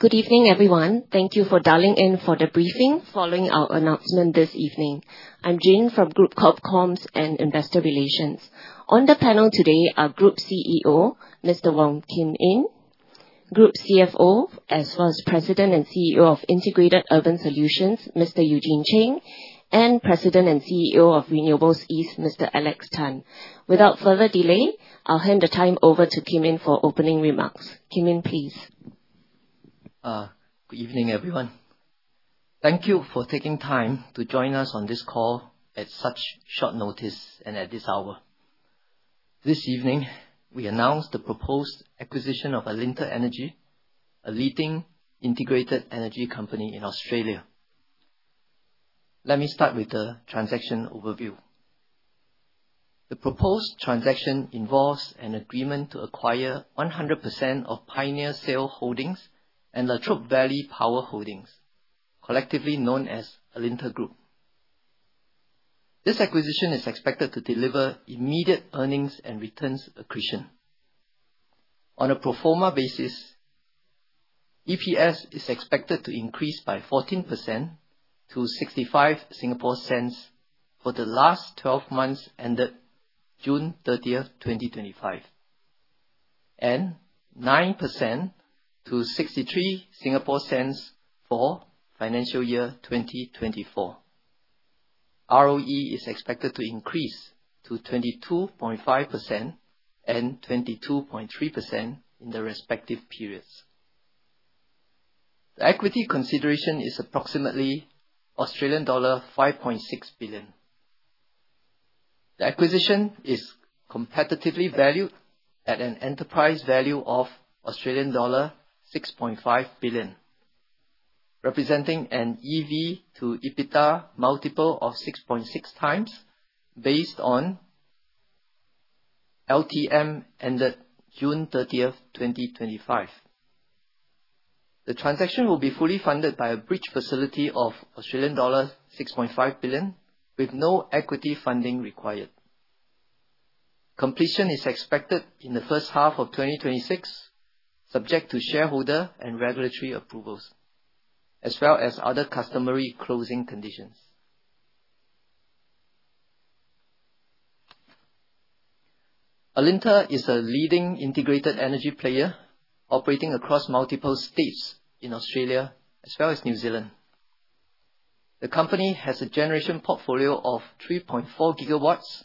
Good evening, everyone. Thank you for dialing in for the briefing following our announcement this evening. I'm Jin from Group Corp Comms and Investor Relations. On the panel today are Group CEO, Mr. Wong Kim Yin, Group CFO, as well as President and CEO of Integrated Urban Solutions, Mr. Eugene Cheng, and President and CEO of Renewables East, Mr. Alex Tan. Without further delay, I'll hand the time over to Kim Yin for opening remarks. Kim Yin, please. Good evening, everyone. Thank you for taking time to join us on this call at such short notice and at this hour. This evening, we announce the proposed acquisition of Alinta Energy, a leading integrated energy company in Australia. Let me start with the transaction overview. The proposed transaction involves an agreement to acquire 100% of Pioneer Sail Holdings and Latrobe Valley Power Holdings, collectively known as Alinta Group. This acquisition is expected to deliver immediate earnings and returns accretion. On a pro forma basis, EPS is expected to increase by 14% to 0.65 for the last 12 months ended June 30, 2025, and 9% to 0.63 for financial year 2024. ROE is expected to increase to 22.5% and 22.3% in the respective periods. The equity consideration is approximately Australian dollar 5.6 billion. The acquisition is competitively valued at an enterprise value of Australian dollar 6.5 billion, representing an EV to EBITDA multiple of 6.6 times based on LTM ended June 30, 2025. The transaction will be fully funded by a bridge facility of Australian dollars 6.5 billion, with no equity funding required. Completion is expected in the first half of 2026, subject to shareholder and regulatory approvals, as well as other customary closing conditions. Alinta is a leading integrated energy player operating across multiple states in Australia, as well as New Zealand. The company has a generation portfolio of 3.4 gigawatts,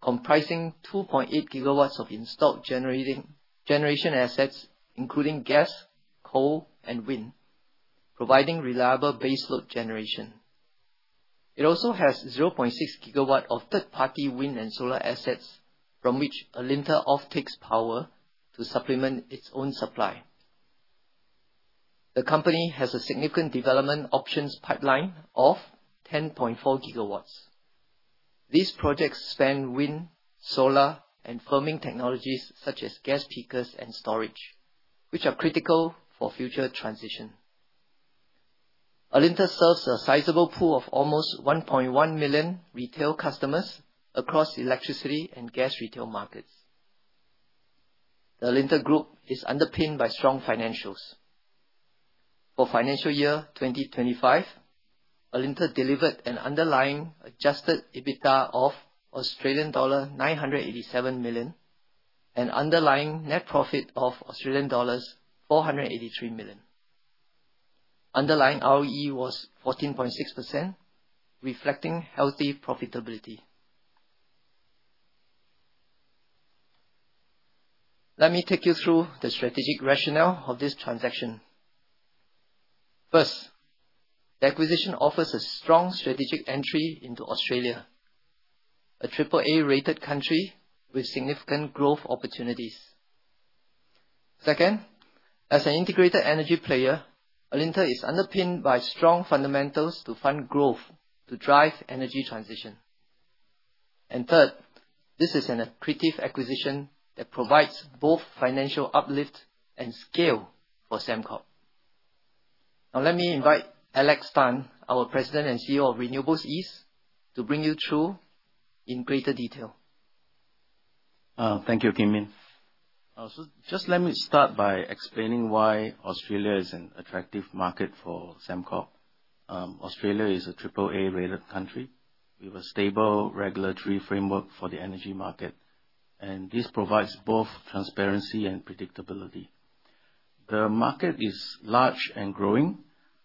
comprising 2.8 gigawatts of installed generation assets, including gas, coal, and wind, providing reliable baseload generation. It also has 0.6 gigawatts of third-party wind and solar assets, from which Alinta offtakes power to supplement its own supply. The company has a significant development options pipeline of 10.4 gigawatts. These projects span wind, solar, and firming technologies such as gas peakers and storage, which are critical for future transition. Alinta serves a sizable pool of almost 1.1 million retail customers across electricity and gas retail markets. The Alinta Group is underpinned by strong financials. For financial year 2025, Alinta delivered an underlying adjusted EBITDA of Australian dollar 987 million and underlying net profit of Australian dollars 483 million. Underlying ROE was 14.6%, reflecting healthy profitability. Let me take you through the strategic rationale of this transaction. First, the acquisition offers a strong strategic entry into Australia, a AAA-rated country with significant growth opportunities. Second, as an integrated energy player, Alinta is underpinned by strong fundamentals to fund growth to drive energy transition. And third, this is an accretive acquisition that provides both financial uplift and scale for Sembcorp. Now, let me invite Alex Tan, our President and CEO of Renewables East, to bring you through in greater detail. Thank you, Wong Kim Yin. So just let me start by explaining why Australia is an attractive market for Sembcorp. Australia is a AAA-rated country with a stable regulatory framework for the energy market, and this provides both transparency and predictability. The market is large and growing.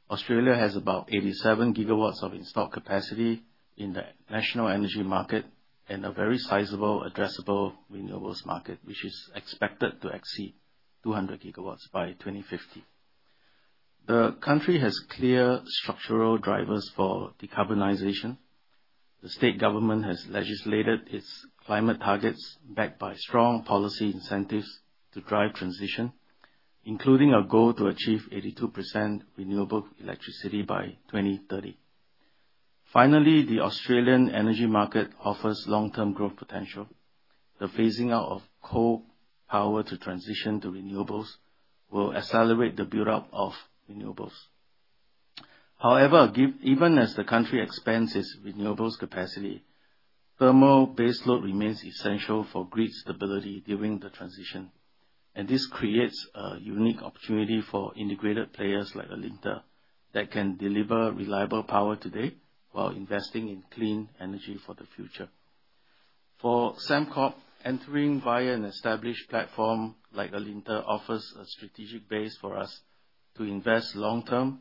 Australia has about 87 gigawatts of installed capacity in the National Electricity Market and a very sizable, addressable renewables market, which is expected to exceed 200 gigawatts by 2050. The country has clear structural drivers for decarbonization. The state government has legislated its climate targets backed by strong policy incentives to drive transition, including a goal to achieve 82% renewable electricity by 2030. Finally, the Australian energy market offers long-term growth potential. The phasing out of coal power to transition to renewables will accelerate the build-up of renewables. However, even as the country expands its renewables capacity, thermal baseload remains essential for grid stability during the transition, and this creates a unique opportunity for integrated players like Alinta that can deliver reliable power today while investing in clean energy for the future. For Sembcorp, entering via an established platform like Alinta offers a strategic base for us to invest long-term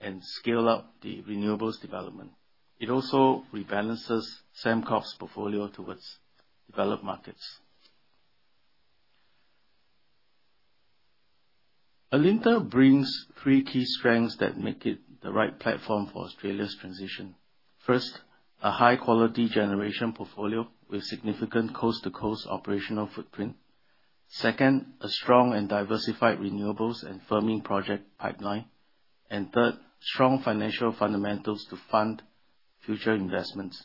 and scale up the renewables development. It also rebalances Sembcorp's portfolio towards developed markets. Alinta brings three key strengths that make it the right platform for Australia's transition. First, a high-quality generation portfolio with significant coast-to-coast operational footprint. Second, a strong and diversified renewables and firming project pipeline. And third, strong financial fundamentals to fund future investments.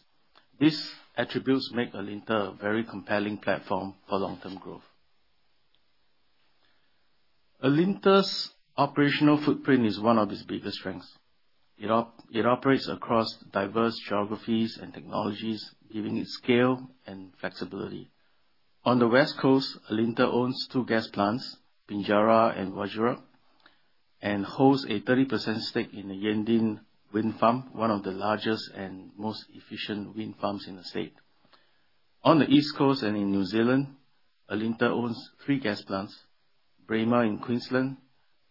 These attributes make Alinta a very compelling platform for long-term growth. Alinta's operational footprint is one of its biggest strengths. It operates across diverse geographies and technologies, giving it scale and flexibility. On the West Coast, Alinta owns two gas plants, Pinjarra and Wagerup, and holds a 30% stake in the Yandin Wind Farm, one of the largest and most efficient wind farms in the state. On the East Coast and in New Zealand, Alinta owns three gas plants: Braemar in Queensland,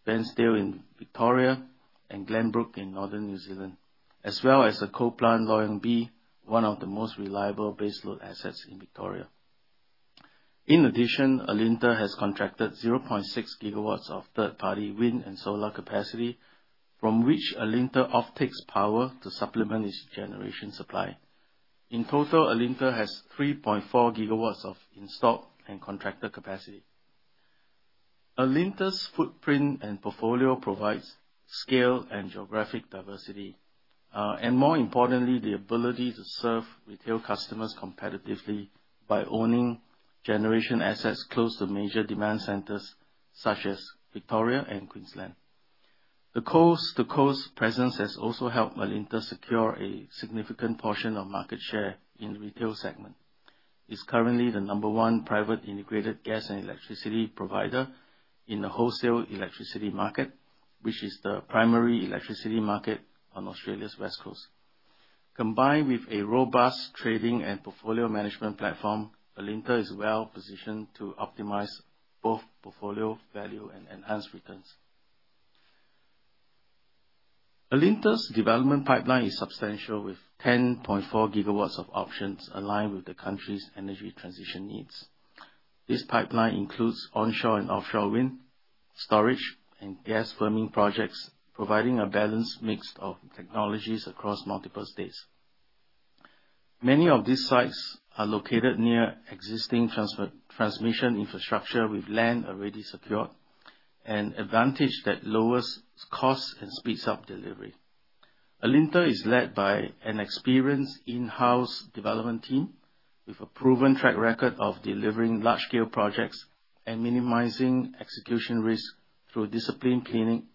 Bairnsdale in Victoria, and Glenbrook in Northern New Zealand, as well as a coal plant, Loy Yang B, one of the most reliable baseload assets in Victoria. In addition, Alinta has contracted 0.6 gigawatts of third-party wind and solar capacity, from which Alinta offtakes power to supplement its generation supply. In total, Alinta has 3.4 gigawatts of installed and contracted capacity. Alinta's footprint and portfolio provide scale and geographic diversity, and more importantly, the ability to serve retail customers competitively by owning generation assets close to major demand centers such as Victoria and Queensland. The coast-to-coast presence has also helped Alinta secure a significant portion of market share in the retail segment. It's currently the number one private integrated gas and electricity provider in the Wholesale Electricity Market, which is the primary electricity market on Australia's West Coast. Combined with a robust trading and portfolio management platform, Alinta is well positioned to optimize both portfolio value and enhance returns. Alinta's development pipeline is substantial, with 10.4 gigawatts of options aligned with the country's energy transition needs. This pipeline includes onshore and offshore wind, storage, and gas firming projects, providing a balanced mix of technologies across multiple states. Many of these sites are located near existing transmission infrastructure with land already secured, an advantage that lowers costs and speeds up delivery. Alinta is led by an experienced in-house development team with a proven track record of delivering large-scale projects and minimizing execution risk through disciplined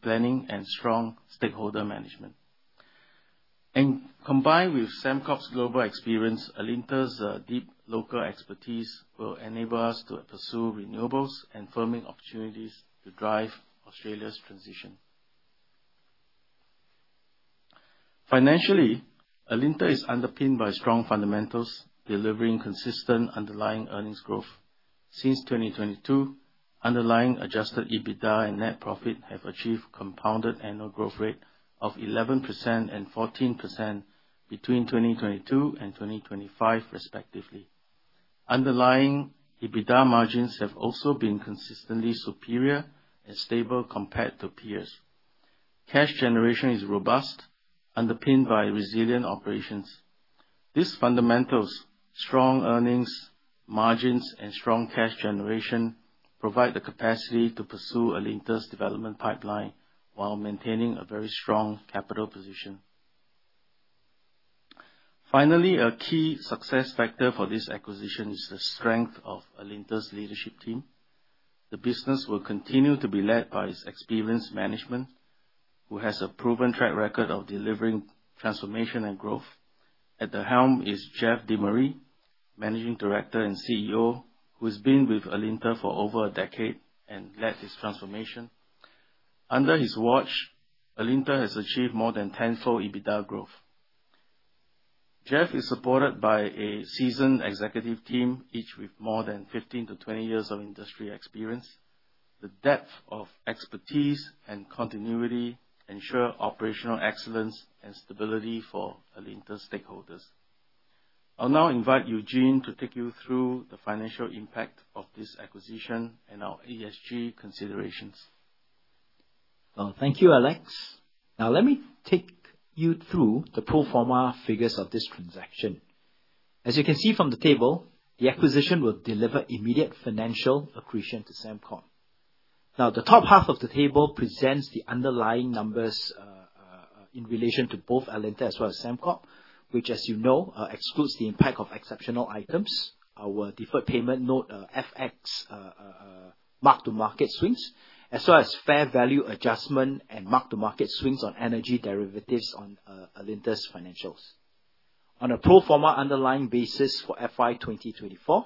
planning and strong stakeholder management, and combined with Sembcorp's global experience, Alinta's deep local expertise will enable us to pursue renewables and firming opportunities to drive Australia's transition. Financially, Alinta is underpinned by strong fundamentals, delivering consistent underlying earnings growth. Since 2022, underlying adjusted EBITDA and net profit have achieved compounded annual growth rates of 11% and 14% between 2022 and 2025, respectively. Underlying EBITDA margins have also been consistently superior and stable compared to peers. Cash generation is robust, underpinned by resilient operations. These fundamentals, strong earnings margins, and strong cash generation provide the capacity to pursue Alinta's development pipeline while maintaining a very strong capital position. Finally, a key success factor for this acquisition is the strength of Alinta's leadership team. The business will continue to be led by its experienced management, who has a proven track record of delivering transformation and growth. At the helm is Jeff Dimery, Managing Director and CEO, who has been with Alinta for over a decade and led this transformation. Under his watch, Alinta has achieved more than tenfold EBITDA growth. Jeff is supported by a seasoned executive team, each with more than 15-20 years of industry experience. The depth of expertise and continuity ensure operational excellence and stability for Alinta's stakeholders. I'll now invite Eugene to take you through the financial impact of this acquisition and our ESG considerations. Thank you, Alex. Now, let me take you through the pro forma figures of this transaction. As you can see from the table, the acquisition will deliver immediate financial accretion to Sembcorp. Now, the top half of the table presents the underlying numbers in relation to both Alinta as well as Sembcorp, which, as you know, excludes the impact of exceptional items, our deferred payment note FX mark to market swings, as well as fair value adjustment and mark-to-market swings on energy derivatives on Alinta's financials. On a pro forma underlying basis for FY 2024,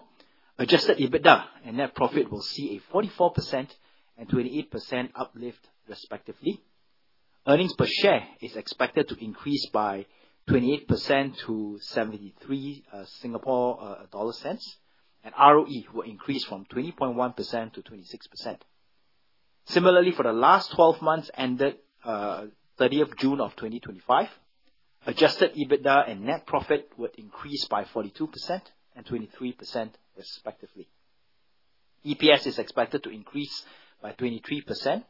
adjusted EBITDA and net profit will see a 44% and 28% uplift, respectively. Earnings per share is expected to increase by 28% to SGD 0.73, and ROE will increase from 20.1% to 26%. Similarly, for the last 12 months ended 30 June 2025, adjusted EBITDA and net profit would increase by 42% and 23%, respectively. EPS is expected to increase by 23%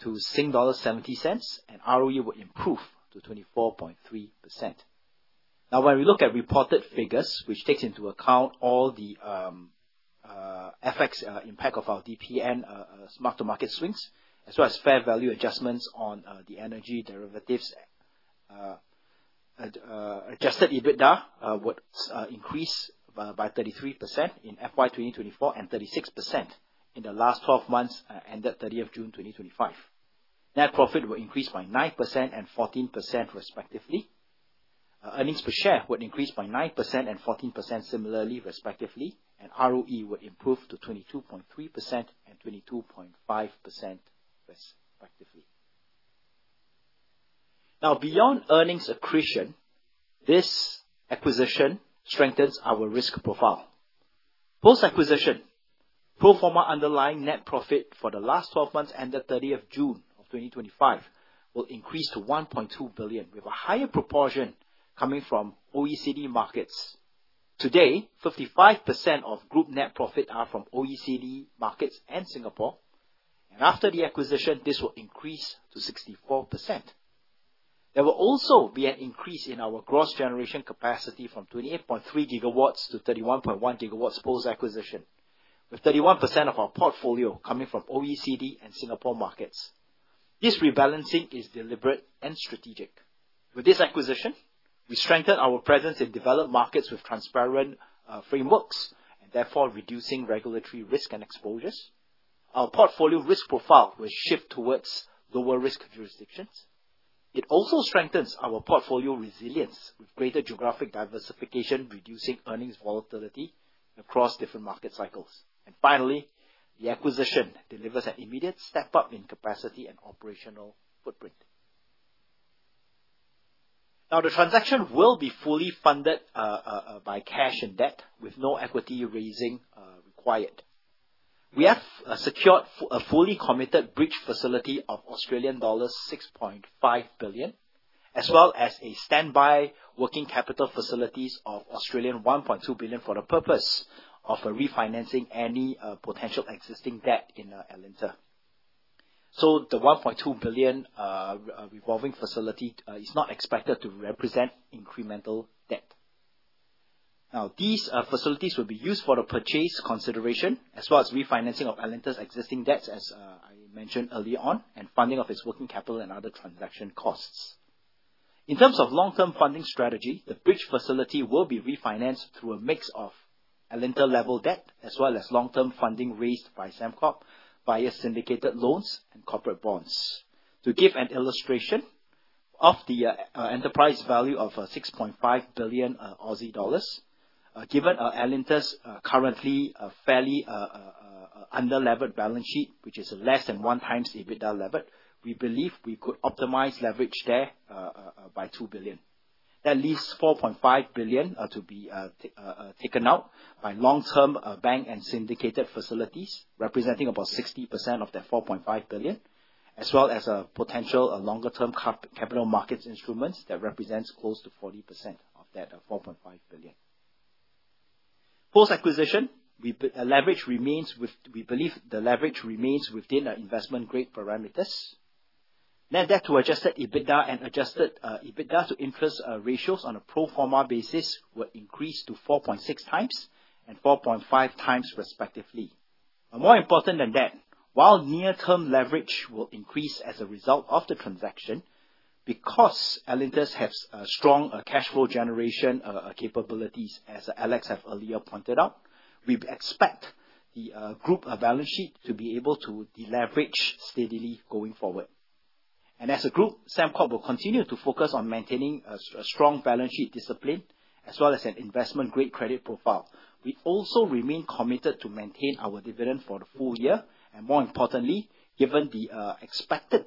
to 0.80, and ROE would improve to 24.3%. Now, when we look at reported figures, which takes into account all the FX impact of our DPN mark to market swings, as well as fair value adjustments on the energy derivatives, adjusted EBITDA would increase by 33% in FY 2024 and 36% in the last 12 months ended 30 June 2025. Net profit will increase by 9% and 14%, respectively. Earnings per share would increase by 9% and 14% similarly, respectively, and ROE would improve to 22.3% and 22.5%, respectively. Now, beyond earnings accretion, this acquisition strengthens our risk profile. Post-acquisition, pro forma underlying net profit for the last 12 months ended 30 June 2025 will increase to 1.2 billion, with a higher proportion coming from OECD markets. Today, 55% of group net profit are from OECD markets and Singapore, and after the acquisition, this will increase to 64%. There will also be an increase in our gross generation capacity from 28.3 gigawatts to 31.1 gigawatts post-acquisition, with 31% of our portfolio coming from OECD and Singapore markets. This rebalancing is deliberate and strategic. With this acquisition, we strengthen our presence in developed markets with transparent frameworks and therefore reducing regulatory risk and exposures. Our portfolio risk profile will shift towards lower risk jurisdictions. It also strengthens our portfolio resilience with greater geographic diversification, reducing earnings volatility across different market cycles, and finally, the acquisition delivers an immediate step-up in capacity and operational footprint. Now, the transaction will be fully funded by cash and debt, with no equity raising required. We have secured a fully committed bridge facility of Australian dollars 6.5 billion, as well as a standby working capital facility of 1.2 billion Australian dollars for the purpose of refinancing any potential existing debt in Alinta. So the 1.2 billion revolving facility is not expected to represent incremental debt. Now, these facilities will be used for the purchase consideration, as well as refinancing of Alinta's existing debts, as I mentioned earlier on, and funding of its working capital and other transaction costs. In terms of long-term funding strategy, the bridge facility will be refinanced through a mix of Alinta-level debt, as well as long-term funding raised by Sembcorp via syndicated loans and corporate bonds. To give an illustration of the enterprise value of 6.5 billion Aussie dollars, given Alinta's currently fairly underleveraged balance sheet, which is less than one time's EBITDA leverage, we believe we could optimize leverage there by 2 billion. That leaves 4.5 billion to be taken out by long-term bank and syndicated facilities, representing about 60% of that 4.5 billion, as well as potential longer-term capital markets instruments that represent close to 40% of that 4.5 billion. Post-acquisition, we believe the leverage remains within investment-grade parameters. Net debt to adjusted EBITDA and adjusted EBITDA to interest ratios on a pro forma basis will increase to 4.6 times and 4.5 times, respectively. More important than that, while near-term leverage will increase as a result of the transaction, because Alinta has strong cash flow generation capabilities, as Alex has earlier pointed out, we expect the group balance sheet to be able to deleverage steadily going forward. And as a group, Sembcorp will continue to focus on maintaining a strong balance sheet discipline as well as an investment-grade credit profile. We also remain committed to maintain our dividend for the full year. And more importantly, given the expected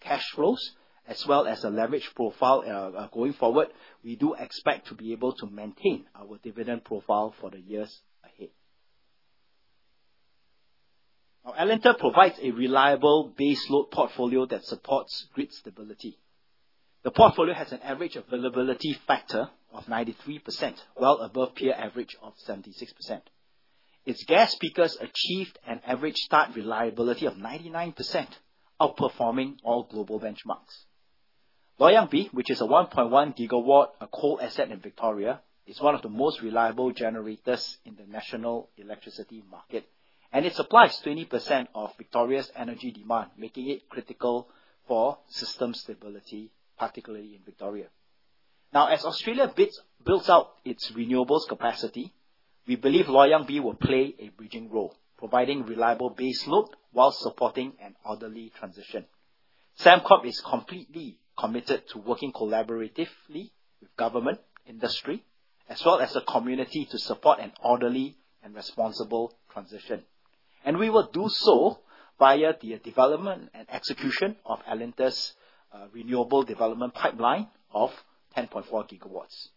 cash flows as well as the leverage profile going forward, we do expect to be able to maintain our dividend profile for the years ahead. Alinta provides a reliable baseload portfolio that supports grid stability. The portfolio has an average availability factor of 93%, well above peer average of 76%. Its gas peakers achieved an average start reliability of 99%, outperforming all global benchmarks. Loy Yang B, which is a 1.1 gigawatt coal asset in Victoria, is one of the most reliable generators in the National Electricity Market, and it supplies 20% of Victoria's energy demand, making it critical for system stability, particularly in Victoria. Now, as Australia builds out its renewables capacity, we believe Loy Yang B will play a bridging role, providing reliable baseload while supporting an orderly transition. Sembcorp is completely committed to working collaboratively with government, industry, as well as the community to support an orderly and responsible transition, and we will do so via the development and execution of Alinta's renewable development pipeline of 10.4 gigawatts.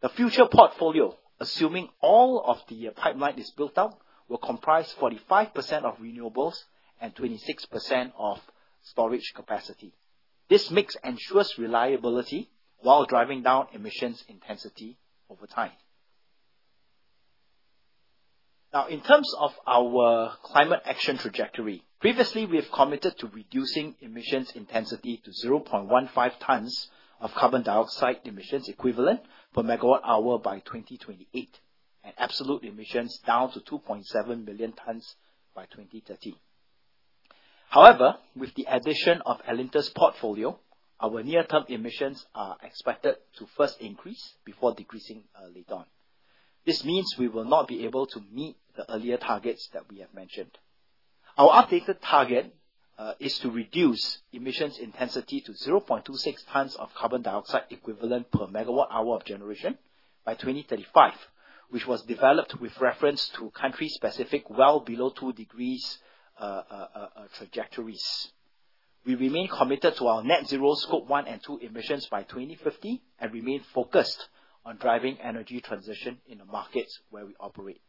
The future portfolio, assuming all of the pipeline is built out, will comprise 45% of renewables and 26% of storage capacity. This mix ensures reliability while driving down emissions intensity over time. Now, in terms of our climate action trajectory, previously, we have committed to reducing emissions intensity to 0.15 tons of carbon dioxide emissions equivalent per megawatt hour by 2028, and absolute emissions down to 2.7 million tons by 2030. However, with the addition of Alinta's portfolio, our near-term emissions are expected to first increase before decreasing later on. This means we will not be able to meet the earlier targets that we have mentioned. Our updated target is to reduce emissions intensity to 0.26 tons of carbon dioxide equivalent per megawatt hour of generation by 2035, which was developed with reference to country-specific well below 2 degrees trajectories. We remain committed to our net zero Scope 1 and 2 emissions by 2050 and remain focused on driving energy transition in the markets where we operate.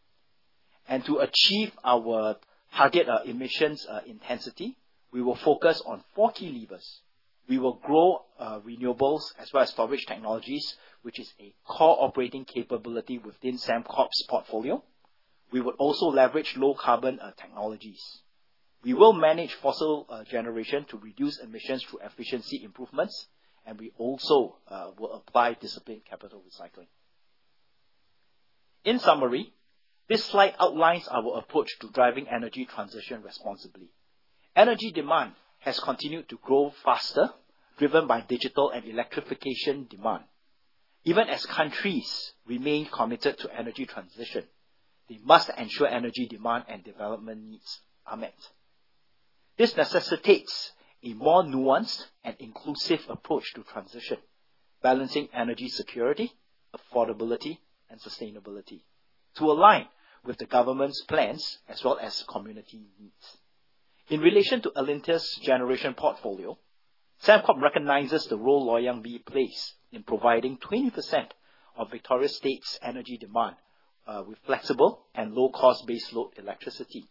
And to achieve our target emissions intensity, we will focus on four key levers. We will grow renewables as well as storage technologies, which is a core operating capability within Sembcorp's portfolio. We will also leverage low-carbon technologies. We will manage fossil generation to reduce emissions through efficiency improvements, and we also will apply disciplined capital recycling. In summary, this slide outlines our approach to driving energy transition responsibly. Energy demand has continued to grow faster, driven by digital and electrification demand. Even as countries remain committed to energy transition, they must ensure energy demand and development needs are met. This necessitates a more nuanced and inclusive approach to transition, balancing energy security, affordability, and sustainability to align with the government's plans as well as community needs. In relation to Alinta's generation portfolio, Sembcorp recognizes the role Loy Yang B plays in providing 20% of Victoria's energy demand with flexible and low-cost baseload electricity,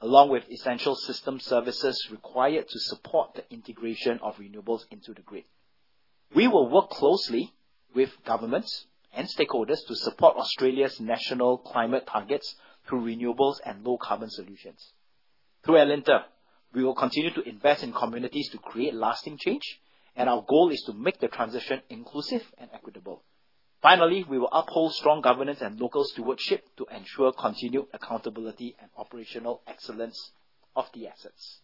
along with essential system services required to support the integration of renewables into the grid. We will work closely with governments and stakeholders to support Australia's national climate targets through renewables and low-carbon solutions. Through Alinta, we will continue to invest in communities to create lasting change, and our goal is to make the transition inclusive and equitable. Finally, we will uphold strong governance and local stewardship to ensure continued accountability and operational excellence of the assets.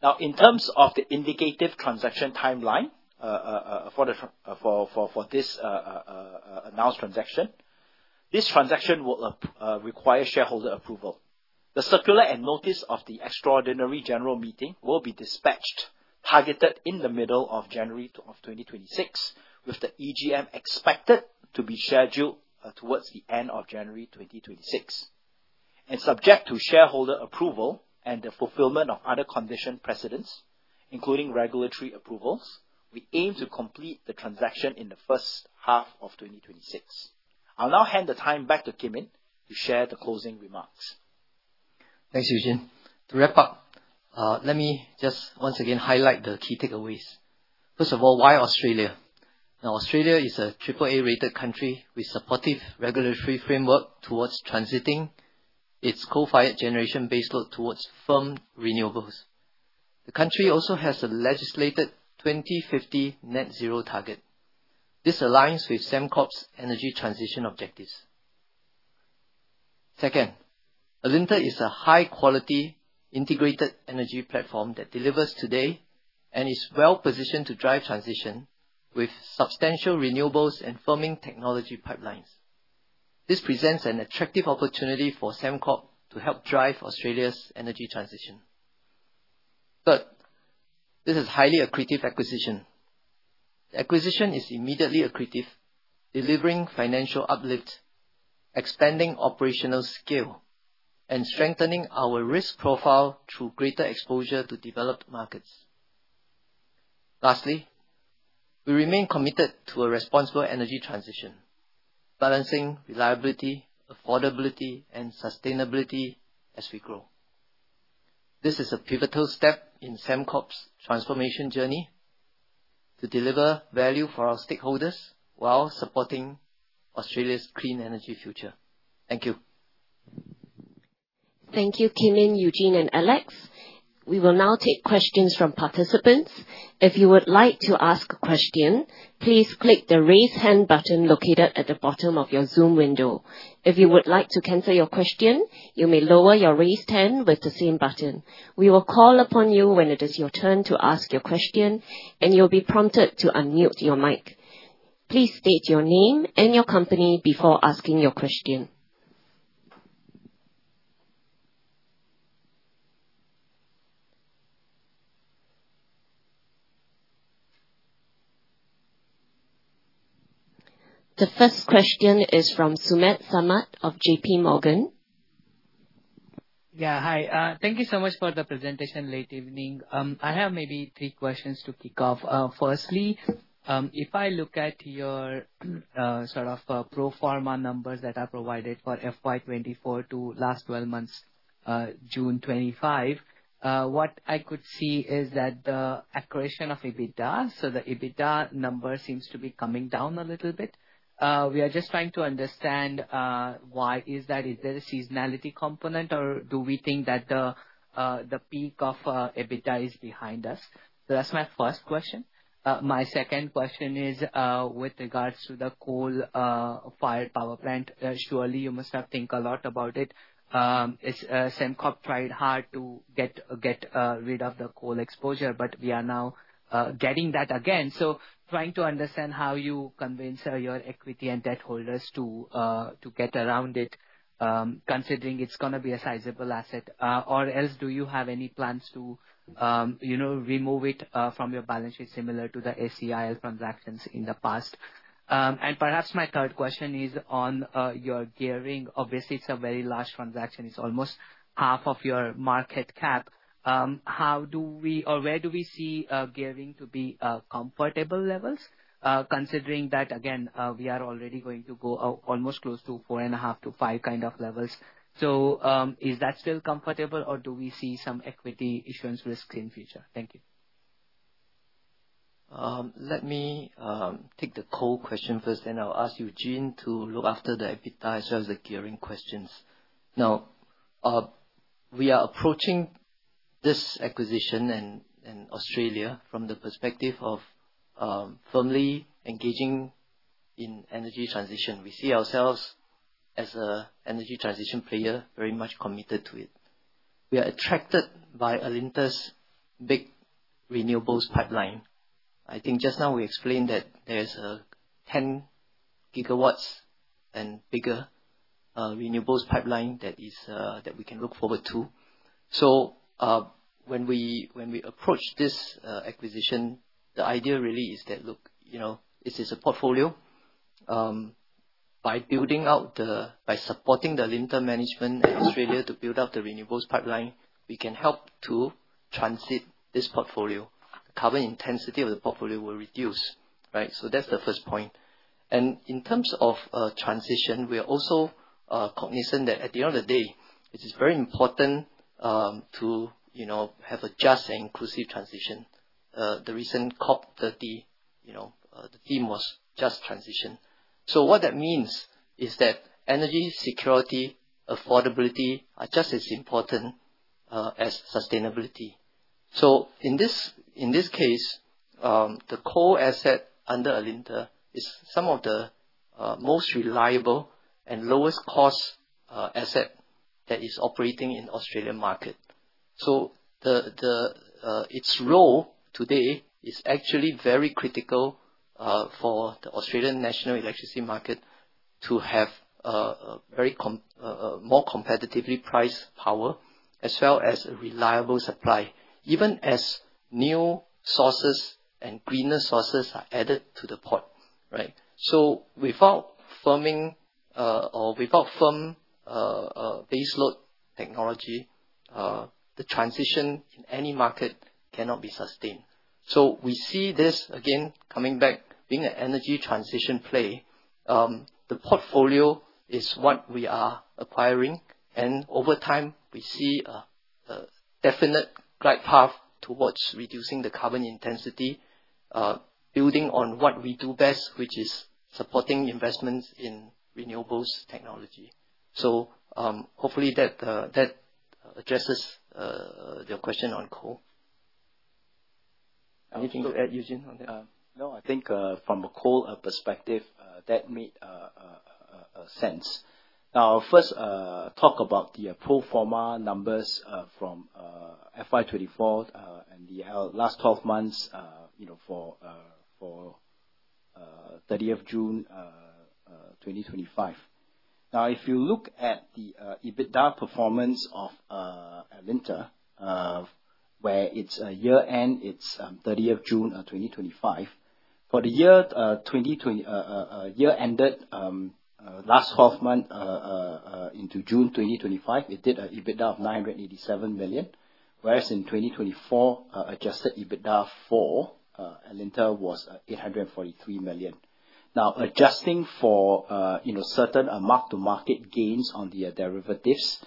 Now, in terms of the indicative transaction timeline for this announced transaction, this transaction will require shareholder approval. The circular and notice of the extraordinary general meeting will be dispatched, targeted in the middle of January 2026, with the EGM expected to be scheduled towards the end of January 2026, and subject to shareholder approval and the fulfillment of other conditions precedent, including regulatory approvals, we aim to complete the transaction in the first half of 2026. I'll now hand the time back to Wong Kim Yin to share the closing remarks. Thanks, Eugene. To wrap up, let me just once again highlight the key takeaways. First of all, why Australia? Now, Australia is a AAA rated country with a supportive regulatory framework towards transiting its coal-fired generation baseload towards firm renewables. The country also has a legislated 2050 net zero target. This aligns with Sembcorp's energy transition objectives. Second, Alinta is a high-quality integrated energy platform that delivers today and is well positioned to drive transition with substantial renewables and firming technology pipelines. This presents an attractive opportunity for Sembcorp to help drive Australia's energy transition. Third, this is a highly accretive acquisition. The acquisition is immediately accretive, delivering financial uplift, expanding operational scale, and strengthening our risk profile through greater exposure to developed markets. Lastly, we remain committed to a responsible energy transition, balancing reliability, affordability, and sustainability as we grow. This is a pivotal step in Sembcorp's transformation journey to deliver value for our stakeholders while supporting Australia's clean energy future. Thank you. Thank you, Kim Yin, Eugene, and Alex. We will now take questions from participants. If you would like to ask a question, please click the raise hand button located at the bottom of your Zoom window. If you would like to cancel your question, you may lower your raised hand with the same button. We will call upon you when it is your turn to ask your question, and you'll be prompted to unmute your mic. Please state your name and your company before asking your question. The first question is from Sumedh Samant of J.P. Morgan. Yeah, hi. Thank you so much for the presentation late evening. I have maybe three questions to kick off. Firstly, if I look at your sort of pro forma numbers that are provided for FY24 to last 12 months, June 25, what I could see is that the accretion of EBITDA, so the EBITDA number, seems to be coming down a little bit. We are just trying to understand why is that? Is there a seasonality component, or do we think that the peak of EBITDA is behind us? So that's my first question. My second question is with regards to the coal-fired power plant. Surely, you must have thought a lot about it. Sembcorp tried hard to get rid of the coal exposure, but we are now getting that again. So trying to understand how you convince your equity and debt holders to get around it, considering it's going to be a sizable asset. Or else do you have any plans to remove it from your balance sheet similar to the SEIL transactions in the past? And perhaps my third question is on your gearing. Obviously, it's a very large transaction. It's almost half of your market cap. How do we, or where do we see gearing to be comfortable levels, considering that, again, we are already going to go almost close to four and a half to five kind of levels? So is that still comfortable, or do we see some equity issuance risks in the future? Thank you. Let me take the coal question first, and I'll ask Eugene to look after the EBITDA as well as the gearing questions. Now, we are approaching this acquisition in Australia from the perspective of firmly engaging in energy transition. We see ourselves as an energy transition player very much committed to it. We are attracted by Alinta's big renewables pipeline. I think just now we explained that there's a 10 gigawatts and bigger renewables pipeline that we can look forward to. So when we approach this acquisition, the idea really is that, look, it is a portfolio. By building out the, by supporting the Alinta management in Australia to build out the renewables pipeline, we can help to transit this portfolio. The carbon intensity of the portfolio will reduce, right? So that's the first point. And in terms of transition, we are also cognizant that at the end of the day, it is very important to have a just and inclusive transition. The recent COP30, the theme was just transition. So what that means is that energy security, affordability are just as important as sustainability. So in this case, the coal asset under Alinta is some of the most reliable and lowest cost asset that is operating in the Australian market. So its role today is actually very critical for the Australian national electricity market to have a much more competitively priced power as well as a reliable supply, even as new sources and greener sources are added to the portfolio, right? So without firming or without firm baseload technology, the transition in any market cannot be sustained. So we see this, again, coming back, being an energy transition play. The portfolio is what we are acquiring, and over time, we see a definite right path towards reducing the carbon intensity, building on what we do best, which is supporting investments in renewables technology. So hopefully that addresses your question on coal. Anything to add, Eugene, on that? No, I think from a coal perspective, that made sense. Now, first, talk about the pro forma numbers from FY24 and the last 12 months for 30 June 2025. Now, if you look at the EBITDA performance of Alinta, where it's a year-end, it's 30 June 2025. For the year-ended last 12 months into June 2025, it did an EBITDA of 987 million, whereas in 2024, adjusted EBITDA for Alinta was 843 million. Now, adjusting for certain mark-to-market gains on the derivatives,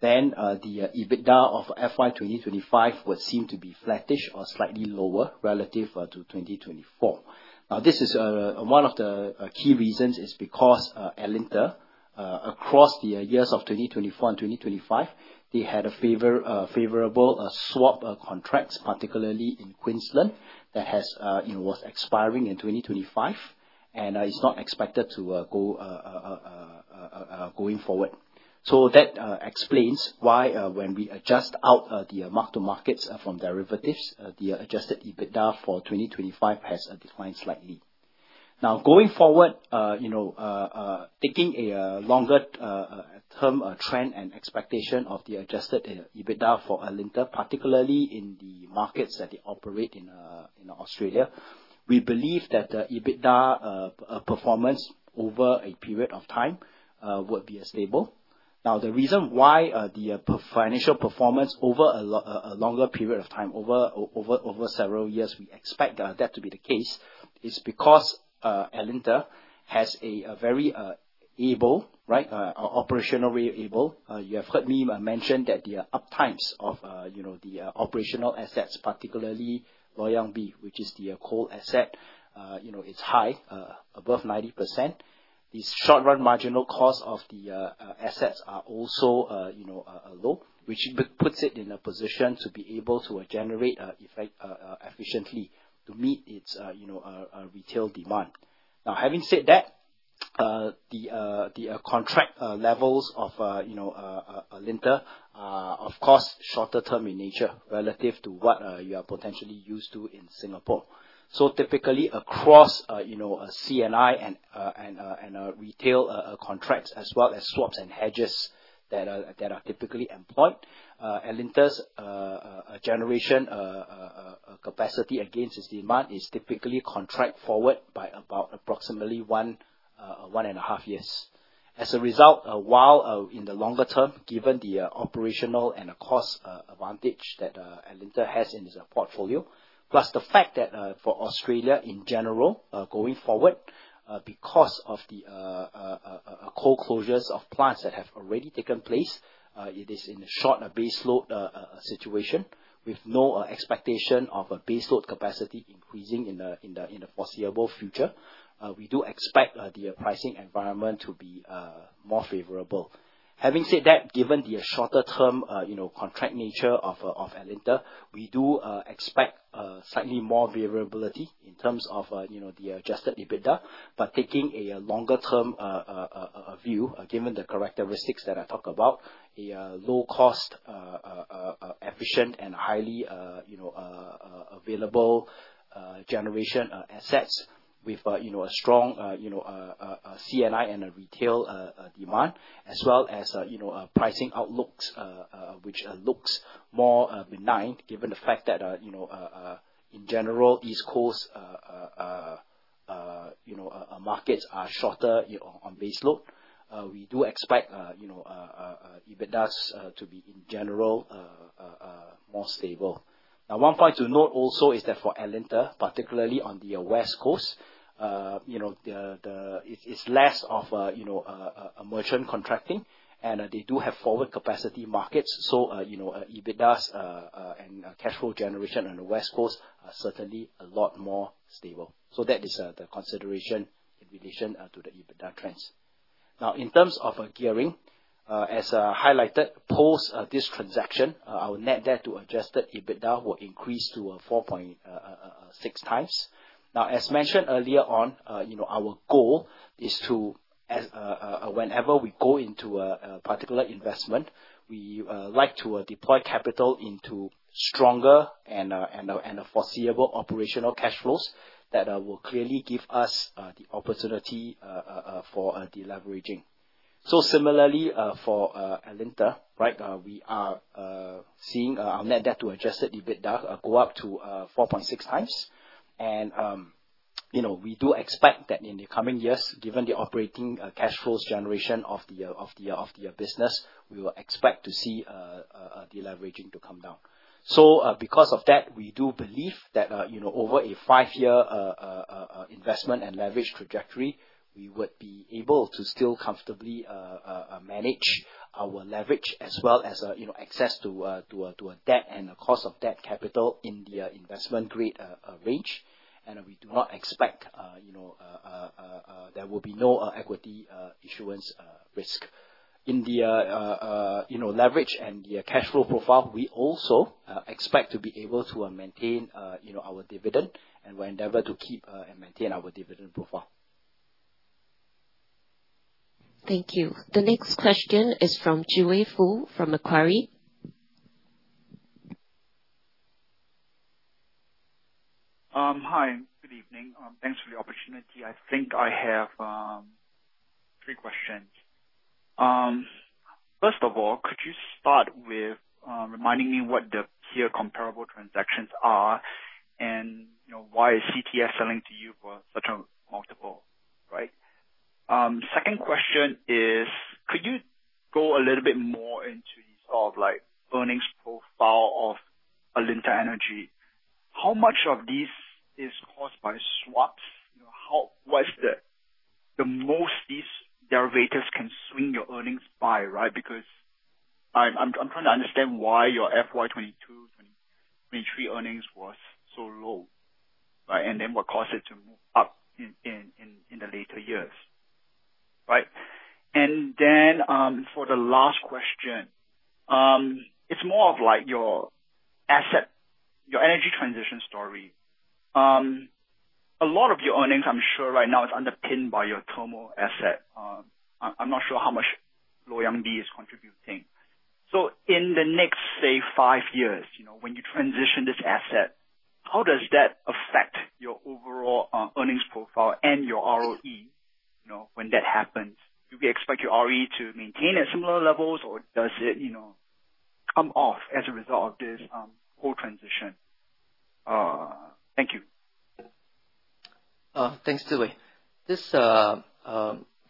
then the EBITDA of FY2025 would seem to be flattish or slightly lower relative to 2024. Now, this is one of the key reasons is because Alinta, across the years of 2024 and 2025, they had a favorable swap contracts, particularly in Queensland, that was expiring in 2025, and it's not expected to go forward. So that explains why when we adjust out the mark-to-markets from derivatives, the adjusted EBITDA for 2025 has declined slightly. Now, going forward, taking a longer-term trend and expectation of the adjusted EBITDA for Alinta, particularly in the markets that they operate in Australia, we believe that the EBITDA performance over a period of time would be stable. Now, the reason why the financial performance over a longer period of time, over several years, we expect that to be the case, is because Alinta has a very able, right, operationally able. You have heard me mention that the uptimes of the operational assets, particularly Loy Yang B, which is the coal asset, it's high, above 90%. The short-run marginal cost of the assets are also low, which puts it in a position to be able to generate efficiently to meet its retail demand. Now, having said that, the contract levels of Alinta, of course, shorter-term in nature relative to what you are potentially used to in Singapore. So typically, across C&I and retail contracts, as well as swaps and hedges that are typically employed, Alinta's generation capacity, again, its demand is typically contract forward by about approximately one and a half years. As a result, while in the longer term, given the operational and the cost advantage that Alinta has in its portfolio, plus the fact that for Australia in general, going forward, because of the coal closures of plants that have already taken place, it is in a short baseload situation with no expectation of a baseload capacity increasing in the foreseeable future, we do expect the pricing environment to be more favorable. Having said that, given the shorter-term contract nature of Alinta, we do expect slightly more variability in terms of the adjusted EBITDA, but taking a longer-term view, given the characteristics that I talked about, a low-cost, efficient, and highly available generation assets with a strong C&I and a retail demand, as well as pricing outlooks which looks more benign, given the fact that in general, East Coast markets are shorter on baseload. We do expect EBITDAs to be, in general, more stable. Now, one point to note also is that for Alinta, particularly on the West Coast, it's less of a merchant contracting, and they do have forward capacity markets, so EBITDAs and cash flow generation on the West Coast are certainly a lot more stable. So that is the consideration in relation to the EBITDA trends. Now, in terms of gearing, as highlighted, post this transaction, our net debt to adjusted EBITDA will increase to 4.6 times. Now, as mentioned earlier on, our goal is to, whenever we go into a particular investment, we like to deploy capital into stronger and foreseeable operational cash flows that will clearly give us the opportunity for the leveraging. Similarly, for Alinta, right, we are seeing our net debt to adjusted EBITDA go up to 4.6 times, and we do expect that in the coming years, given the operating cash flows generation of the business, we will expect to see the leverage to come down. Because of that, we do believe that over a five-year investment and leverage trajectory, we would be able to still comfortably manage our leverage as well as access to debt and a cost of debt capital in the investment grade range, and we do not expect there will be no equity issuance risk. In the leverage and the cash flow profile, we also expect to be able to maintain our dividend and will endeavor to keep and maintain our dividend profile. Thank you. The next question is from Jue Fu from Macquarie. Hi, good evening. Thanks for the opportunity. I think I have three questions. First of all, could you start with reminding me what the peer comparable transactions are and why is CTFE selling to you for such a multiple, right? Second question is, could you go a little bit more into the sort of earnings profile of Alinta Energy? How much of these is caused by swaps? What's the most these derivatives can swing your earnings by, right? Because I'm trying to understand why your FY22, 23 earnings was so low, right? And then what caused it to move up in the later years, right? And then for the last question, it's more of your asset, your energy transition story. A lot of your earnings, I'm sure right now, is underpinned by your thermal asset. I'm not sure how much Loy Yang B is contributing. So in the next, say, five years, when you transition this asset, how does that affect your overall earnings profile and your ROE when that happens? Do we expect your ROE to maintain at similar levels, or does it come off as a result of this whole transition? Thank you. Thanks, Jue.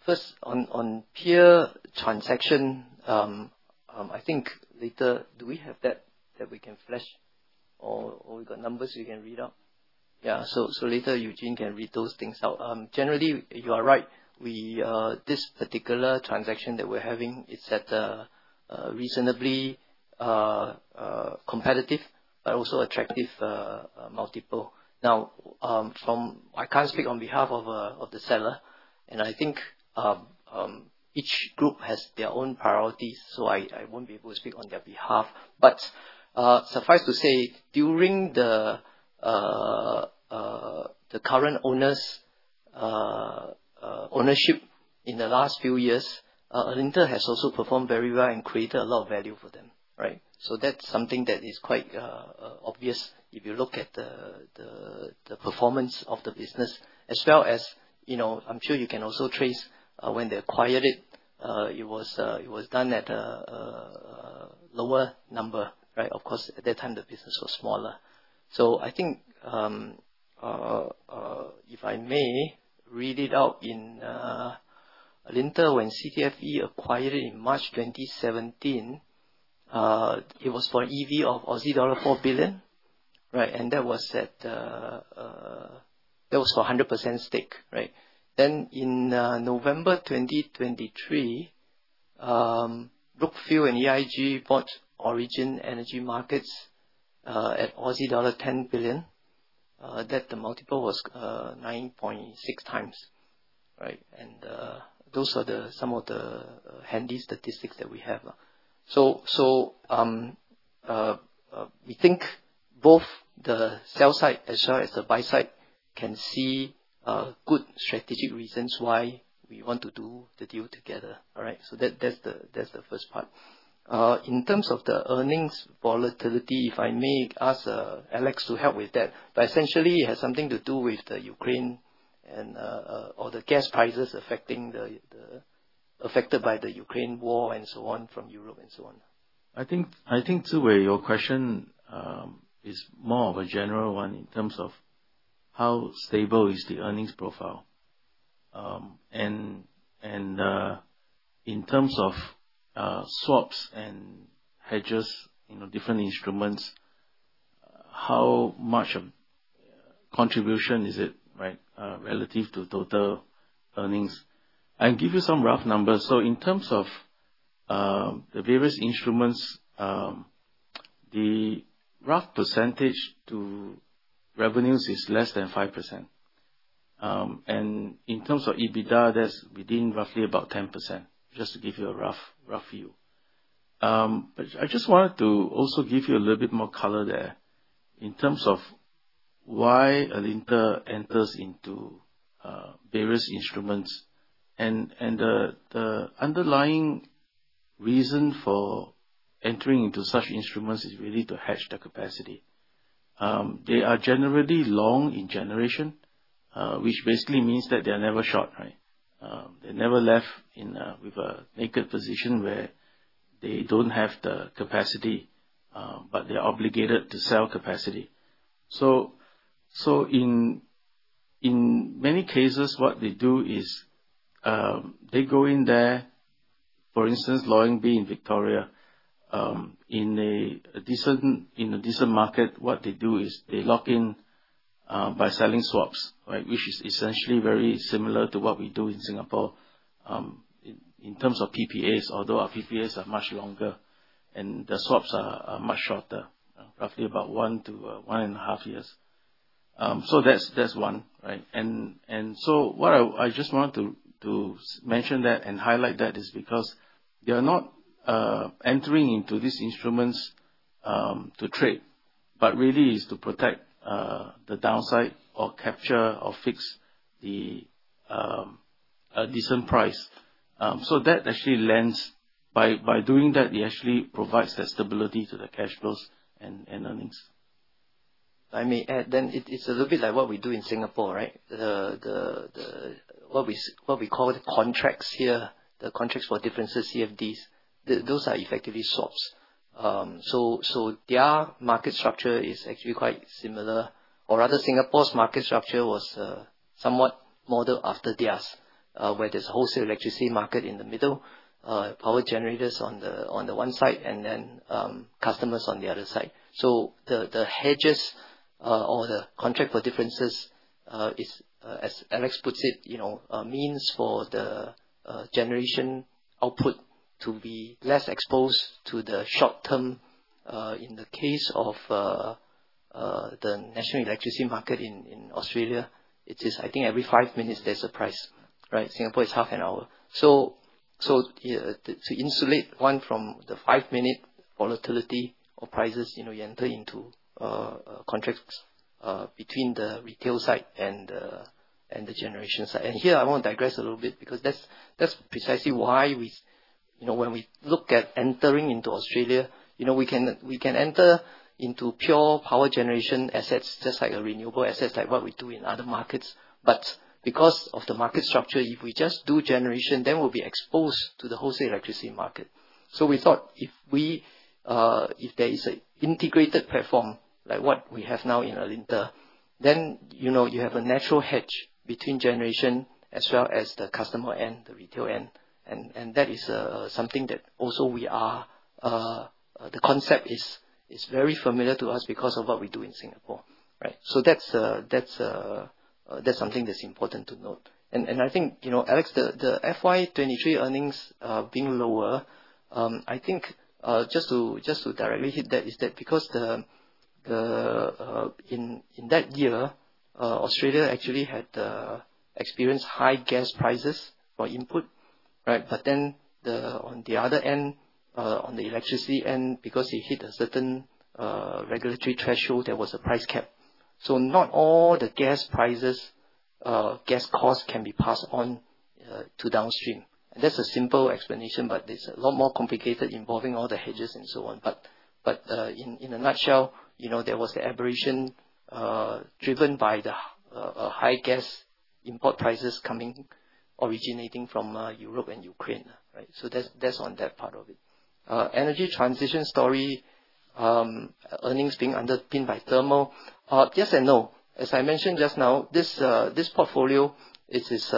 First, on peer transaction, I think later, do we have that we can flash or we got numbers we can read out? Yeah. So later, Eugene can read those things out. Generally, you are right. This particular transaction that we're having, it's at a reasonably competitive but also attractive multiple. Now, I can't speak on behalf of the seller, and I think each group has their own priorities, so I won't be able to speak on their behalf. But suffice to say, during the current ownership in the last few years, Alinta has also performed very well and created a lot of value for them, right? So that's something that is quite obvious if you look at the performance of the business, as well as I'm sure you can also trace when they acquired it. It was done at a lower number, right? Of course, at that time, the business was smaller. So I think, if I may, read it out in Alinta, when CTFEEEE acquired it in March 2017, it was for an EV of Aussie dollar 4 billion, right? And that was for 100% stake, right? Then in November 2023, Brookfield and EIG bought Origin Energy Markets at Aussie dollar 10 billion. That multiple was 9.6 times, right? And those are some of the handy statistics that we have. So we think both the sell side as well as the buy side can see good strategic reasons why we want to do the deal together, all right? So that's the first part. In terms of the earnings volatility, if I may ask Alex to help with that, but essentially, it has something to do with the Ukraine and all the gas prices affected by the Ukraine war and so on from Europe and so on. I think, Jue, your question is more of a general one in terms of how stable is the earnings profile. And in terms of swaps and hedges, different instruments, how much contribution is it, right, relative to total earnings? I'll give you some rough numbers. So in terms of the various instruments, the rough percentage to revenues is less than 5%. In terms of EBITDA, that's within roughly about 10%, just to give you a rough view. I just wanted to also give you a little bit more color there in terms of why Alinta enters into various instruments. The underlying reason for entering into such instruments is really to hedge the capacity. They are generally long in generation, which basically means that they are never short, right? They're never left with a naked position where they don't have the capacity, but they are obligated to sell capacity. So in many cases, what they do is they go in there, for instance, Loy Yang B in Victoria, in a decent market, what they do is they lock in by selling swaps, right, which is essentially very similar to what we do in Singapore in terms of PPAs, although our PPAs are much longer and the swaps are much shorter, roughly about one to one and a half years. So that's one, right? And so what I just wanted to mention that and highlight that is because they are not entering into these instruments to trade, but really is to protect the downside or capture or fix a decent price. So that actually lends by doing that, it actually provides that stability to the cash flows and earnings. I may add, then it's a little bit like what we do in Singapore, right? What we call the contracts here, the contracts for difference, CfDs, those are effectively swaps. So their market structure is actually quite similar, or rather, Singapore's market structure was somewhat modeled after theirs, where there's a wholesale electricity market in the middle, power generators on the one side, and then customers on the other side. So the hedges or the contract for difference is, as Alex puts it, means for the generation output to be less exposed to the short term. In the case of the National Electricity Market in Australia, it is, I think, every five minutes there's a price, right? Singapore is half an hour. So to insulate one from the five-minute volatility of prices, you enter into contracts between the retail side and the generation side. And here, I want to digress a little bit because that's precisely why when we look at entering into Australia, we can enter into pure power generation assets, just like renewable assets, like what we do in other markets. But because of the market structure, if we just do generation, then we'll be exposed to the wholesale electricity market. So we thought if there is an integrated platform like what we have now in Alinta, then you have a natural hedge between generation as well as the customer and the retail end. And that is something that also we are the concept is very familiar to us because of what we do in Singapore, right? So that's something that's important to note. And I think, Alex, the FY23 earnings being lower, I think just to directly hit that is that because in that year, Australia actually had experienced high gas prices for input, right? But then on the other end, on the electricity end, because it hit a certain regulatory threshold, there was a price cap. So not all the gas prices, gas costs can be passed on to downstream. That's a simple explanation, but it's a lot more complicated involving all the hedges and so on. But in a nutshell, there was the aberration driven by the high gas import prices originating from Europe and Ukraine, right? So that's on that part of it. Energy transition story, earnings being underpinned by thermal, yes and no. As I mentioned just now, this portfolio, it is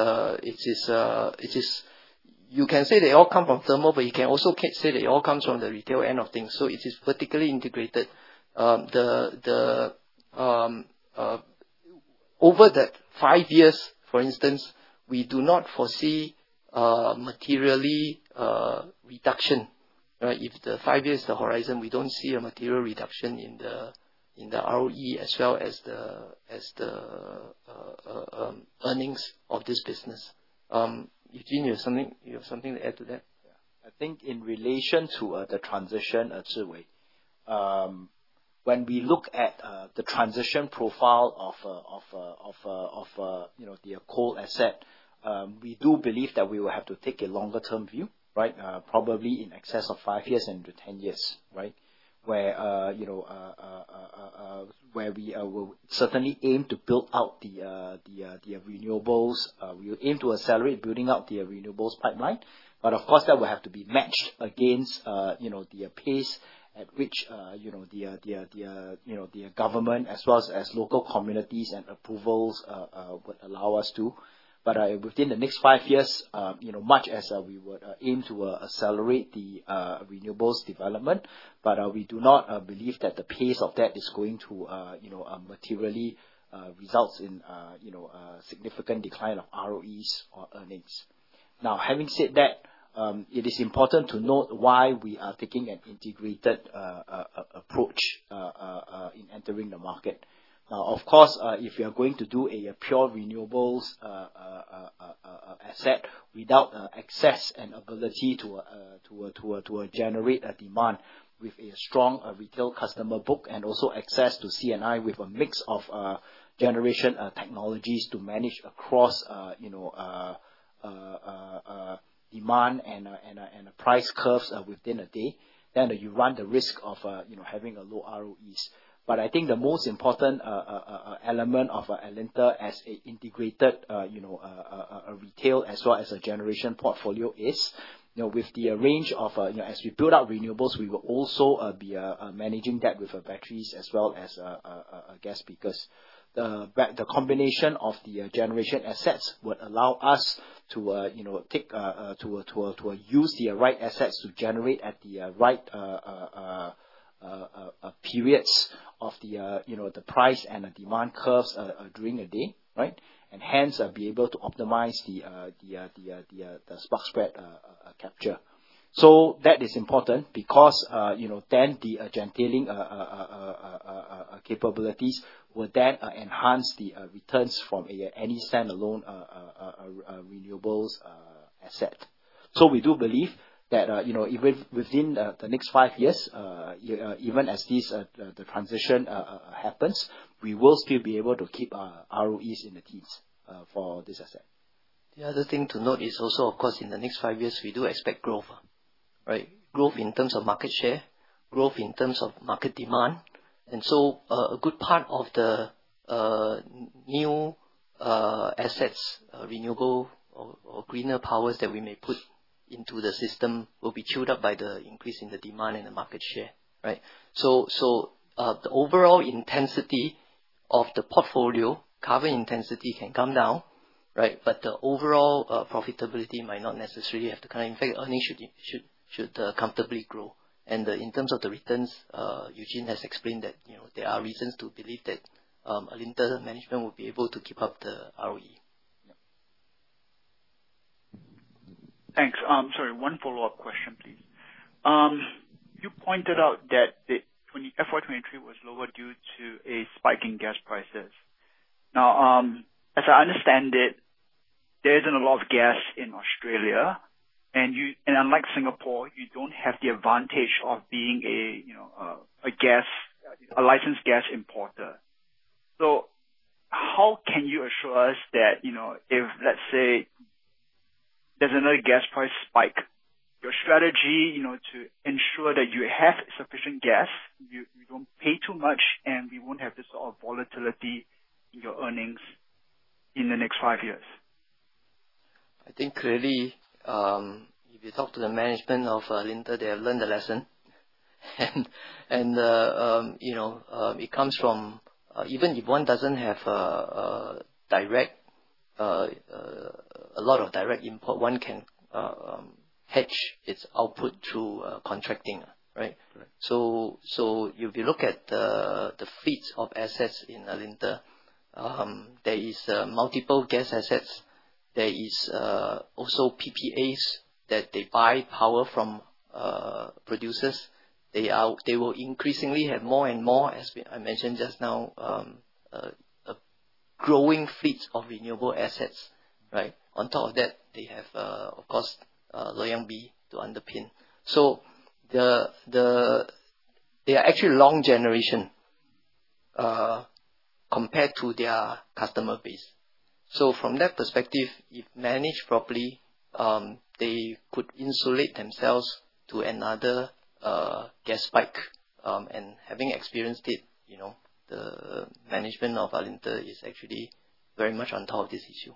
you can say they all come from thermal, but you can also say they all come from the retail end of things. So it is vertically integrated. Over the five years, for instance, we do not foresee materially reduction, right? If the five years is the horizon, we don't see a material reduction in the ROE as well as the earnings of this business. Eugene, you have something to add to that? I think in relation to the transition, Jue, when we look at the transition profile of the coal asset, we do believe that we will have to take a longer-term view, right? Probably in excess of five years and to 10 years, right? Where we will certainly aim to build out the renewables. We will aim to accelerate building out the renewables pipeline. But of course, that will have to be matched against the pace at which the government, as well as local communities and approvals, would allow us to. But within the next five years, much as we would aim to accelerate the renewables development, but we do not believe that the pace of that is going to materially result in a significant decline of ROEs or earnings. Now, having said that, it is important to note why we are taking an integrated approach in entering the market. Now, of course, if you are going to do a pure renewables asset without access and ability to generate a demand with a strong retail customer book and also access to C&I with a mix of generation technologies to manage across demand and price curves within a day, then you run the risk of having low ROEs. But I think the most important element of Alinta as an integrated retail as well as a generation portfolio is with the range of as we build out renewables, we will also be managing that with batteries as well as gas peakers. The combination of the generation assets would allow us to take to use the right assets to generate at the right periods of the price and demand curves during a day, right? And hence, be able to optimize the spot spread capture. So that is important because then the gentailer capabilities would then enhance the returns from any standalone renewables asset. So we do believe that even within the next five years, even as the transition happens, we will still be able to keep ROEs in the teens for this asset. The other thing to note is also, of course, in the next five years, we do expect growth, right? Growth in terms of market share, growth in terms of market demand. And so a good part of the new assets, renewable or greener powers that we may put into the system will be chewed up by the increase in the demand and the market share, right? So the overall intensity of the portfolio, carbon intensity can come down, right? But the overall profitability might not necessarily have to come. In fact, earnings should comfortably grow. And in terms of the returns, Eugene has explained that there are reasons to believe that Alinta management will be able to keep up the ROE. Thanks. Sorry, one follow-up question, please. You pointed out that FY23 was lower due to a spike in gas prices. Now, as I understand it, there isn't a lot of gas in Australia. And unlike Singapore, you don't have the advantage of being a licensed gas importer. So how can you assure us that if, let's say, there's another gas price spike, your strategy to ensure that you have sufficient gas, you don't pay too much, and we won't have this sort of volatility in your earnings in the next five years? I think clearly, if you talk to the management of Alinta, they have learned the lesson. And it comes from even if one doesn't have a lot of direct input, one can hedge its output through contracting, right? So if you look at the fleets of assets in Alinta, there are multiple gas assets. There are also PPAs that they buy power from producers. They will increasingly have more and more, as I mentioned just now, growing fleets of renewable assets, right? On top of that, they have, of course, Loy Yang B to underpin. So they are actually long generation compared to their customer base. So from that perspective, if managed properly, they could insulate themselves to another gas spike. And having experienced it, the management of Alinta is actually very much on top of this issue.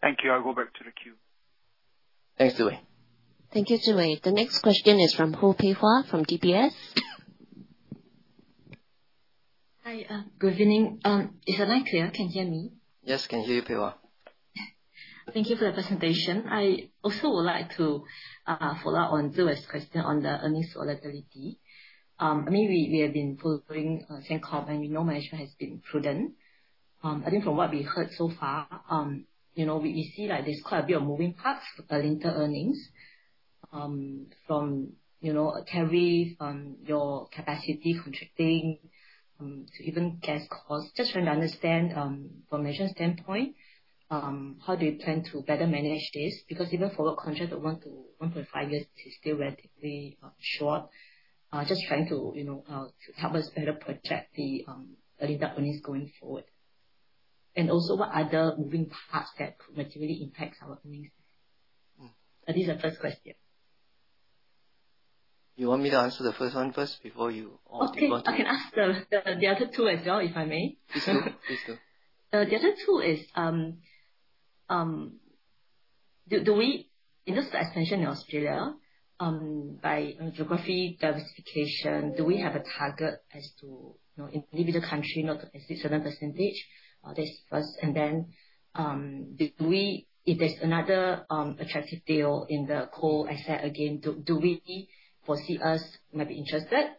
Thank you. I'll go back to the queue. Thanks, Jue. Thank you, Jue. The next question is from Ho Pei Hwa from DBS. Hi, good evening. Is the line clear? Can you hear me? Yes, we can hear you, Pei Hwa? Thank you for the presentation. I also would like to follow up on Jue's question on the earnings volatility. I mean, we have been following Sembcorp, and we know management has been prudent. I think from what we heard so far, we see there's quite a bit of moving parts for Alinta earnings from carry from your capacity contracting to even gas costs. Just trying to understand from a management standpoint, how do you plan to better manage this? Because even for a contract of 1.5 years, it's still relatively short. Just trying to help us better project the Alinta earnings going forward. And also, what other moving parts that could materially impact our earnings? That is the first question. You want me to answer the first one first before you all keep on? Okay.I can ask the other two as well, if I may. Please do. Please do. The other two is, in terms of expansion in Australia, by geography diversification, do we have a target as to individual country not exceed 7%? Then, if there's another attractive deal in the coal asset again, do we foresee us might be interested? That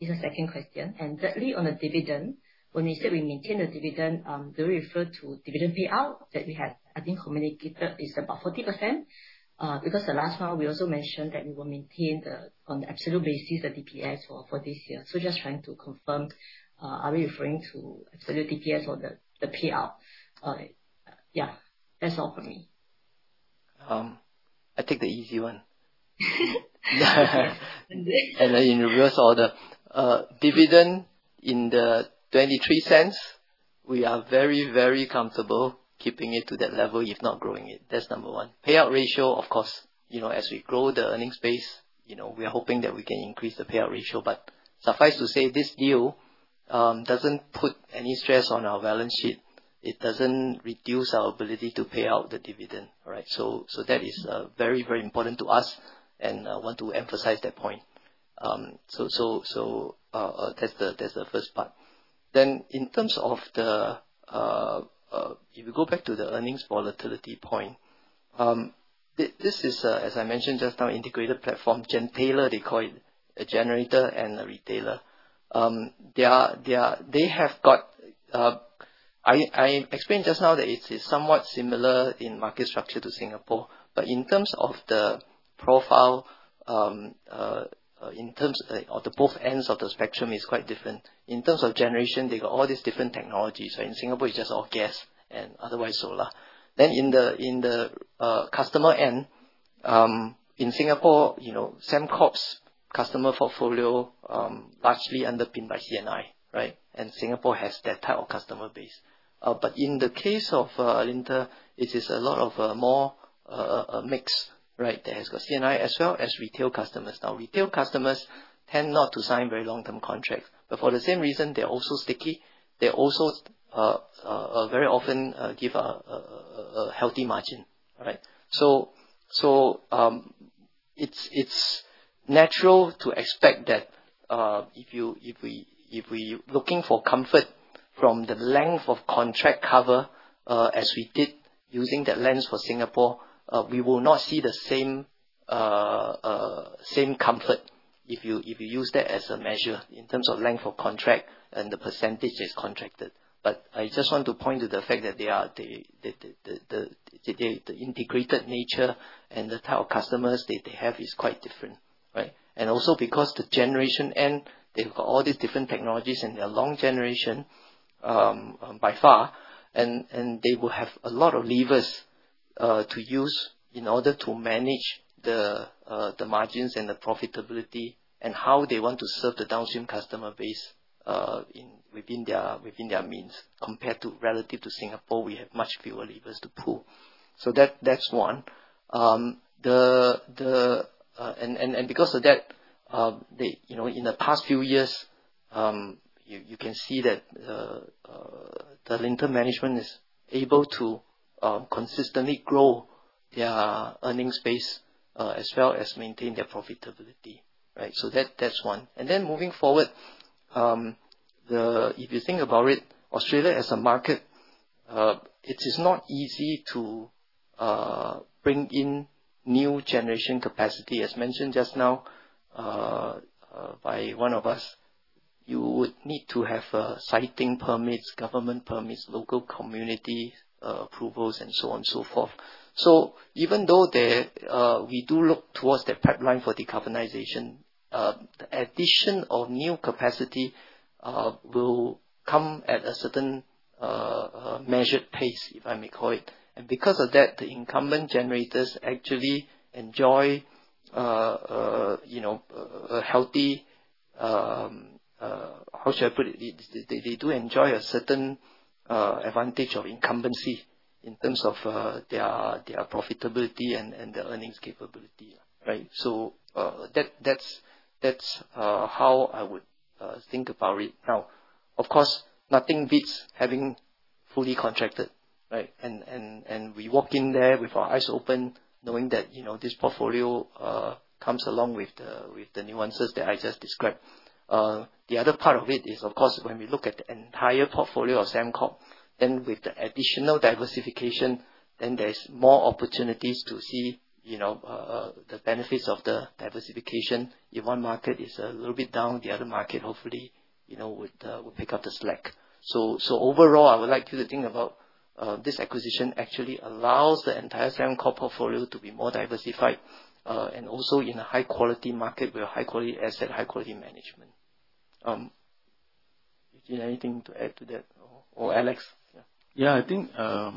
is the second question. Thirdly, on the dividend, when we said we maintain the dividend, do we refer to dividend payout that we have, I think, communicated is about 40%? Because the last round, we also mentioned that we will maintain on the absolute basis the DPS for this year. So just trying to confirm, are we referring to absolute DPS or the payout? Yeah. That's all for me. I take the easy one. In reverse order, dividend in the 0.23, we are very, very comfortable keeping it to that level if not growing it. That's number one. Payout ratio, of course, as we grow the earnings base, we are hoping that we can increase the payout ratio. But suffice to say, this deal doesn't put any stress on our balance sheet. It doesn't reduce our ability to pay out the dividend, right? So that is very, very important to us and want to emphasize that point. So that's the first part. Then, in terms of the if we go back to the earnings volatility point, this is, as I mentioned just now, integrated platform. Gentailer, they call it a generator and a retailer. They have got I explained just now that it's somewhat similar in market structure to Singapore. But in terms of the profile, in terms of the both ends of the spectrum, it's quite different. In terms of generation, they got all these different technologies. So in Singapore, it's just all gas and otherwise solar. Then in the customer end, in Singapore, Sembcorp's customer portfolio largely underpinned by C&I, right? Singapore has that type of customer base. In the case of Alinta, it is a lot more mixed, right? That has got C&I as well as retail customers. Now, retail customers tend not to sign very long-term contracts. For the same reason, they're also sticky. They also very often give a healthy margin, right? It's natural to expect that if we are looking for comfort from the length of contract cover as we did using that lens for Singapore, we will not see the same comfort if you use that as a measure in terms of length of contract and the percentage that's contracted. I just want to point to the fact that the integrated nature and the type of customers they have is quite different, right? Also because on the generation end, they've got all these different technologies and they're long generation by far. They will have a lot of levers to use in order to manage the margins and the profitability and how they want to serve the downstream customer base within their means. Compared to, relative to Singapore, we have much fewer levers to pull. That's one. Because of that, in the past few years, you can see that Alinta management is able to consistently grow their earnings base as well as maintain their profitability, right? That's one. Then moving forward, if you think about it, Australia as a market, it is not easy to bring in new generation capacity. As mentioned just now by one of us, you would need to have siting permits, government permits, local community approvals, and so on and so forth. So even though we do look towards that pipeline for decarbonization, the addition of new capacity will come at a certain measured pace, if I may call it. And because of that, the incumbent generators actually enjoy a healthy how should I put it? They do enjoy a certain advantage of incumbency in terms of their profitability and the earnings capability, right? So that's how I would think about it. Now, of course, nothing beats having fully contracted, right? And we walk in there with our eyes open knowing that this portfolio comes along with the nuances that I just described. The other part of it is, of course, when we look at the entire portfolio of Sembcorp, then with the additional diversification, then there's more opportunities to see the benefits of the diversification. If one market is a little bit down, the other market hopefully would pick up the slack. So overall, I would like you to think about this acquisition actually allows the entire Sembcorp portfolio to be more diversified and also in a high-quality market with a high-quality asset, high-quality management. Eugene, anything to add to that? Or Alex? Yeah. I think a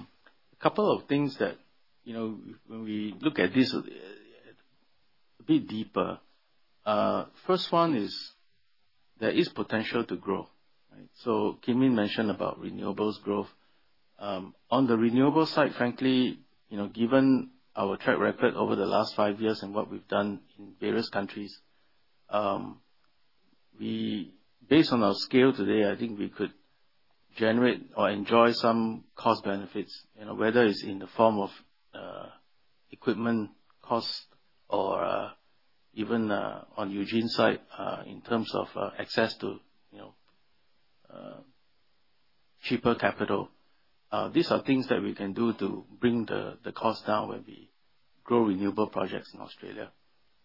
couple of things that when we look at this a bit deeper. First one is there is potential to grow, right? So Kim Yin mentioned about renewables growth. On the renewable side, frankly, given our track record over the last five years and what we've done in various countries, based on our scale today, I think we could generate or enjoy some cost benefits, whether it's in the form of equipment costs or even on Eugene's side in terms of access to cheaper capital. These are things that we can do to bring the cost down when we grow renewable projects in Australia,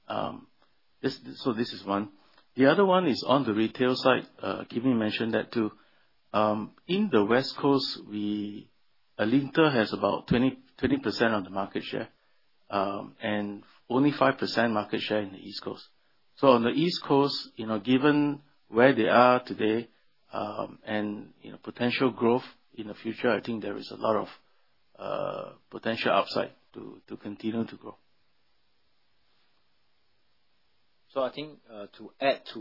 so this is one. The other one is on the retail side. Kim Yin mentioned that too. In the West Coast, Alinta has about 20% of the market share and only 5% market share in the East Coast, so on the East Coast, given where they are today and potential growth in the future, I think there is a lot of potential upside to continue to grow. So I think to add to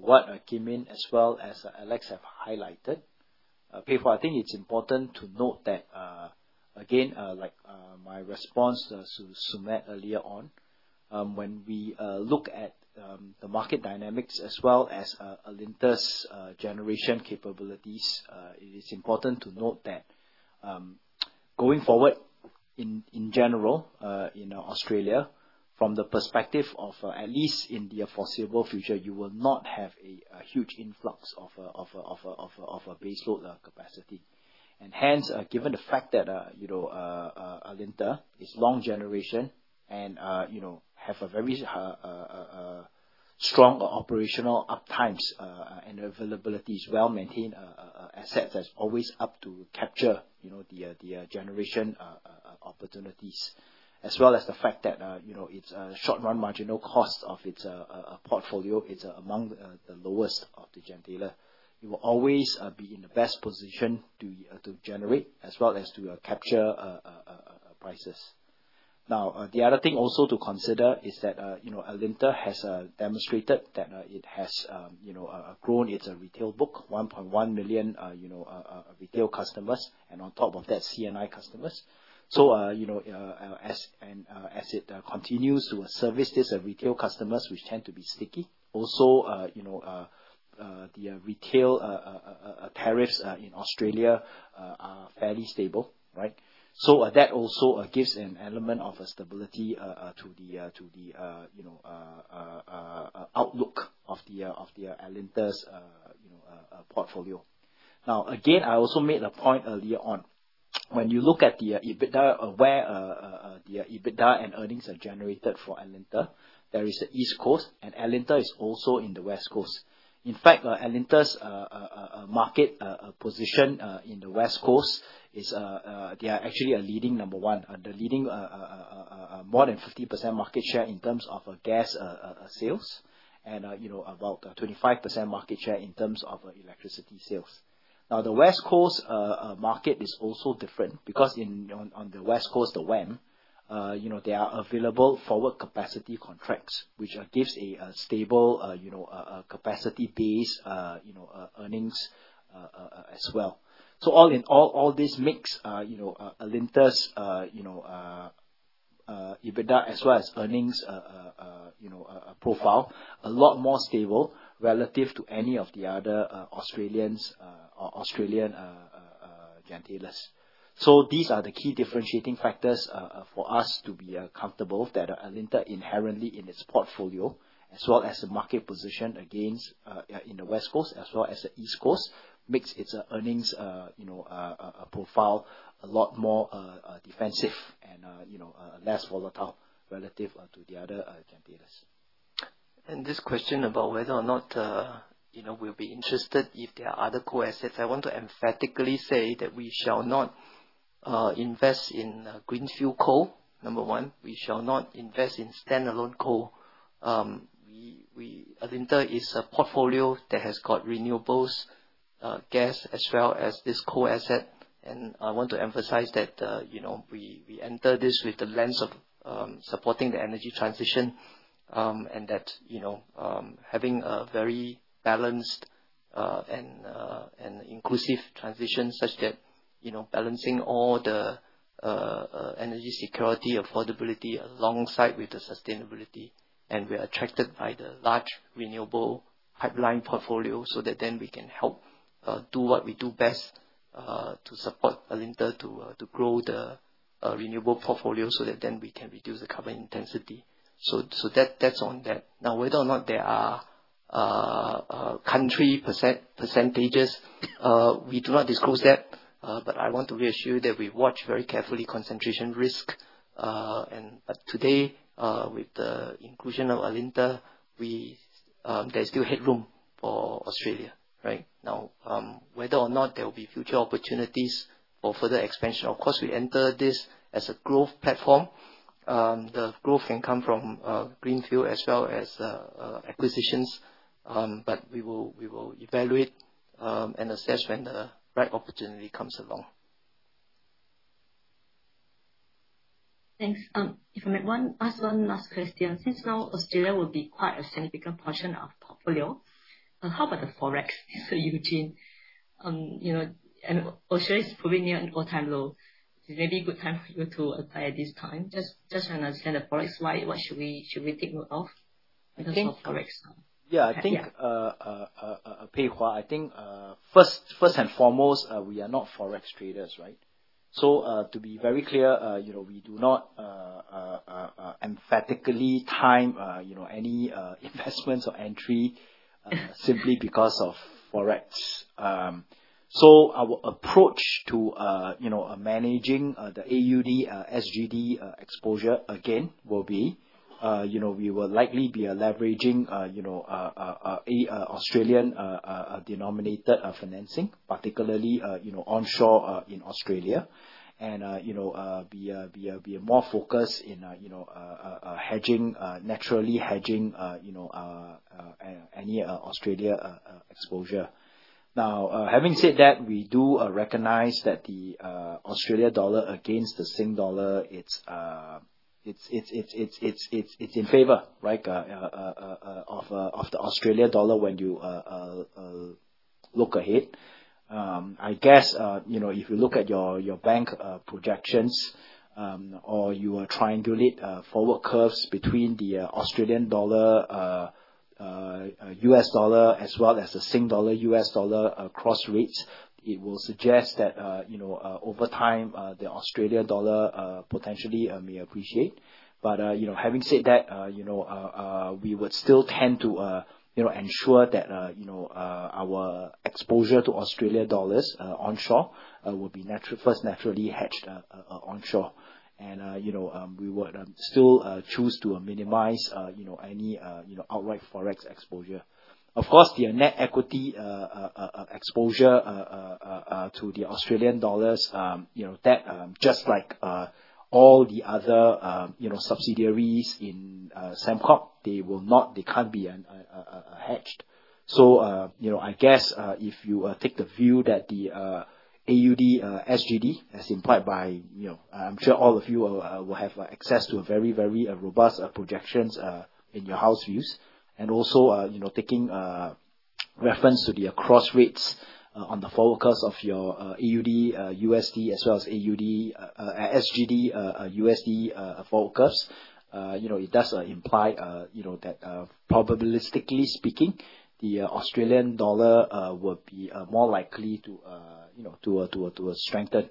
what Kim Yin as well as Alex have highlighted, Pei Hwa, I think it's important to note that, again, like my response to Sumedh earlier on, when we look at the market dynamics as well as Alinta's generation capabilities, it is important to note that going forward in general, in Australia, from the perspective of at least in the foreseeable future, you will not have a huge influx of baseload capacity. And hence, given the fact that Alinta is long generation and have a very strong operational uptimes and availability is well maintained, assets are always up to capture the generation opportunities. As well as the fact that its short-run marginal cost of its portfolio is among the lowest of the gentailers. You will always be in the best position to generate as well as to capture prices. Now, the other thing also to consider is that Alinta has demonstrated that it has grown its retail book, 1.1 million retail customers, and on top of that, C&I customers. So as it continues to service these retail customers, which tend to be sticky. Also, the retail tariffs in Australia are fairly stable, right? So that also gives an element of stability to the outlook of Alinta's portfolio. Now, again, I also made a point earlier on. When you look at where the EBITDA and earnings are generated for Alinta, there is the East Coast, and Alinta is also in the West Coast. In fact, Alinta's market position in the West Coast is they are actually a leading number one. They're leading more than 50% market share in terms of gas sales and about 25% market share in terms of electricity sales. Now, the West Coast market is also different because on the West Coast, the WEM, they are available forward capacity contracts, which gives a stable capacity-based earnings as well. So all this makes Alinta's EBITDA as well as earnings profile a lot more stable relative to any of the other Australians or Australian gentailers. So these are the key differentiating factors for us to be comfortable that Alinta inherently in its portfolio, as well as the market position in the West Coast as well as the East Coast, makes its earnings profile a lot more defensive and less volatile relative to the other gentailers. And this question about whether or not we'll be interested if there are other coal assets, I want to emphatically say that we shall not invest in greenfield coal, number one. We shall not invest in standalone coal. Alinta is a portfolio that has got renewables, gas, as well as this coal asset, and I want to emphasize that we enter this with the lens of supporting the energy transition and that having a very balanced and inclusive transition such that balancing all the energy security, affordability alongside with the sustainability, and we're attracted by the large renewable pipeline portfolio so that then we can help do what we do best to support Alinta to grow the renewable portfolio so that then we can reduce the carbon intensity, so that's on that. Now, whether or not there are country percentages, we do not disclose that, but I want to reassure you that we watch very carefully concentration risk, but today, with the inclusion of Alinta, there's still headroom for Australia, right? Now, whether or not there will be future opportunities for further expansion. Of course, we enter this as a growth platform. The growth can come from greenfield as well as acquisitions. But we will evaluate and assess when the right opportunity comes along. Thanks. If I may ask one last question. Since now Australia will be quite a significant portion of the portfolio, how about the forex? So Eugene, Australia is probably near an all-time low. Is it maybe a good time for you to apply at this time? Just trying to understand the forex, what should we take note of in terms of forex? Yeah. I think, Pei Hwa, I think first and foremost, we are not forex traders, right? So to be very clear, we do not emphatically time any investments or entry simply because of forex. Our approach to managing the AUD/SGD exposure, again, will be we will likely be leveraging Australian-denominated financing, particularly onshore in Australia, and be more focused on hedging, naturally hedging any Australian exposure. Now, having said that, we do recognize that the Australian dollar against the Singapore dollar, it's in favor of the Australian dollar when you look ahead. I guess if you look at your bank projections or you triangulate forward curves between the Australian dollar, US dollar, as well as the Singapore dollar, US dollar cross rates, it will suggest that over time, the Australian dollar potentially may appreciate, but having said that, we would still tend to ensure that our exposure to Australian dollars onshore will be first naturally hedged onshore, and we would still choose to minimize any outright forex exposure. Of course, the net equity exposure to the Australian dollars, that just like all the other subsidiaries in Sembcorp, they can't be hedged. So I guess if you take the view that the AUD/SGD, as implied by, I'm sure all of you will have access to very, very robust projections in your house views. And also taking reference to the cross rates on the forward curves of your AUD/USD as well as AUD/SGD/USD forward curves, it does imply that probabilistically speaking, the Australian dollar will be more likely to strengthen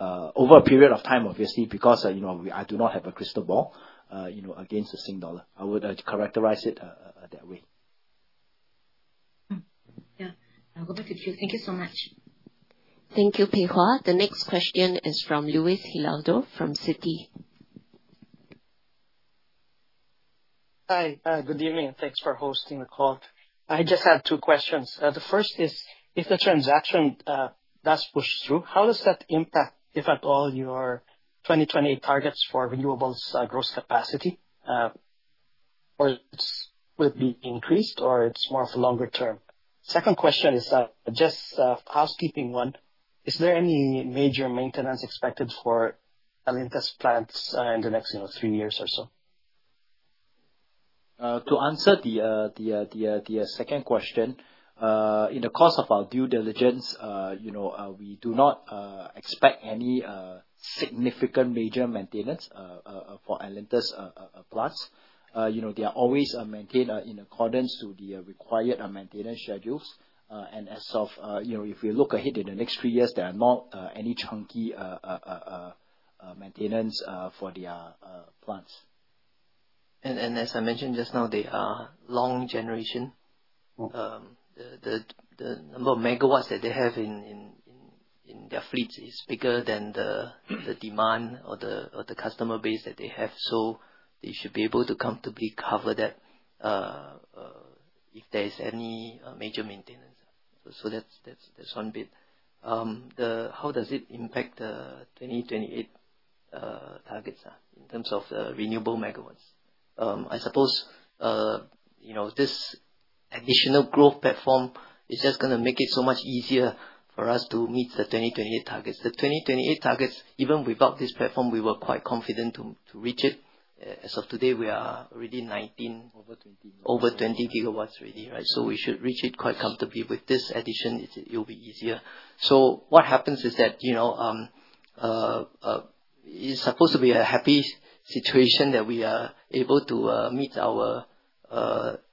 over a period of time, obviously, because I do not have a crystal ball against the Singapore dollar. I would characterize it that way. Yeah. I'll go back to queue. Thank you so much. Thank you, Pei Hwa. The next question is from Luis Hilado from Citi. Hi. Good evening. Thanks for hosting the call. I just have two questions. The first is, if the transaction does push through, how does that impact, if at all, your 2028 targets for renewables gross capacity? Or will it be increased or it's more of a longer term? Second question is just a housekeeping one. Is there any major maintenance expected for Alinta's plants in the next three years or so? To answer the second question, in the course of our due diligence, we do not expect any significant major maintenance for Alinta's plants. They are always maintained in accordance to the required maintenance schedules. And as we look ahead in the next three years, there are not any chunky maintenance for their plants. And as I mentioned just now, they are long generation. The number of megawatts that they have in their fleets is bigger than the demand or the customer base that they have. So they should be able to comfortably cover that if there is any major maintenance. So that's one bit. How does it impact the 2028 targets in terms of renewable megawatts? I suppose this additional growth platform is just going to make it so much easier for us to meet the 2028 targets. The 2028 targets, even without this platform, we were quite confident to reach it. As of today, we are already 19 over 20 gigawatts ready, right? So we should reach it quite comfortably. With this addition, it will be easier. So what happens is that it's supposed to be a happy situation that we are able to meet our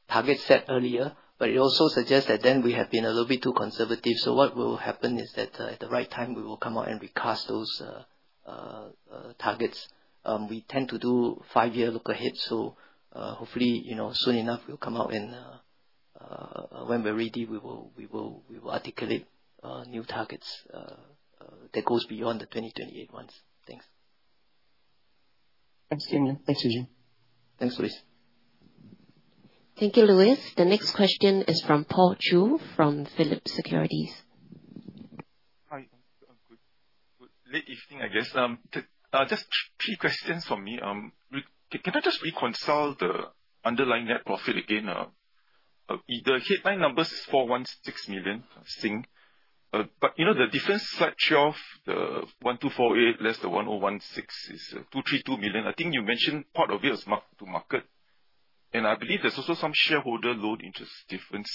target set earlier, but it also suggests that then we have been a little bit too conservative. So what will happen is that at the right time, we will come out and recast those targets. We tend to do five-year look ahead. So hopefully, soon enough, we'll come out and when we're ready, we will articulate new targets that go beyond the 2028 ones. Thanks. Thanks, Kim. Thanks, Eugene. Thanks, Luis. Thank you, Luis. The next question is from Paul Chew from Phillip Securities. Hi. Good late evening, I guess. Just three questions for me. Can I just revisit the underlying net profit again? The headline number is 416 million. But the difference structure of the 1,248 less the 1,016 is 232 million. I think you mentioned part of it is marked to market. And I believe there's also some shareholder loan interest difference.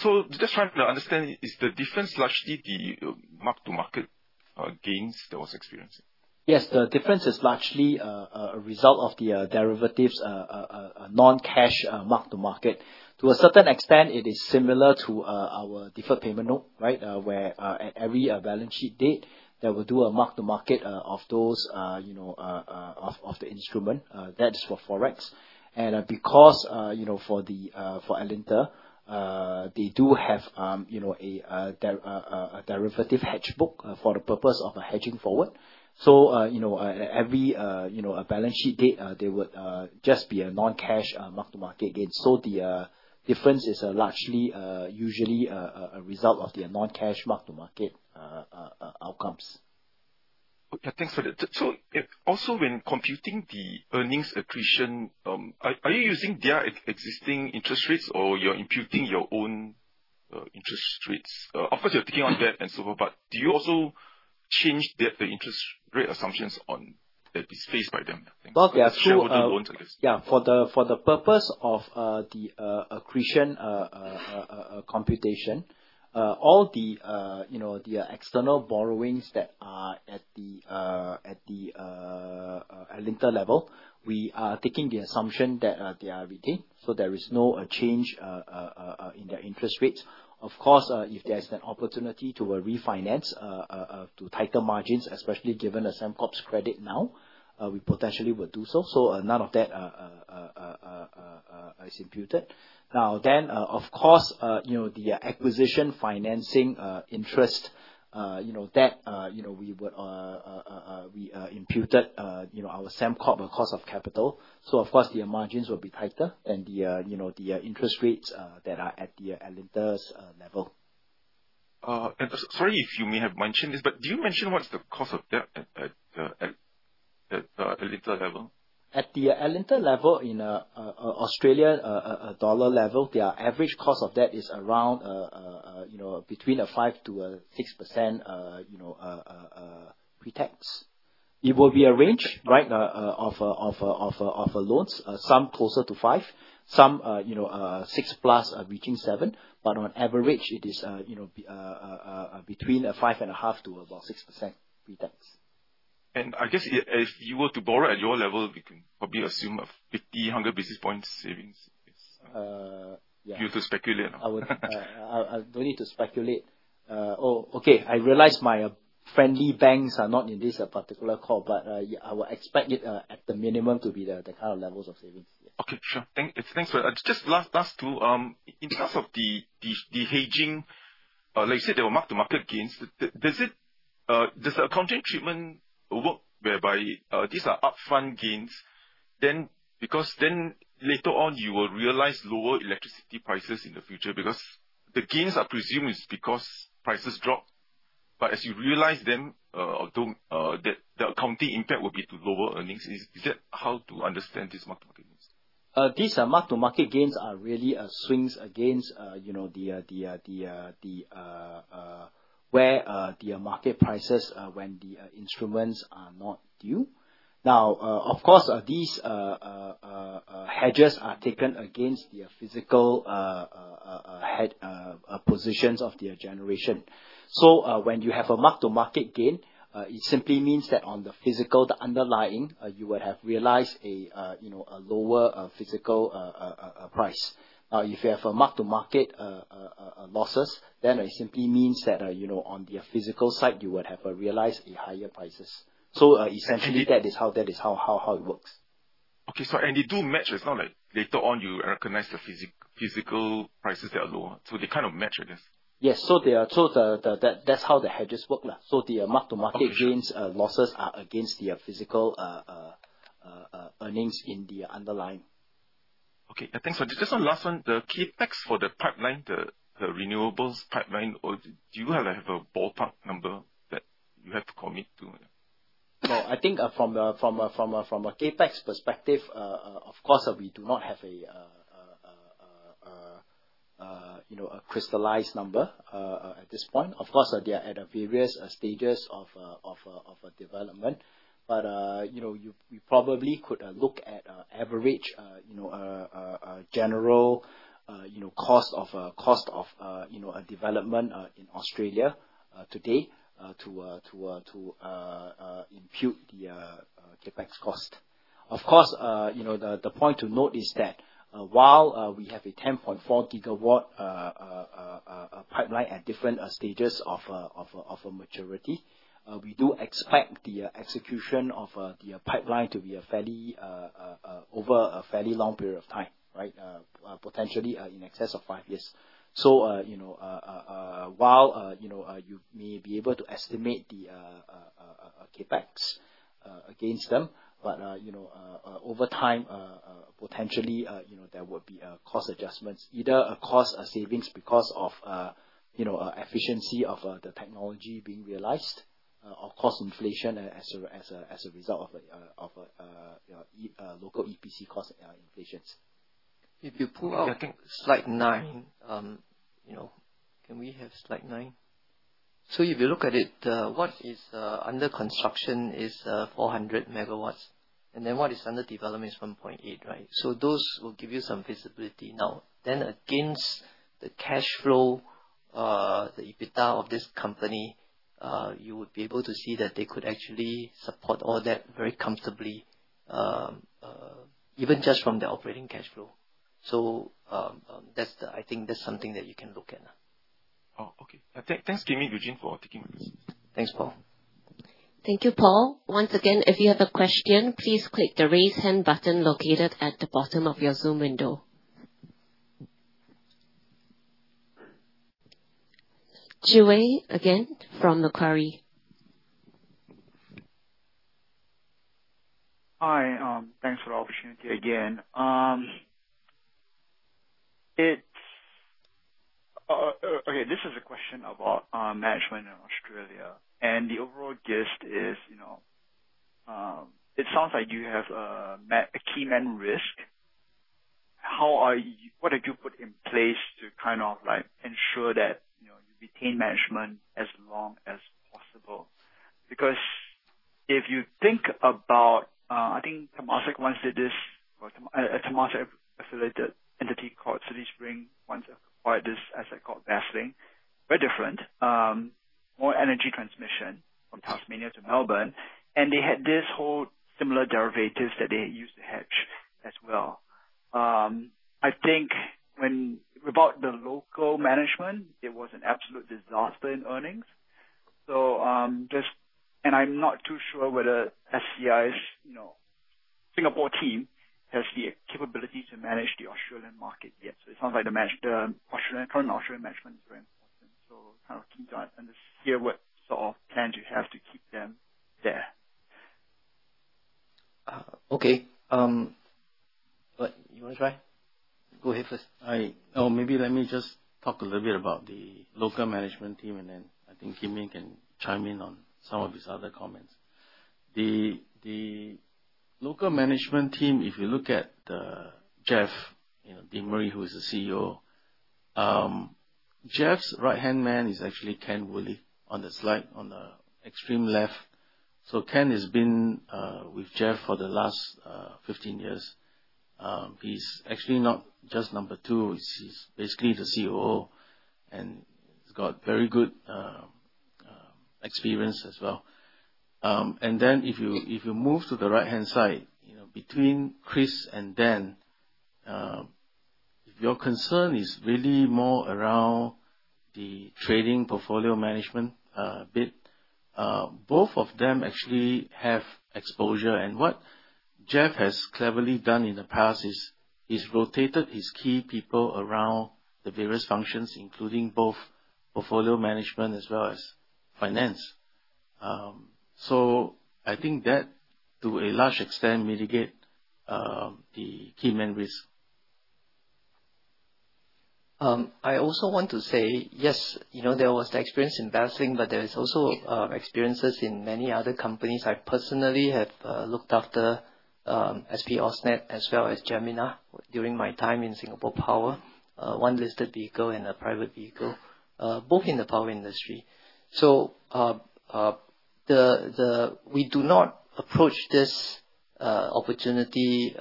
So just trying to understand, is the difference largely the marked to market gains that was experienced? Yes. The difference is largely a result of the derivatives, non-cash marked to market. To a certain extent, it is similar to our deferred payment note, right? Where at every balance sheet date, there will do a mark-to-market of those of the instrument. That is for forex. And because for Alinta, they do have a derivative hedge book for the purpose of hedging forward. So at every balance sheet date, there would just be a non-cash mark-to-market gain. So the difference is largely usually a result of the non-cash mark-to-market outcomes. Thanks for that. So also when computing the earnings accretion, are you using their existing interest rates or you're imputing your own interest rates? Of course, you're taking on debt and so forth. But do you also change the interest rate assumptions on that is faced by them? Well, they are two of the loans, I guess. Yeah. For the purpose of the accretion computation, all the external borrowings that are at the Alinta level, we are taking the assumption that they are retained. So there is no change in their interest rates. Of course, if there's an opportunity to refinance to tighter margins, especially given Sembcorp's credit now, we potentially would do so. So none of that is imputed. Now then, of course, the acquisition financing interest, that we would imputed our Sembcorp cost of capital. So of course, their margins will be tighter than the interest rates that are at the Alinta's level. Sorry if you may have mentioned this, but do you mention what's the cost of debt at the Alinta level? At the Alinta level, in an Australian dollar level, their average cost of debt is around between a 5%-6% pre-tax. It will be a range, right, of loans, some closer to 5%, some 6% plus reaching 7%. But on average, it is between 5.5% to about 6% pre-tax. And I guess if you were to borrow at your level, we can probably assume a 50-100 basis points savings. You have to speculate. I don't need to speculate. Oh, okay. I realize my friendly banks are not in this particular call, but I would expect it at the minimum to be the kind of levels of savings. Okay. Sure. Thanks for that. Just last two. In terms of the hedging, like you said, there were mark-to-market gains. Does the accounting treatment work whereby these are upfront gains? Because then later on, you will realize lower electricity prices in the future because the gains are presumed is because prices drop. But as you realize them, the accounting impact will be to lower earnings. Is that how to understand these mark-to-market gains? These mark-to-market gains are really swings against where the market prices when the instruments are not due. Now, of course, these hedges are taken against the physical hedge positions of their generation. So when you have a mark-to-market gain, it simply means that on the physical, the underlying, you would have realized a lower physical price. Now, if you have mark-to-market losses, then it simply means that on the physical side, you would have realized higher prices. So essentially, that is how it works. Okay. And they do match. It's not like later on, you recognize the physical prices that are lower. So they kind of match, I guess. Yes. So that's how the hedges work. So the mark-to-market gains losses are against the physical earnings in the underlying. Okay. Thanks. Just one last one. The CapEx for the pipeline, the renewables pipeline, do you have a ballpark number that you have to commit to? Well, I think from a CapEx perspective, of course, we do not have a crystallized number at this point. Of course, they are at various stages of development. But we probably could look at average general cost of a development in Australia today to impute the CapEx cost. Of course, the point to note is that while we have a 10.4 gigawatt pipeline at different stages of maturity, we do expect the execution of the pipeline to be over a fairly long period of time, right? Potentially in excess of five years. So while you may be able to estimate the capex against them, but over time, potentially, there would be cost adjustments, either cost savings because of efficiency of the technology being realized or cost inflation as a result of local EPC cost inflations. If you pull out slide nine, can we have slide nine? So if you look at it, what is under construction is 400 megawatts. And then what is under development is 1.8, right? So those will give you some visibility. Now, then against the cash flow, the EBITDA of this company, you would be able to see that they could actually support all that very comfortably, even just from the operating cash flow. So I think that's something that you can look at. Oh, okay. Thanks, Kim and Eugene, for taking my questions. Thanks, Paul. Thank you, Paul. Once again, if you have a question, please click the raise hand button located at the bottom of your Zoom window. Wei Sim again from Macquarie. Hi. Thanks for the opportunity again. Okay. This is a question about management in Australia. And the overall gist is it sounds like you have a key man risk. What did you put in place to kind of ensure that you retain management as long as possible? Because if you think about, I think Temasek once did this or Temasek affiliated entity called CitySpring once acquired this asset called Basslink. Very different. More energy transmission from Tasmania to Melbourne. And they had this whole similar derivatives that they used to hedge as well. I think when without the local management, there was an absolute disaster in earnings. And I'm not too sure whether SCI's Singapore team has the capability to manage the Australian market yet. So it sounds like the current Australian management is very important. So kind of keen to understand what sort of plans you have to keep them there. Okay. You want to try? Go ahead first. All right. Maybe let me just talk a little bit about the local management team, and then I think Kim can chime in on some of these other comments. The local management team, if you look at Jeff Dimery, who is the CEO, Jeff's right-hand man is actually Ken Woolley on the slide on the extreme left. So Ken has been with Jeff for the last 15 years. He's actually not just number two. He's basically the COO and has got very good experience as well. And then if you move to the right-hand side, between Chris and Dan, if your concern is really more around the trading portfolio management bit, both of them actually have exposure. And what Jeff has cleverly done in the past is he's rotated his key people around the various functions, including both portfolio management as well as finance. So I think that to a large extent mitigates the key man risk. I also want to say, yes, there was the experience in Basslink, but there are also experiences in many other companies. I personally have looked after SP AusNet as well as Jemena during my time in Singapore Power, one listed vehicle and a private vehicle, both in the power industry. So we do not approach this opportunity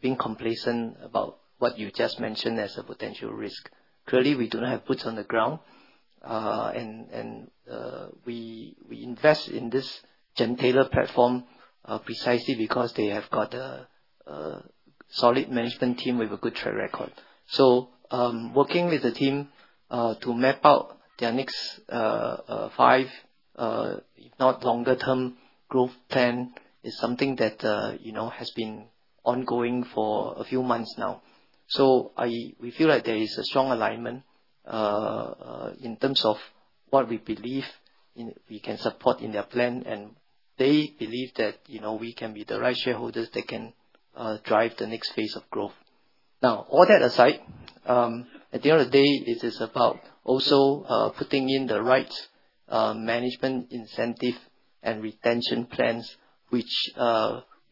being complacent about what you just mentioned as a potential risk. Clearly, we do not have boots on the ground. And we invest in this Gentailer platform precisely because they have got a solid management team with a good track record. So working with the team to map out their next five, if not longer-term growth plan, is something that has been ongoing for a few months now. So we feel like there is a strong alignment in terms of what we believe we can support in their plan. And they believe that we can be the right shareholders that can drive the next phase of growth. Now, all that aside, at the end of the day, it is about also putting in the right management incentive and retention plans, which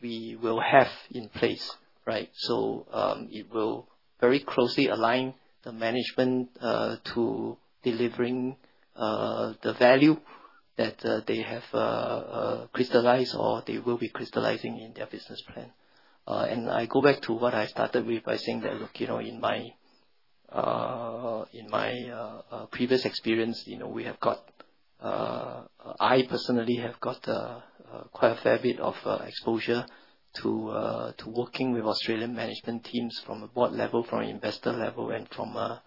we will have in place, right? So it will very closely align the management to delivering the value that they have crystallized or they will be crystallizing in their business plan. I go back to what I started with by saying that in my previous experience, I personally have got quite a fair bit of exposure to working with Australian management teams from a board level, from an investor level, and from a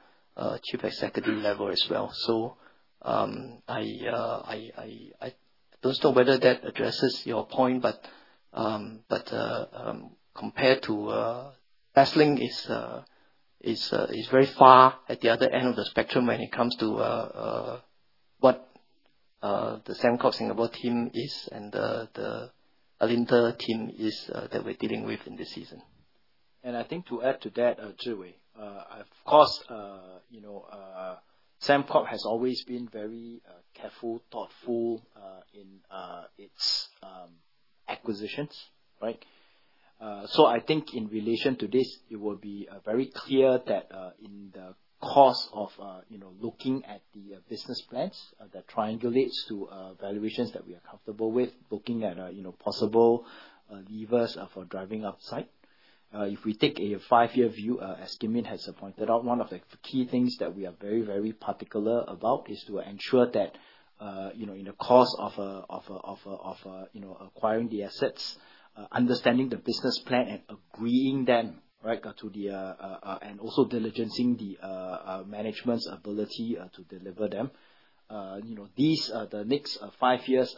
chief executive level as well. I don't know whether that addresses your point, but compared to Basslink, it's very far at the other end of the spectrum when it comes to what the Sembcorp Singapore team is and the Alinta team that we're dealing with in this transaction. I think to add to that, you see, of course, Sembcorp has always been very careful, thoughtful in its acquisitions, right? So I think in relation to this, it will be very clear that in the course of looking at the business plans that triangulates to valuations that we are comfortable with, looking at possible levers for driving upside. If we take a five-year view, as Kim has pointed out, one of the key things that we are very, very particular about is to ensure that in the course of acquiring the assets, understanding the business plan and agreeing them to the and also diligencing the management's ability to deliver them. These, the next five years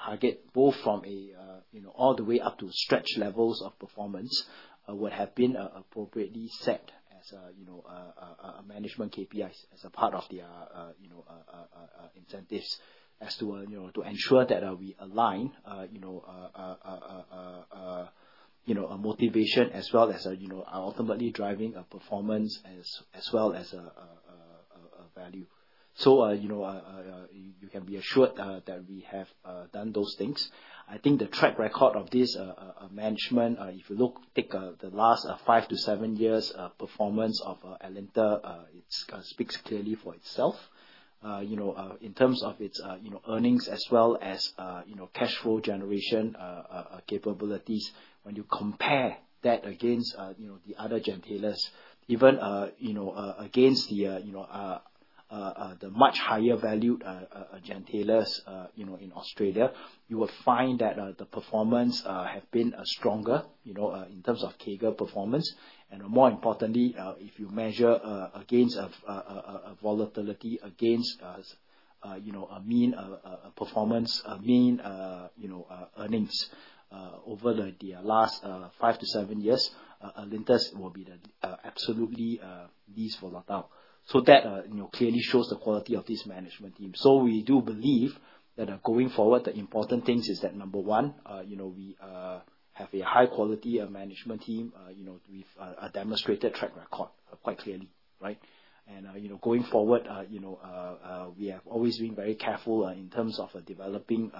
target both from all the way up to stretch levels of performance would have been appropriately set as a management KPIs as a part of the incentives as to ensure that we align a motivation as well as ultimately driving a performance as well as a value. So you can be assured that we have done those things. I think the track record of this management, if you look, take the last five to seven years performance of Alinta, it speaks clearly for itself. In terms of its earnings as well as cash flow generation capabilities, when you compare that against the other gentailers, even against the much higher valued gentailers in Australia, you will find that the performance has been stronger in terms of CAGR performance. And more importantly, if you measure against a volatility against a mean performance, a mean earnings over the last five to seven years, Alinta's will be absolutely least volatile. So that clearly shows the quality of this management team. So we do believe that going forward, the important things is that number one, we have a high-quality management team with a demonstrated track record quite clearly, right? And going forward, we have always been very careful in terms of developing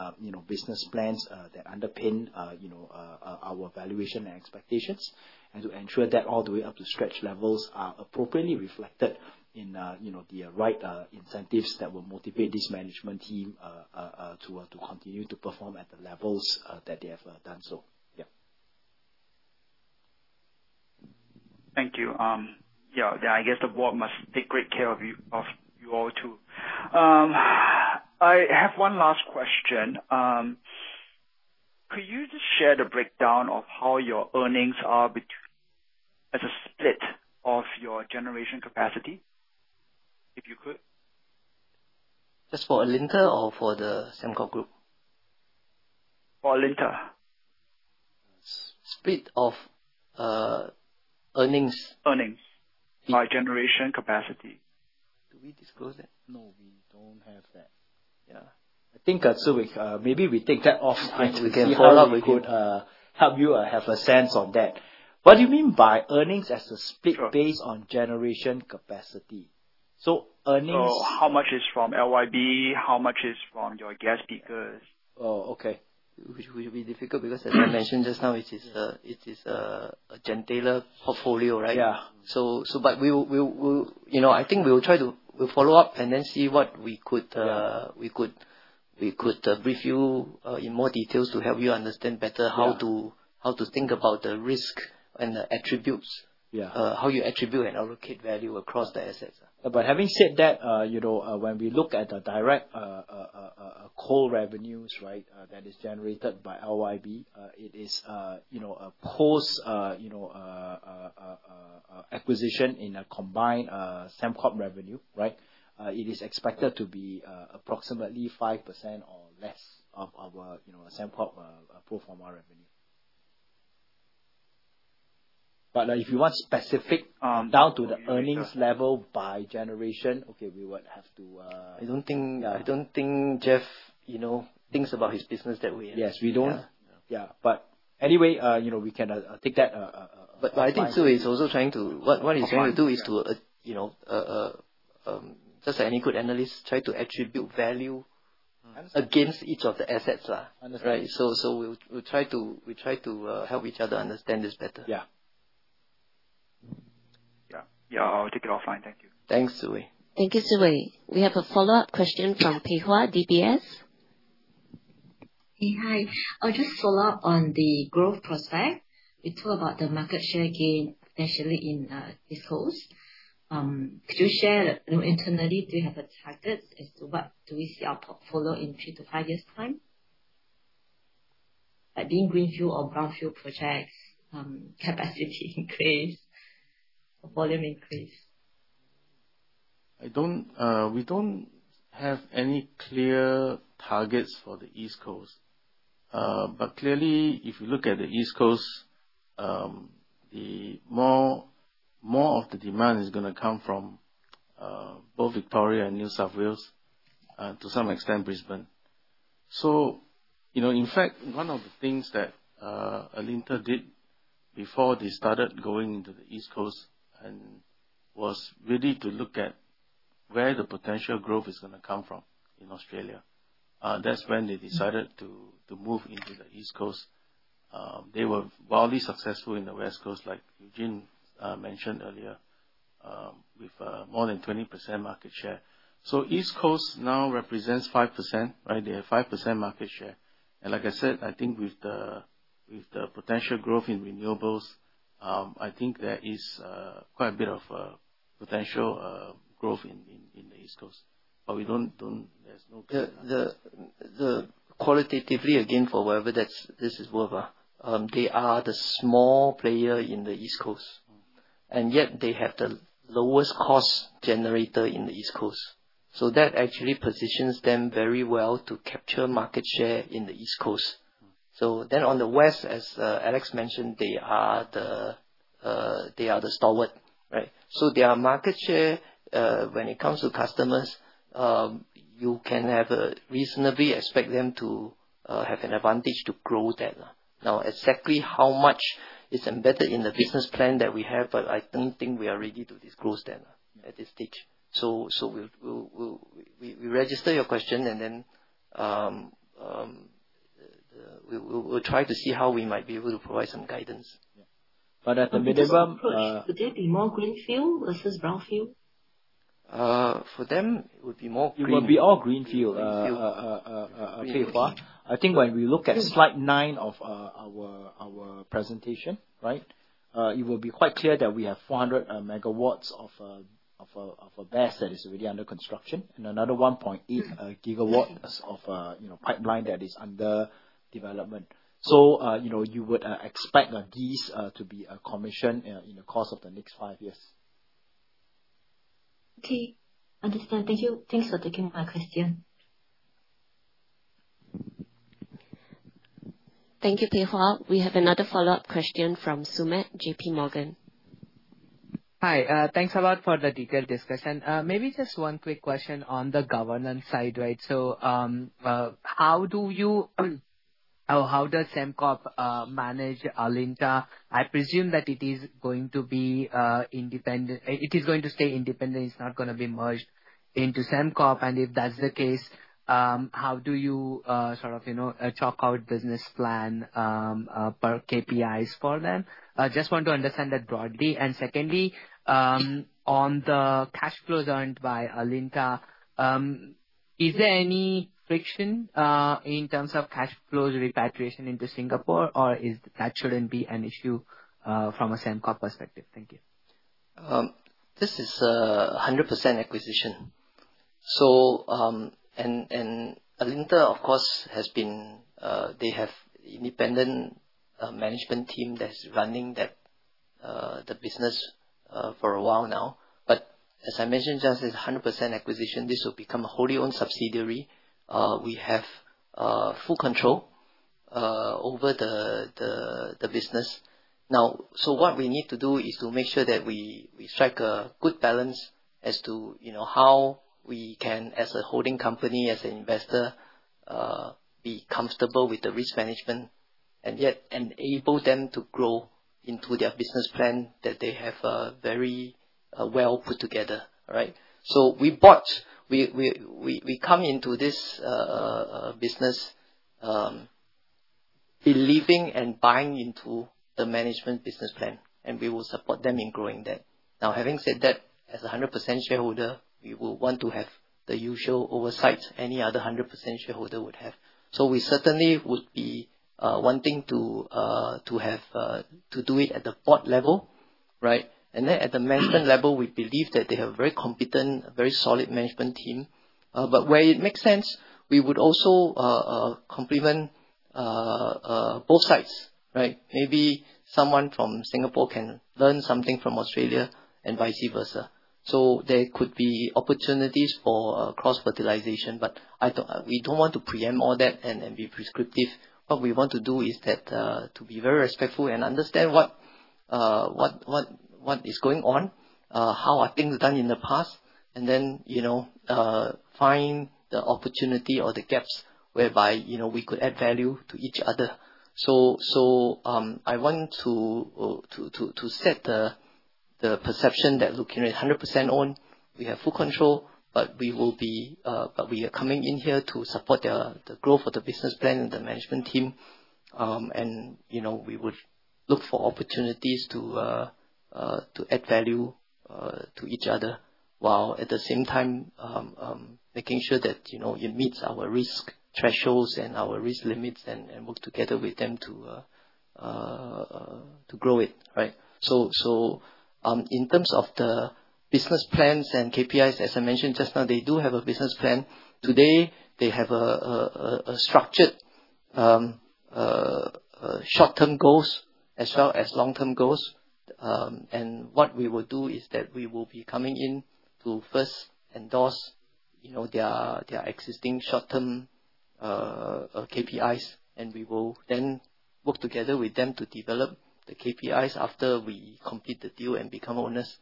business plans that underpin our valuation and expectations and to ensure that all the way up to stretch levels are appropriately reflected in the right incentives that will motivate this management team to continue to perform at the levels that they have done. So, yeah. Thank you. Yeah. I guess the board must take great care of you all too. I have one last question. Could you just share the breakdown of how your earnings are as a split of your generation capacity if you could? Just for Alinta or for the Sembcorp group? For Alinta. Split of earnings? Earnings. By generation capacity. Do we disclose that? No, we don't have that. Yeah. I think, Wei Sim, maybe we take that offline so we can follow up. We could help you have a sense on that. What do you mean by earnings as a split based on generation capacity? So earnings? How much is from Loy Yang B? How much is from your gas peakers? Oh, okay. Which will be difficult because, as I mentioned just now, it is a gentailer portfolio, right? Yeah. But I think we will try to follow up and then see what we could brief you in more details to help you understand better how to think about the risk and the attributes, how you attribute and allocate value across the assets. But having said that, when we look at the direct core revenues, right, that is generated by Loy Yang B, it is a post-acquisition in a combined Sembcorp revenue, right? It is expected to be approximately 5% or less of our Sembcorp pro forma revenue. But if you want specific down to the earnings level by generation, okay, we would have to. I don't think Jeff thinks about his business that way. Yes, we don't. Yeah. But anyway, we can take that. But I think Wei Sim is also trying to what he's trying to do is to, just like any good analyst, try to attribute value against each of the assets, right? So we'll try to help each other understand this better. Yeah. Yeah. Yeah. I'll take it offline. Thank you. Thanks, Wei Sim. Thank you, Wei Sim. We have a follow-up question from Ho Pei Hwa, DBS. Hey, hi. I'll just follow up on the growth prospect. We talked about the market share gain initially in this course. Could you share internally, do you have a target as to what do we see our portfolio in three to five years' time? Being greenfield or brownfield projects, capacity increase, volume increase. We don't have any clear targets for the East Coast. But clearly, if you look at the East Coast, more of the demand is going to come from both Victoria and New South Wales, to some extent Brisbane. So in fact, one of the things that Alinta did before they started going into the East Coast and was really to look at where the potential growth is going to come from in Australia. That's when they decided to move into the East Coast. They were wildly successful in the West Coast, like Eugene mentioned earlier, with more than 20% market share. So East Coast now represents 5%, right? They have 5% market share. And like I said, I think with the potential growth in renewables, I think there is quite a bit of potential growth in the East Coast. But there's no clear answer. Qualitatively, again, for whoever this is, whoever, they are the small player in the East Coast. And yet they have the lowest cost generator in the East Coast. So that actually positions them very well to capture market share in the East Coast. So then on the west, as Alex mentioned, they are the stalwart, right? So their market share, when it comes to customers, you can reasonably expect them to have an advantage to grow that. Now, exactly how much is embedded in the business plan that we have, but I don't think we are ready to disclose that at this stage. So we register your question, and then we'll try to see how we might be able to provide some guidance. Yeah. But at the minimum. Would they be more greenfield versus brownfield? For them, it would be more greenfield. It would be all greenfield. Okay, Hwa. I think when we look at slide nine of our presentation, right, it will be quite clear that we have 400 megawatts of asset that is already under construction and another 1.8 gigawatts of pipeline that is under development. So you would expect these to be commissioned in the course of the next five years. Okay. Understand. Thank you. Thanks for taking my question. Thank you, Pei Hwa. We have another follow-up question from Sumedh, J.P. Morgan. Hi. Thanks a lot for the detailed discussion. Maybe just one quick question on the governance side, right? So how do you or how does Sembcorp manage Alinta? I presume that it is going to be independent. It is going to stay independent. It's not going to be merged into Sembcorp. And if that's the case, how do you sort of chalk out business plan per KPIs for them? I just want to understand that broadly. And secondly, on the cash flows earned by Alinta, is there any friction in terms of cash flows repatriation into Singapore, or that shouldn't be an issue from a Sembcorp perspective? Thank you. This is 100% acquisition. And Alinta, of course, has. They have an independent management team that's running the business for a while now. But as I mentioned, just as 100% acquisition, this will become a wholly owned subsidiary. We have full control over the business. Now, so what we need to do is to make sure that we strike a good balance as to how we can, as a holding company, as an investor, be comfortable with the risk management and yet enable them to grow into their business plan that they have very well put together, right? So we come into this business believing and buying into the management business plan, and we will support them in growing that. Now, having said that, as a 100% shareholder, we will want to have the usual oversight any other 100% shareholder would have. So we certainly would be wanting to do it at the board level, right? And then at the management level, we believe that they have a very competent, very solid management team. But where it makes sense, we would also complement both sides, right? Maybe someone from Singapore can learn something from Australia and vice versa. So there could be opportunities for cross-fertilization. But we don't want to preempt all that and be prescriptive. What we want to do is to be very respectful and understand what is going on, how are things done in the past, and then find the opportunity or the gaps whereby we could add value to each other. So I want to set the perception that looking at 100% own, we have full control, but we will be coming in here to support the growth of the business plan and the management team. And we would look for opportunities to add value to each other while at the same time making sure that it meets our risk thresholds and our risk limits and work together with them to grow it, right? So in terms of the business plans and KPIs, as I mentioned just now, they do have a business plan. Today, they have a structured short-term goals as well as long-term goals. And what we will do is that we will be coming in to first endorse their existing short-term KPIs, and we will then work together with them to develop the KPIs after we complete the deal and become owners.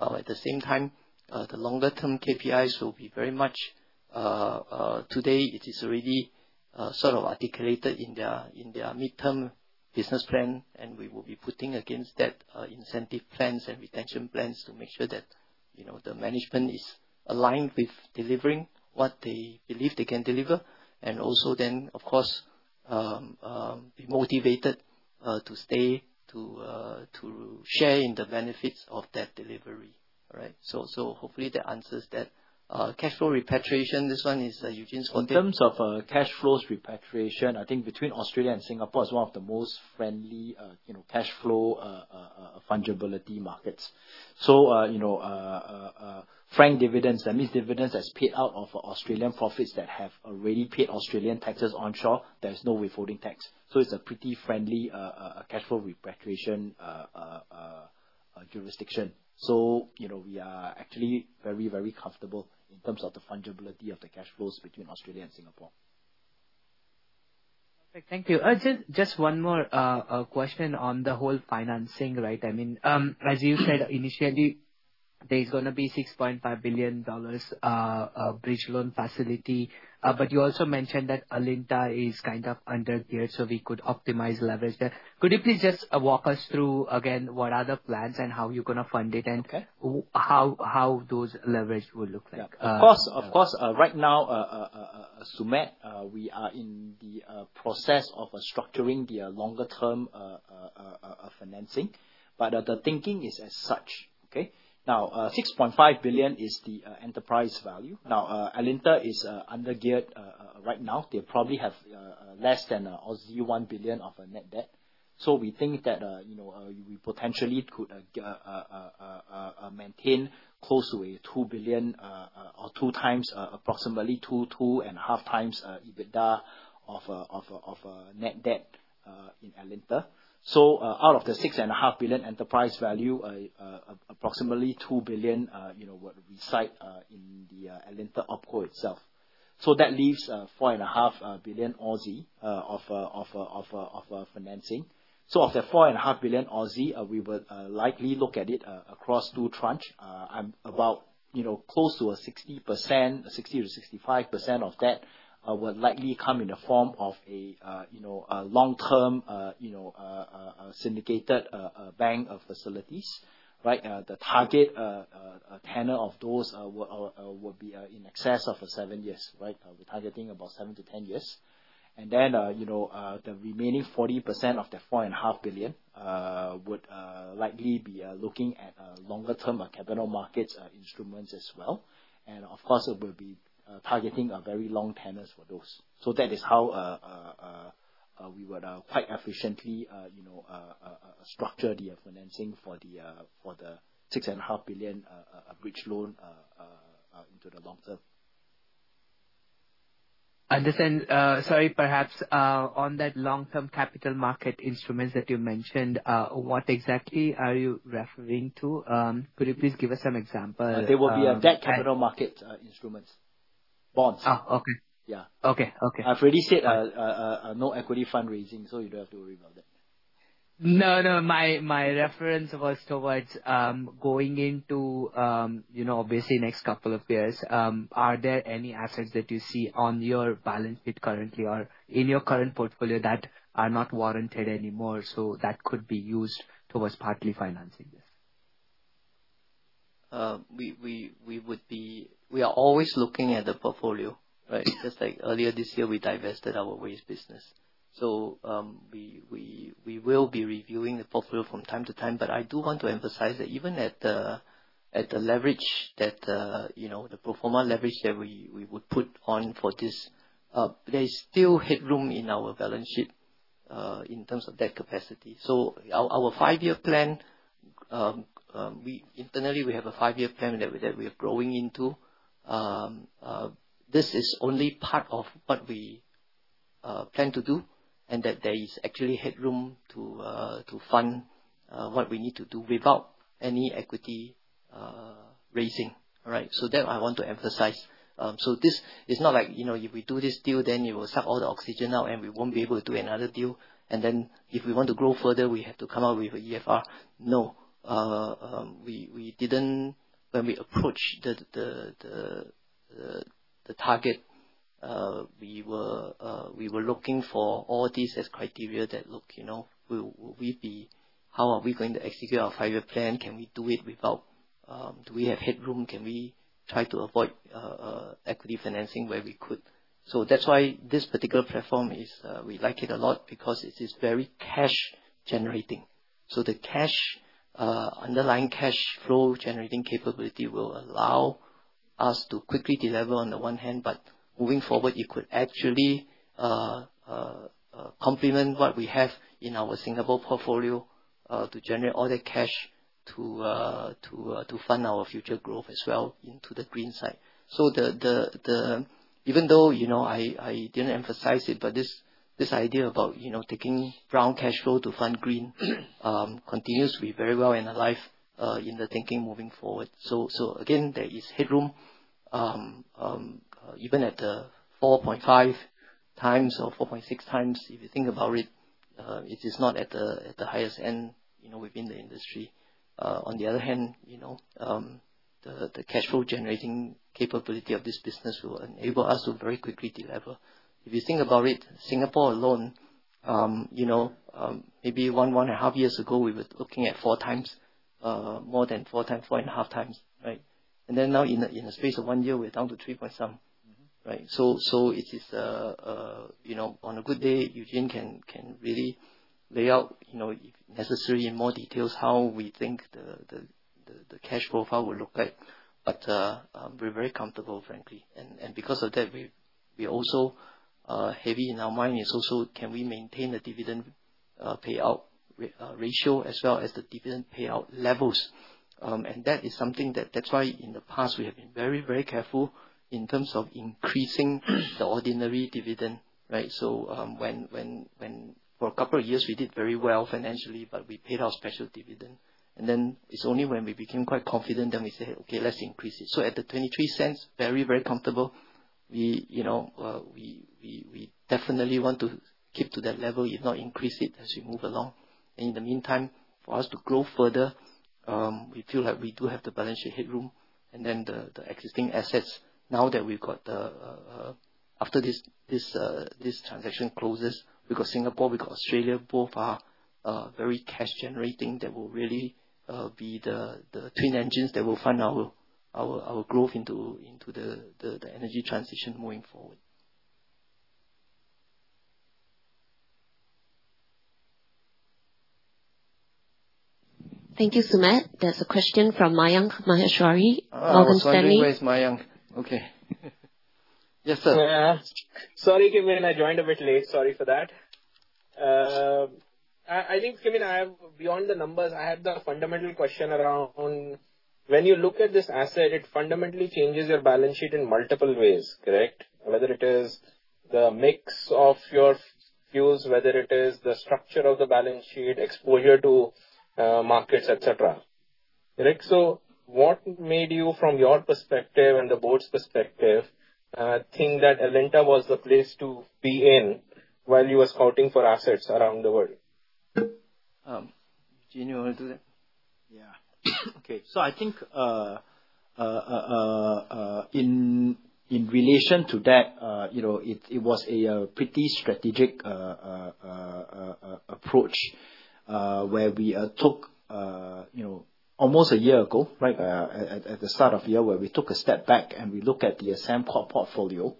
At the same time, the longer-term KPIs will be very much today, it is already sort of articulated in their midterm business plan, and we will be putting against that incentive plans and retention plans to make sure that the management is aligned with delivering what they believe they can deliver. And also then, of course, be motivated to stay to share in the benefits of that delivery, right? So hopefully that answers that. Cash flow repatriation, this one is Eugene's point. In terms of cash flows repatriation, I think between Australia and Singapore is one of the most friendly cash flow fungibility markets. So, franked dividends, that means dividends that's paid out of Australian profits that have already paid Australian taxes onshore, there is no withholding tax. So it's a pretty friendly cash flow repatriation jurisdiction. So we are actually very, very comfortable in terms of the fungibility of the cash flows between Australia and Singapore. Perfect. Thank you. Just one more question on the whole financing, right? I mean, as you said initially, there's going to be $6.5 billion bridge loan facility. But you also mentioned that Alinta is kind of undergeared, so we could optimize leverage there. Could you please just walk us through again what are the plans and how you're going to fund it and how those leverage will look like? Of course. Of course. Right now, Sumedh, we are in the process of structuring the longer-term financing. But the thinking is as such, okay? Now, 6.5 billion is the enterprise value. Now, Alinta is undergeared right now. They probably have less than a 0.1 billion of a net debt. So we think that we potentially could maintain close to a 2 billion or 2x, approximately 2.5x EBITDA of a net debt in Alinta. So out of the 6.5 billion enterprise value, approximately 2 billion would reside in the Alinta OpCo itself. So that leaves 4.5 billion of financing. So of the 4.5 billion, we would likely look at it across two tranches. About close to a 60%-65% of that would likely come in the form of a long-term syndicated bank facilities, right? The target tenor of those would be in excess of 7 years, right? We're targeting about 7-10 years. And then the remaining 40% of the 4.5 billion would likely be looking at longer-term capital markets instruments as well. And of course, it will be targeting very long tenors for those. So that is how we would quite efficiently structure the financing for the 6.5 billion bridge loan into the long term. I understand. Sorry, perhaps on that long-term capital market instruments that you mentioned, what exactly are you referring to? Could you please give us some examples? There will be a debt capital market instrument, bonds. Oh, okay. Yeah. Okay. Okay. I've already said no equity fundraising, so you don't have to worry about that. No, no. My reference was towards going into, obviously, next couple of years. Are there any assets that you see on your balance sheet currently or in your current portfolio that are not warranted anymore so that could be used towards partly financing this? We are always looking at the portfolio, right? Just like earlier this year, we divested our waste business. So we will be reviewing the portfolio from time to time. But I do want to emphasize that even at the leverage, the pro forma leverage that we would put on for this, there is still headroom in our balance sheet in terms of debt capacity. So our five-year plan, internally, we have a five-year plan that we are growing into. This is only part of what we plan to do and that there is actually headroom to fund what we need to do without any equity raising, right? So that I want to emphasize. So this is not like if we do this deal, then it will suck all the oxygen out and we won't be able to do another deal. And then if we want to grow further, we have to come up with an EFR. No. We didn't. When we approached the target, we were looking for all these as criteria that look how are we going to execute our five-year plan? Can we do it without do we have headroom? Can we try to avoid equity financing where we could? So that's why this particular platform, we like it a lot because it is very cash-generating. The underlying cash flow generating capability will allow us to quickly deliver on the one hand, but moving forward, it could actually complement what we have in our Singapore portfolio to generate all that cash to fund our future growth as well into the green side. So even though I didn't emphasize it, but this idea about taking brown cash flow to fund green continues to be very well and alive in the thinking moving forward. So again, there is headroom even at the 4.5 times or 4.6 times. If you think about it, it is not at the highest end within the industry. On the other hand, the cash flow generating capability of this business will enable us to very quickly deliver. If you think about it, Singapore alone, maybe one, one and a half years ago, we were looking at four times, more than four times, four and a half times, right? And then now, in the space of one year, we're down to three point some, right? So it is on a good day, Eugene can really lay out, if necessary, in more details how we think the cash profile will look like. But we're very comfortable, frankly. And because of that, we're also heavy in our mind is also can we maintain the dividend payout ratio as well as the dividend payout levels. And that is something that that's why in the past, we have been very, very careful in terms of increasing the ordinary dividend, right? So for a couple of years, we did very well financially, but we paid our special dividend. And then it's only when we became quite confident that we said, "Okay, let's increase it." So at the 0.23, very, very comfortable. We definitely want to keep to that level, if not increase it as we move along. And in the meantime, for us to grow further, we feel like we do have the balance sheet headroom. And then the existing assets, now that we've got the after this transaction closes, we've got Singapore, we've got Australia, both are very cash-generating that will really be the twin engines that will fund our growth into the energy transition moving forward. Thank you, Sumedh. There's a question from Mayank Maheshwari. Welcome, Morgan Stanley. Hello. Sorry, where is Mayank? Okay. Yes, sir. Sorry, Kim Yin, I joined a bit late. Sorry for that. I think, Kim Yin, beyond the numbers, I had the fundamental question around when you look at this asset, it fundamentally changes your balance sheet in multiple ways, correct? Whether it is the mix of your fuels, whether it is the structure of the balance sheet, exposure to markets, etc. Correct? So what made you, from your perspective and the board's perspective, think that Alinta was the place to be in while you were scouting for assets around the world? Eugene, you want to do that? Yeah. Okay. So I think in relation to that, it was a pretty strategic approach where we took almost a year ago, right, at the start of the year where we took a step back and we looked at the Sembcorp portfolio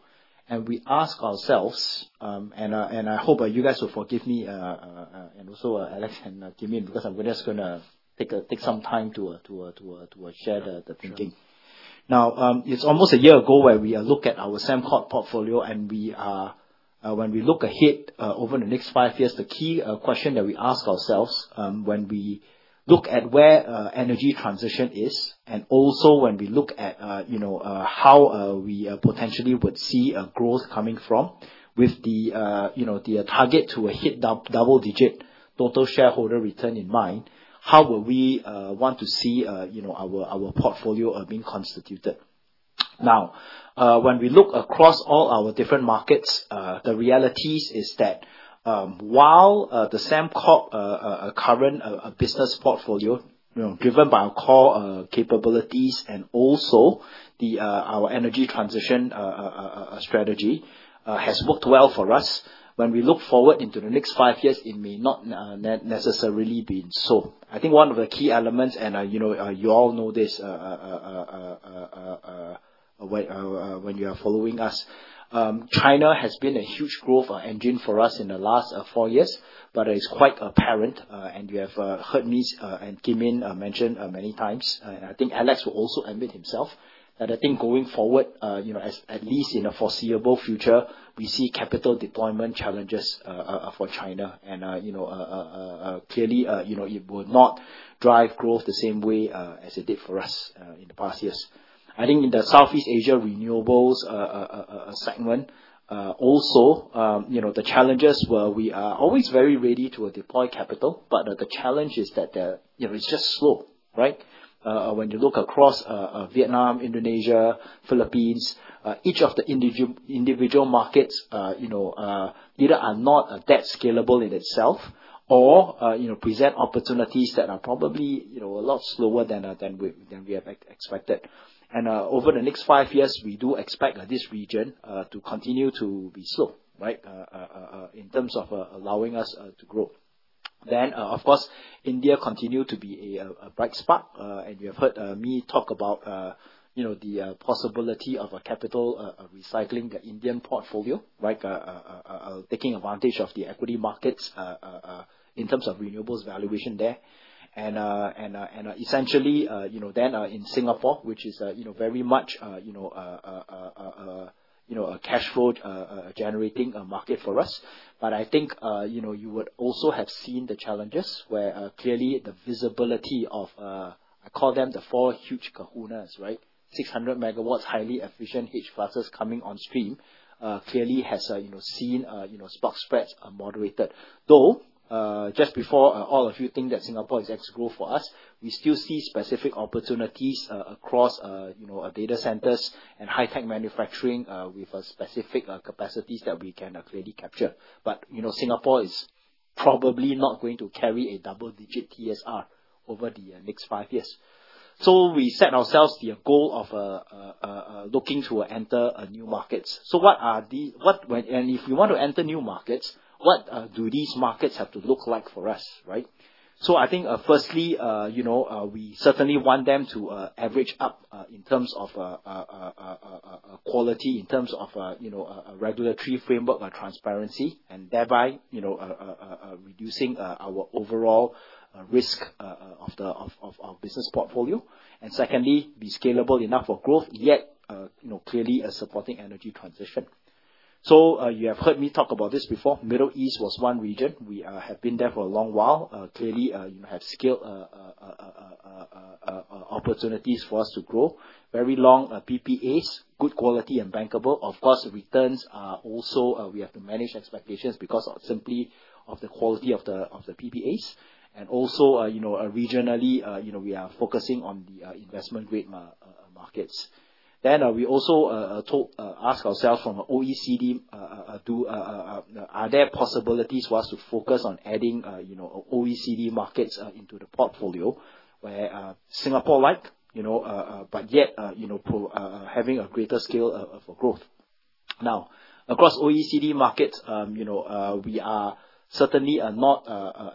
and we asked ourselves, and I hope you guys will forgive me and also Alex and Kim Yin because I'm just going to take some time to share the thinking. Now, it's almost a year ago where we looked at our Sembcorp portfolio and when we look ahead over the next five years, the key question that we ask ourselves when we look at where energy transition is and also when we look at how we potentially would see a growth coming from with the target to hit double-digit total shareholder return in mind, how would we want to see our portfolio being constituted? Now, when we look across all our different markets, the reality is that while the Sembcorp current business portfolio driven by our core capabilities and also our energy transition strategy has worked well for us, when we look forward into the next five years, it may not necessarily be so. I think one of the key elements, and you all know this when you are following us, China has been a huge growth engine for us in the last four years, but it's quite apparent. You have heard me and Kim Yin mention many times, and I think Alex will also admit himself that I think going forward, at least in a foreseeable future, we see capital deployment challenges for China. Clearly, it will not drive growth the same way as it did for us in the past years. I think in the Southeast Asia renewables segment, also the challenges where we are always very ready to deploy capital, but the challenge is that it's just slow, right? When you look across Vietnam, Indonesia, Philippines, each of the individual markets, either are not that scalable in itself or present opportunities that are probably a lot slower than we have expected. And over the next five years, we do expect this region to continue to be slow, right, in terms of allowing us to grow. Then, of course, India continues to be a bright spark. And you have heard me talk about the possibility of a capital recycling the Indian portfolio, right, taking advantage of the equity markets in terms of renewables valuation there. And essentially, then in Singapore, which is very much a cash flow generating market for us. But I think you would also have seen the challenges where clearly the visibility of, I call them the four huge kahunas, right, 600 megawatts highly efficient H-classes coming on stream clearly has seen spot spreads moderated. Though just before all of you think that Singapore is ex-growth for us, we still see specific opportunities across data centers and high-tech manufacturing with specific capacities that we can clearly capture. But Singapore is probably not going to carry a double-digit TSR over the next five years. So we set ourselves the goal of looking to enter new markets. So what are they, and if we want to enter new markets, what do these markets have to look like for us, right? So I think firstly, we certainly want them to average up in terms of quality, in terms of a regulatory framework or transparency, and thereby reducing our overall risk of our business portfolio. And secondly, be scalable enough for growth, yet clearly a supporting energy transition. So you have heard me talk about this before. Middle East was one region. We have been there for a long while. Clearly, have scaled opportunities for us to grow. Very long PPAs, good quality and bankable. Of course, returns are also we have to manage expectations because simply of the quality of the PPAs. And also regionally, we are focusing on the investment-grade markets. Then we also ask ourselves from OECD, are there possibilities for us to focus on adding OECD markets into the portfolio where Singapore-like, but yet having a greater scale for growth? Now, across OECD markets, we are certainly not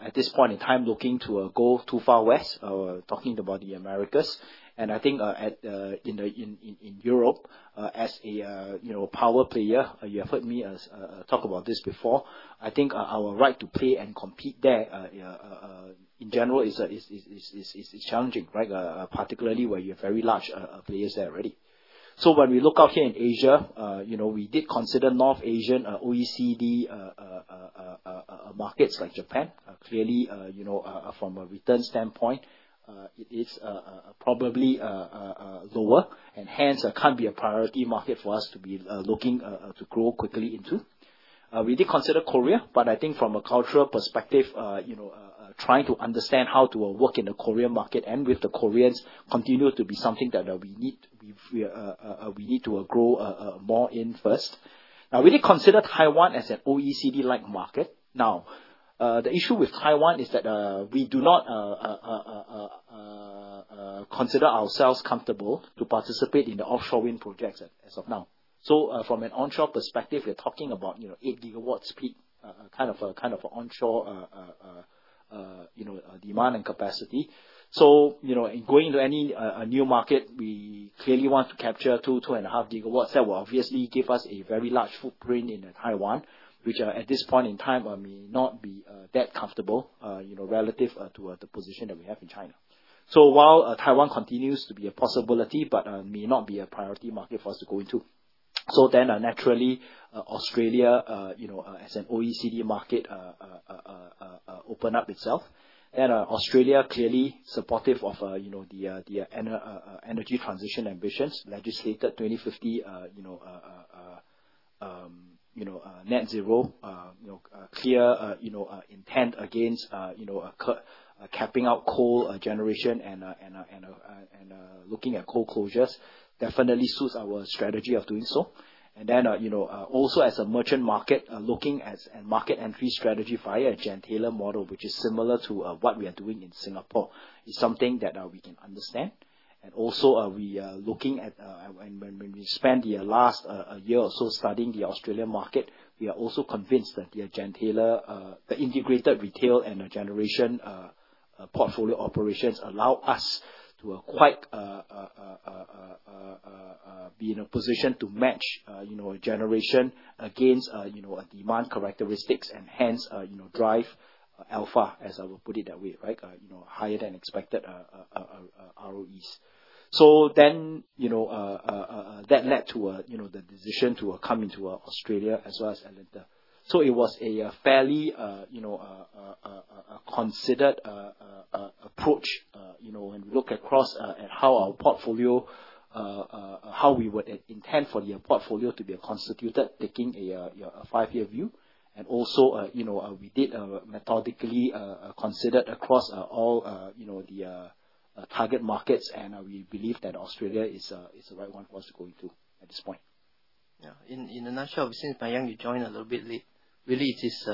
at this point in time looking to go too far west, talking about the Americas. And I think in Europe, as a power player, you have heard me talk about this before. I think our right to play and compete there in general is challenging, right, particularly where you have very large players there already. So when we look out here in Asia, we did consider North Asian OECD markets like Japan. Clearly, from a return standpoint, it is probably lower and hence can't be a priority market for us to be looking to grow quickly into. We did consider Korea, but I think from a cultural perspective, trying to understand how to work in the Korean market and with the Koreans continues to be something that we need to grow more in first. Now, we did consider Taiwan as an OECD-like market. Now, the issue with Taiwan is that we do not consider ourselves comfortable to participate in the offshore wind projects as of now. So from an onshore perspective, we're talking about 8 gigawatts peak, kind of onshore demand and capacity. So in going to any new market, we clearly want to capture 2, 2 and a half gigawatts that will obviously give us a very large footprint in Taiwan, which at this point in time may not be that comfortable relative to the position that we have in China. So while Taiwan continues to be a possibility, but may not be a priority market for us to go into. So then naturally, Australia as an OECD market opened up itself. Then Australia clearly supportive of the energy transition ambitions. Legislated 2050 Net Zero, clear intent against capping out coal generation and looking at coal closures definitely suits our strategy of doing so. And then also as a merchant market, looking at market entry strategy via a gentailer model, which is similar to what we are doing in Singapore, is something that we can understand. And also we are looking at when we spent the last year or so studying the Australian market, we are also convinced that the gentailer, the integrated retail and generation portfolio operations allow us to quite be in a position to match generation against demand characteristics and hence drive alpha, as I will put it that way, right, higher than expected ROEs. So then that led to the decision to come into Australia as well as Alinta. It was a fairly considered approach when we look across at how our portfolio, how we would intend for the portfolio to be constituted, taking a five-year view. And also we did methodically consider across all the target markets, and we believe that Australia is the right one for us to go into at this point. Yeah. In a nutshell, since Mayank, you joined a little bit late, really it is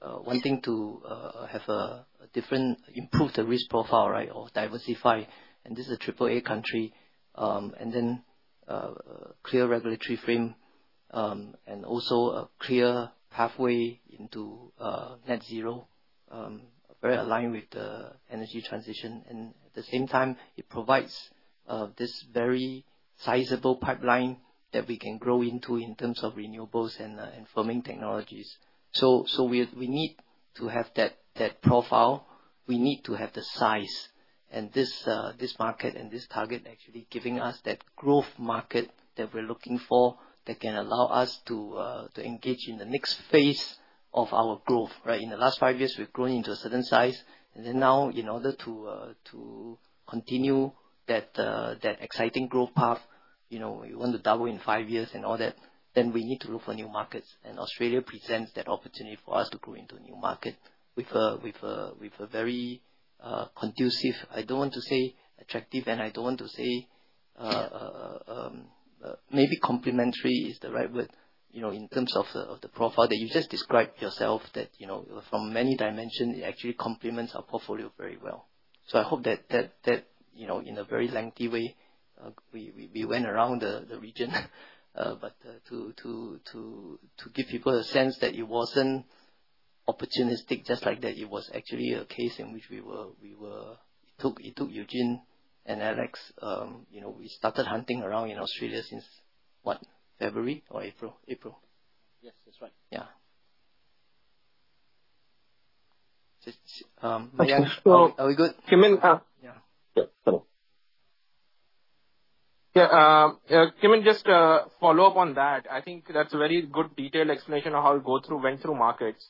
one thing to have a different improved risk profile, right, or diversify. And this is a triple-A country. And then clear regulatory frame and also a clear pathway into Net Zero, very aligned with the energy transition. And at the same time, it provides this very sizable pipeline that we can grow into in terms of renewables and firming technologies. So we need to have that profile. We need to have the size. And this market and this target actually giving us that growth market that we're looking for that can allow us to engage in the next phase of our growth, right? In the last five years, we've grown into a certain size. And then now, in order to continue that exciting growth path, we want to double in five years and all that, then we need to look for new markets. And Australia presents that opportunity for us to grow into a new market with a very conducive, I don't want to say attractive, and I don't want to say maybe complementary is the right word in terms of the profile that you just described yourself that from many dimensions, it actually complements our portfolio very well. So I hope that in a very lengthy way, we went around the region, but to give people a sense that it wasn't opportunistic just like that. It was actually a case in which we were it took Eugene and Alex. We started hunting around in Australia since, what, February or April? April. Yes, that's right. Yeah. Mayank, are we good? Kim Yin, yeah. Yeah. Kim Yin, just follow up on that. I think that's a very good detailed explanation of how we went through markets.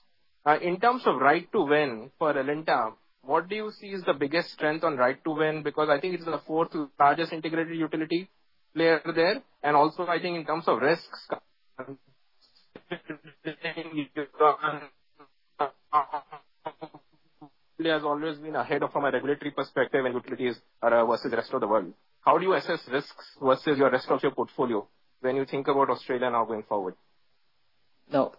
In terms of right to win for Alinta, what do you see is the biggest strength on right to win? Because I think it's the fourth largest integrated utility player there. And also I think in terms of risks, Australia has always been ahead from a regulatory perspective and utilities versus the rest of the world. How do you assess risks versus the rest of your portfolio when you think about Australia now going forward? Now,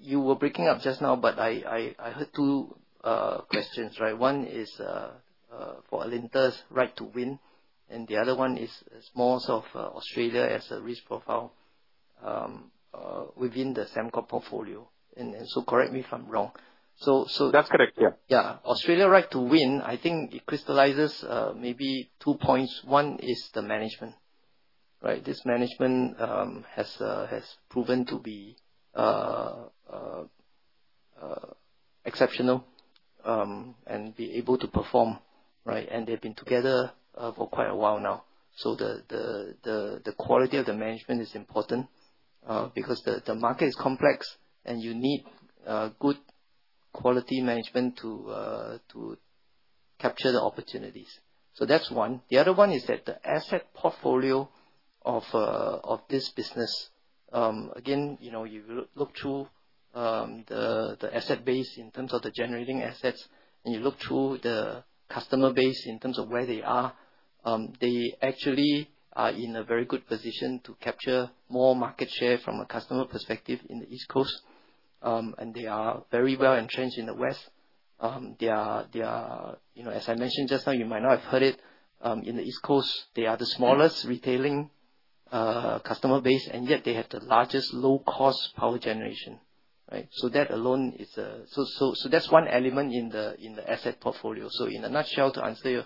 you were breaking up just now, but I heard two questions, right? One is for Alinta's right to win, and the other one is more of Australia as a risk profile within the Sembcorp portfolio. And so correct me if I'm wrong. So that's correct, yeah. Yeah. Australia right to win, I think it crystallizes maybe two points. One is the management, right? This management has proven to be exceptional and be able to perform, right? And they've been together for quite a while now. So the quality of the management is important because the market is complex and you need good quality management to capture the opportunities. So that's one. The other one is that the asset portfolio of this business, again, you look through the asset base in terms of the generating assets, and you look through the customer base in terms of where they are. They actually are in a very good position to capture more market share from a customer perspective in the East Coast, and they are very well entrenched in the West. They are, as I mentioned just now, you might not have heard it, in the East Coast, they are the smallest retailing customer base, and yet they have the largest low-cost power generation, right? So that alone is, so that's one element in the asset portfolio. So in a nutshell, to answer your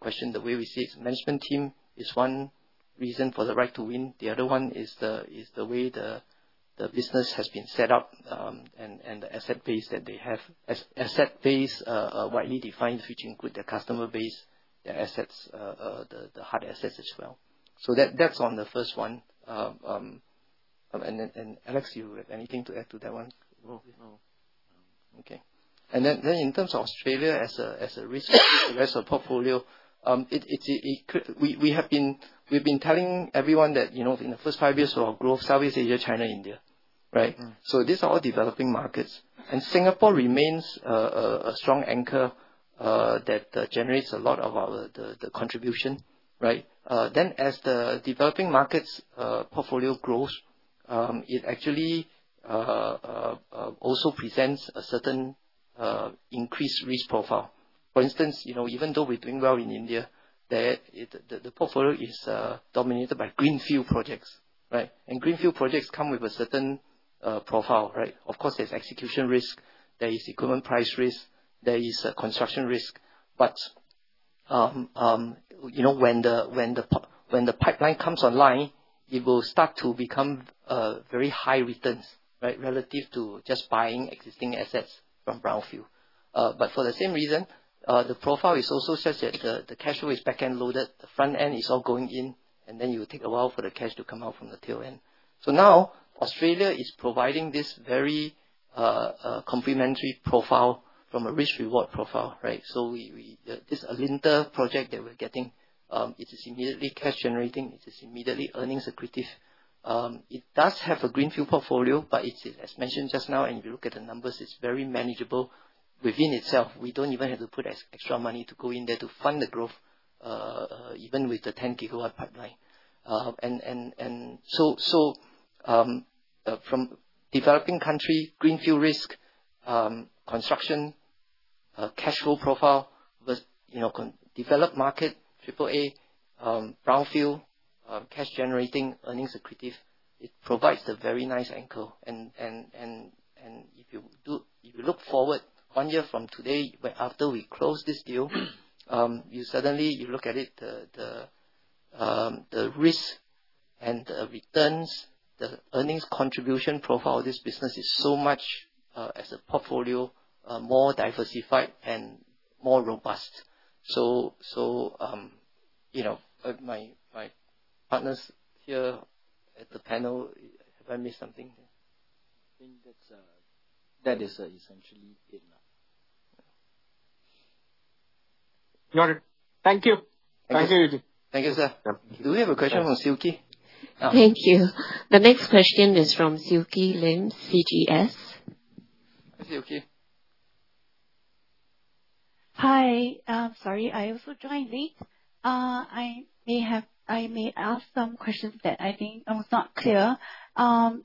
question, the way we see it, management team is one reason for the right to win. The other one is the way the business has been set up and the asset base that they have. Asset base widely defined which includes their customer base, their assets, the hard assets as well. So that's on the first one. And Alex, you have anything to add to that one? No. Okay. And then in terms of Australia as a risk versus the rest of the portfolio, we have been telling everyone that in the first five years for our growth, Southeast Asia, China, India, right? So these are all developing markets. And Singapore remains a strong anchor that generates a lot of our contribution, right? Then as the developing markets portfolio grows, it actually also presents a certain increased risk profile. For instance, even though we're doing well in India, the portfolio is dominated by greenfield projects, right? And greenfield projects come with a certain profile, right? Of course, there's execution risk. There is equipment price risk. There is construction risk. But when the pipeline comes online, it will start to become very high returns, right, relative to just buying existing assets from brownfield. But for the same reason, the profile is also such that the cash flow is back-end loaded. The front-end is all going in, and then you take a while for the cash to come out from the tail end. So now Australia is providing this very complementary profile from a risk-reward profile, right? So this Alinta project that we're getting, it is immediately cash-generating. It is immediately earnings accretive. It does have a greenfield portfolio, but it's, as mentioned just now, and if you look at the numbers, it's very manageable within itself. We don't even have to put extra money to go in there to fund the growth, even with the 10-gigawatt pipeline. And so from developing country, greenfield risk, construction, cash flow profile versus developed market, triple-A, brownfield, cash-generating, earnings-accretive, it provides a very nice anchor. And if you look forward one year from today, after we close this deal, suddenly you look at it, the risk and the returns, the earnings contribution profile of this business is so much as a portfolio, more diversified and more robust. So my partners here at the panel, have I missed something? I think that's essentially it now. Jordan, thank you. Thank you. Thank you, Eugene. Thank you, sir. Do we have a question from Siew Khee? Thank you. The next question is from Siew Khee Lim, CGS. Hi, Siew Khee. Hi. Sorry, I also joined late. I may ask some questions that I think I was not clear.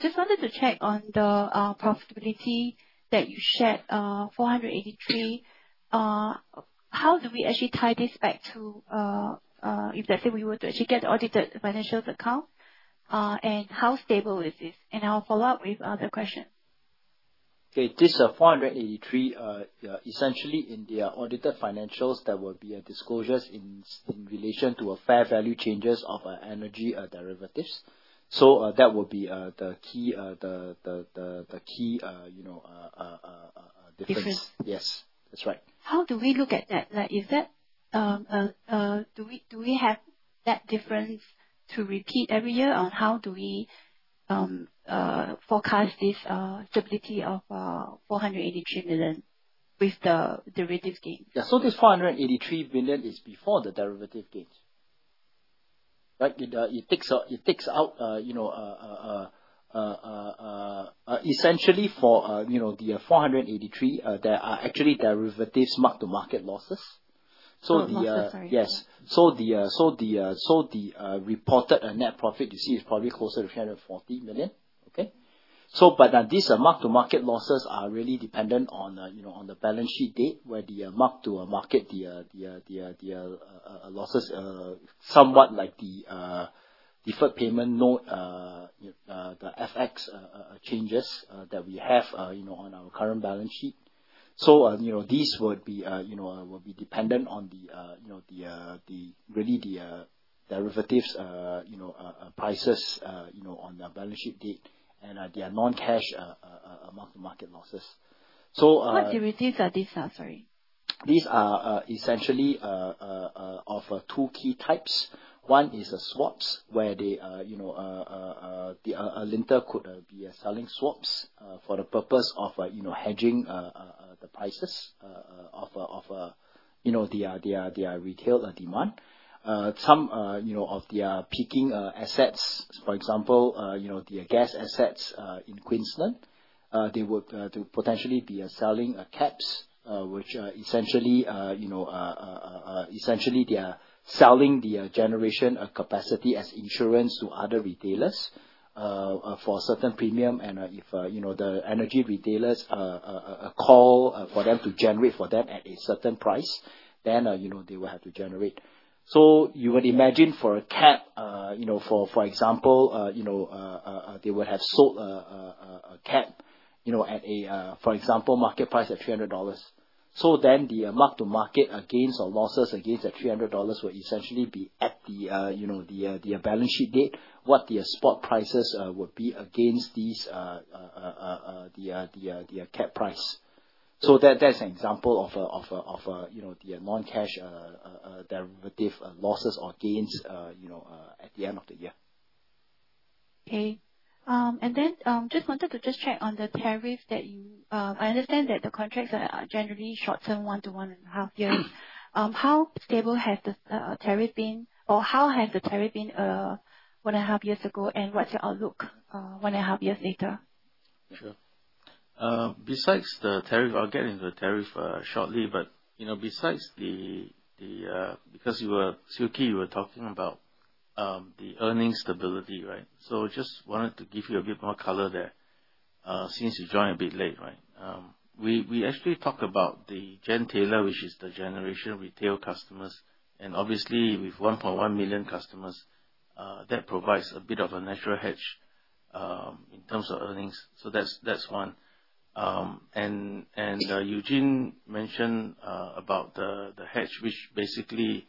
Just wanted to check on the profitability that you shared, 483. How do we actually tie this back to, let's say, we were to actually get audited financials account? And how stable is this? And I'll follow up with other questions. Okay. This 483, essentially in the audited financials, there will be disclosures in relation to fair value changes of energy derivatives. So that will be the key difference. Difference. Yes, that's right. How do we look at that? Do we have that difference to repeat every year on how do we forecast this stability of 483 million with the derivatives gains? Yeah. So this 483 million is before the derivatives gains, right? It takes out essentially for the 483, there are actually derivatives marked to market losses. So the losses, sorry. Yes. So the reported net profit you see is probably closer to 340 million. Okay. But these mark-to-market losses are really dependent on the balance sheet date where the mark-to-market losses, somewhat like the deferred payment note, the FX changes that we have on our current balance sheet. So these would be dependent on really the derivatives prices on the balance sheet date and the non-cash mark-to-market losses. So what derivatives are these, sorry? These are essentially of two key types. One is swaps where Alinta could be selling swaps for the purpose of hedging the prices of the retail demand. Some of their peaking assets, for example, the gas assets in Queensland, they would potentially be selling caps, which essentially they are selling the generation capacity as insurance to other retailers for a certain premium. If the energy retailers call for them to generate for them at a certain price, then they will have to generate. You would imagine for a cap, for example, they would have sold a cap at a, for example, market price of 300 dollars. Then the mark-to-market gains or losses against that 300 dollars would essentially be at the balance sheet date what the spot prices would be against the cap price. That's an example of the non-cash derivative losses or gains at the end of the year. Okay. Then just wanted to just check on the tariff that you. I understand that the contracts are generally short-term, one to one and a half years. How stable has the tariff been, or how has the tariff been one and a half years ago, and what's your outlook one and a half years later? Sure. Besides the tariff, I'll get into the tariff shortly, but besides the because you were Siew Khee, you were talking about the earnings stability, right? So just wanted to give you a bit more color there since you joined a bit late, right? We actually talked about the gentailer, which is the generation retail customers. And obviously, with 1.1 million customers, that provides a bit of a natural hedge in terms of earnings. So that's one. And Eugene mentioned about the hedge, which basically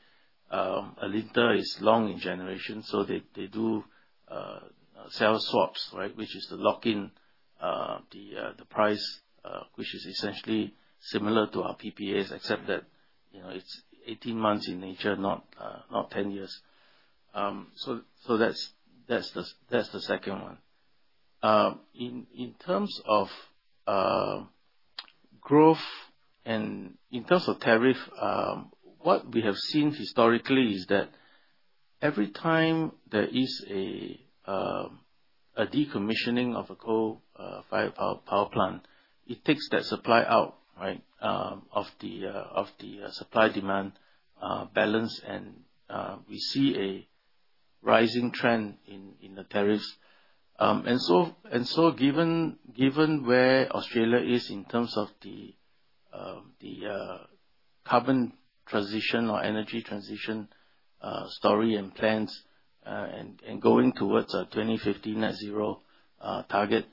Alinta is long in generation. So they do sell swaps, right, which is to lock in the price, which is essentially similar to our PPAs, except that it's 18 months in nature, not 10 years. So that's the second one. In terms of growth and in terms of tariff, what we have seen historically is that every time there is a decommissioning of a coal power plant, it takes that supply out, right, of the supply-demand balance, and we see a rising trend in the tariffs. And so given where Australia is in terms of the carbon transition or energy transition story and plans and going towards a 2050 Net Zero target,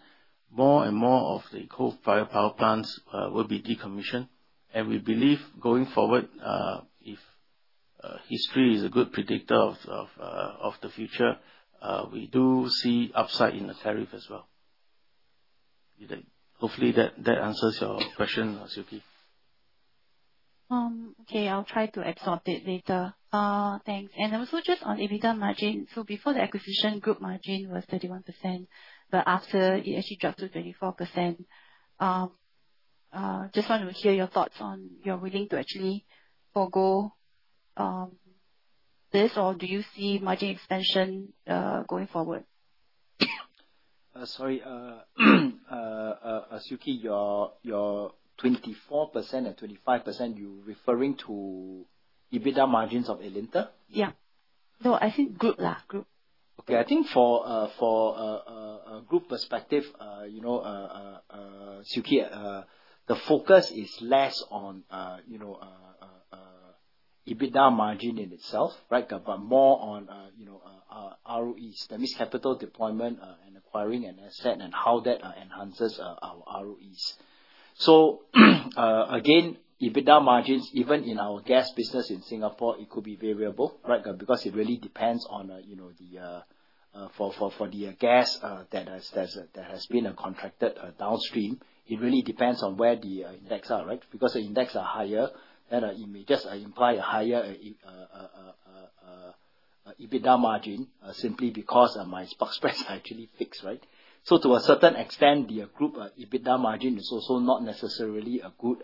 more and more of the coal power plants will be decommissioned. And we believe going forward, if history is a good predictor of the future, we do see upside in the tariff as well. Hopefully, that answers your question, Siew Khee. Okay. I'll try to exhaust it later. Thanks. And also just on EBITDA margin, so before the acquisition, group margin was 31%, but after it actually dropped to 24%. Just want to hear your thoughts on your willingness to actually forgo this, or do you see margin expansion going forward? Sorry, Siew Khee, your 24% and 25%, you're referring to EBITDA margins of Alinta? Yeah. No, I think group, group. Okay. I think for a group perspective, Siew Khee, the focus is less on EBITDA margin in itself, right, but more on ROEs, the risk capital deployment and acquiring an asset and how that enhances our ROEs. So again, EBITDA margins, even in our gas business in Singapore, it could be variable, right, because it really depends on the for the gas that has been contracted downstream, it really depends on where the indices are, right? Because the indices are higher, then it may just imply a higher EBITDA margin simply because my spot spreads are actually fixed, right? To a certain extent, the group EBITDA margin is also not necessarily a good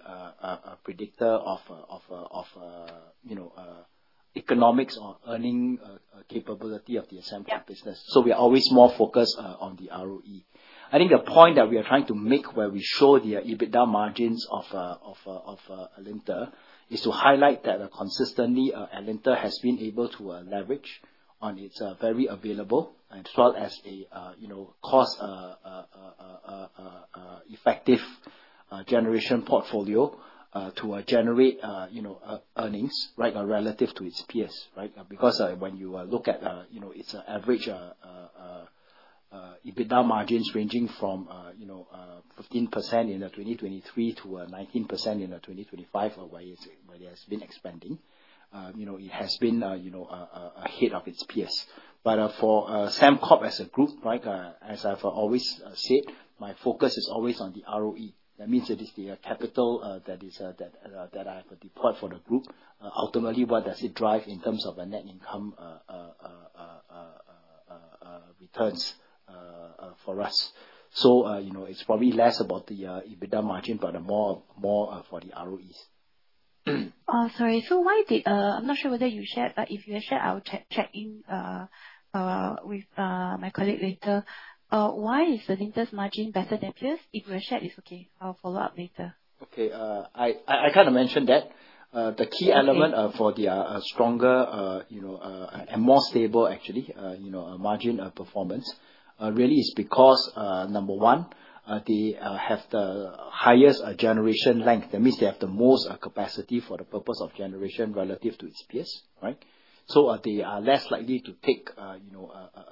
predictor of economics or earning capability of the Alinta business. We are always more focused on the ROE. I think the point that we are trying to make where we show the EBITDA margins of Alinta is to highlight that consistently Alinta has been able to leverage on its very available as well as a cost-effective generation portfolio to generate earnings, right, relative to its peers, right? Because when you look at its average EBITDA margins ranging from 15%-19% in 2023-2025, where it has been expanding, it has been ahead of its peers. But for Sembcorp as a group, right, as I've always said, my focus is always on the ROE. That means it is the capital that I have deployed for the group. Ultimately, what does it drive in terms of net income returns for us? So it's probably less about the EBITDA margin, but more for the ROEs. Sorry. So, why? I'm not sure whether you shared, but if you have shared, I'll check in with my colleague later. Why is Alinta's margin better than peers? If you have shared, it's okay. I'll follow up later. Okay. I kind of mentioned that. The key element for the stronger and more stable, actually, margin of performance really is because, number one, they have the highest generation fleet. That means they have the most capacity for the purpose of generation relative to its peers, right? So they are less likely to take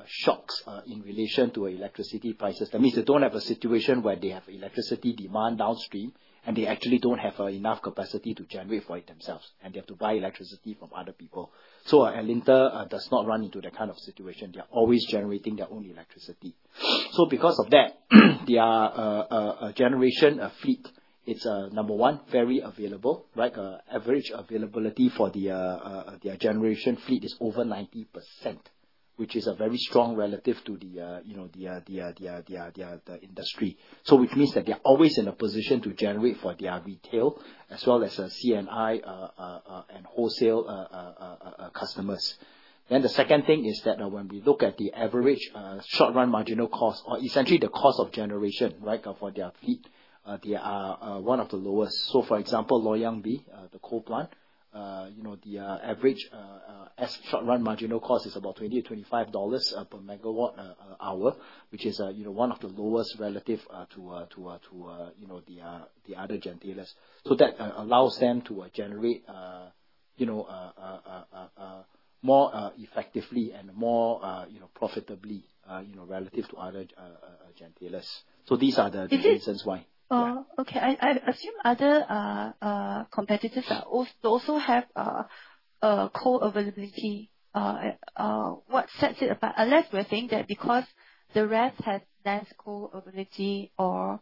shocks in relation to electricity prices. That means they don't have a situation where they have electricity demand downstream, and they actually don't have enough capacity to generate for it themselves. They have to buy electricity from other people. So Alinta does not run into that kind of situation. They are always generating their own electricity. So because of that, their generation fleet, it's number one, very available, right? Average availability for their generation fleet is over 90%, which is very strong relative to the industry. So which means that they are always in a position to generate for their retail as well as C&I and wholesale customers. Then the second thing is that when we look at the average short-run marginal cost, or essentially the cost of generation, right, for their fleet, they are one of the lowest. So for example, Loy Yang B, the coal plant, the average short-run marginal cost is about 20-25 dollars per megawatt hour, which is one of the lowest relative to the other gentailers. So that allows them to generate more effectively and more profitably relative to other gentailers. So these are the reasons why. Okay. I assume other competitors also have coal availability. What sets it apart? Unless we're saying that because the rest has less coal availability, or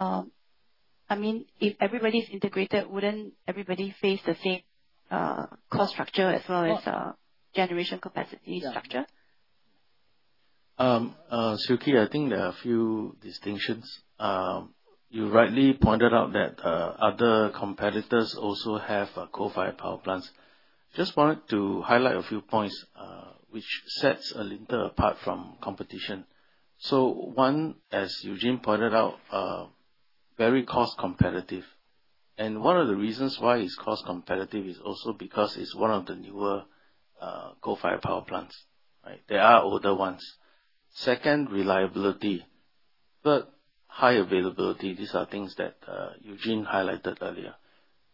I mean, if everybody's integrated, wouldn't everybody face the same cost structure as well as generation capacity structure? Siew Khee, I think there are a few distinctions. You rightly pointed out that other competitors also have coal-fired power plants. Just wanted to highlight a few points which sets Alinta apart from competition. So one, as Eugene pointed out, very cost-competitive. And one of the reasons why it's cost-competitive is also because it's one of the newer coal-fired power plants, right? There are older ones. Second, reliability. Third, high availability. These are things that Eugene highlighted earlier.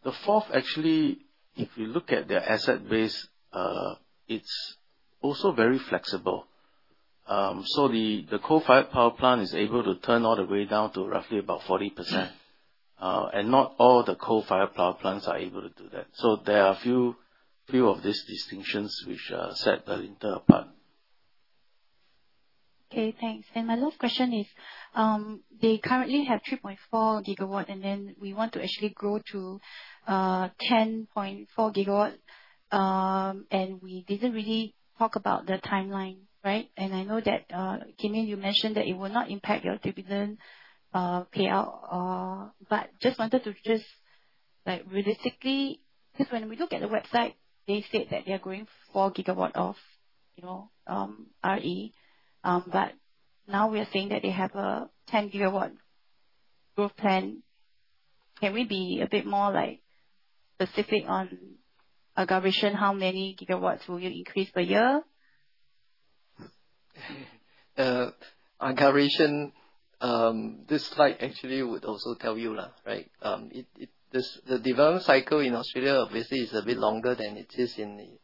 The fourth, actually, if you look at their asset base, it's also very flexible. So the coal-fired power plant is able to turn all the way down to roughly about 40%. And not all the coal-fired power plants are able to do that. So there are a few of these distinctions which set Alinta apart. Okay. Thanks. And my last question is, they currently have 3.4 gigawatts, and then we want to actually grow to 10.4 gigawatts. And we didn't really talk about the timeline, right? And I know that, Kim Yin, you mentioned that it will not impact your dividend payout, but just wanted to just realistically, because when we look at the website, they state that they are going 4 gigawatts of RE. But now we are saying that they have a 10-gigawatt growth plan. Can we be a bit more specific on acceleration, how many gigawatts will you increase per year? Acceleration, this slide actually would also tell you, right? The development cycle in Australia, obviously, is a bit longer than it is in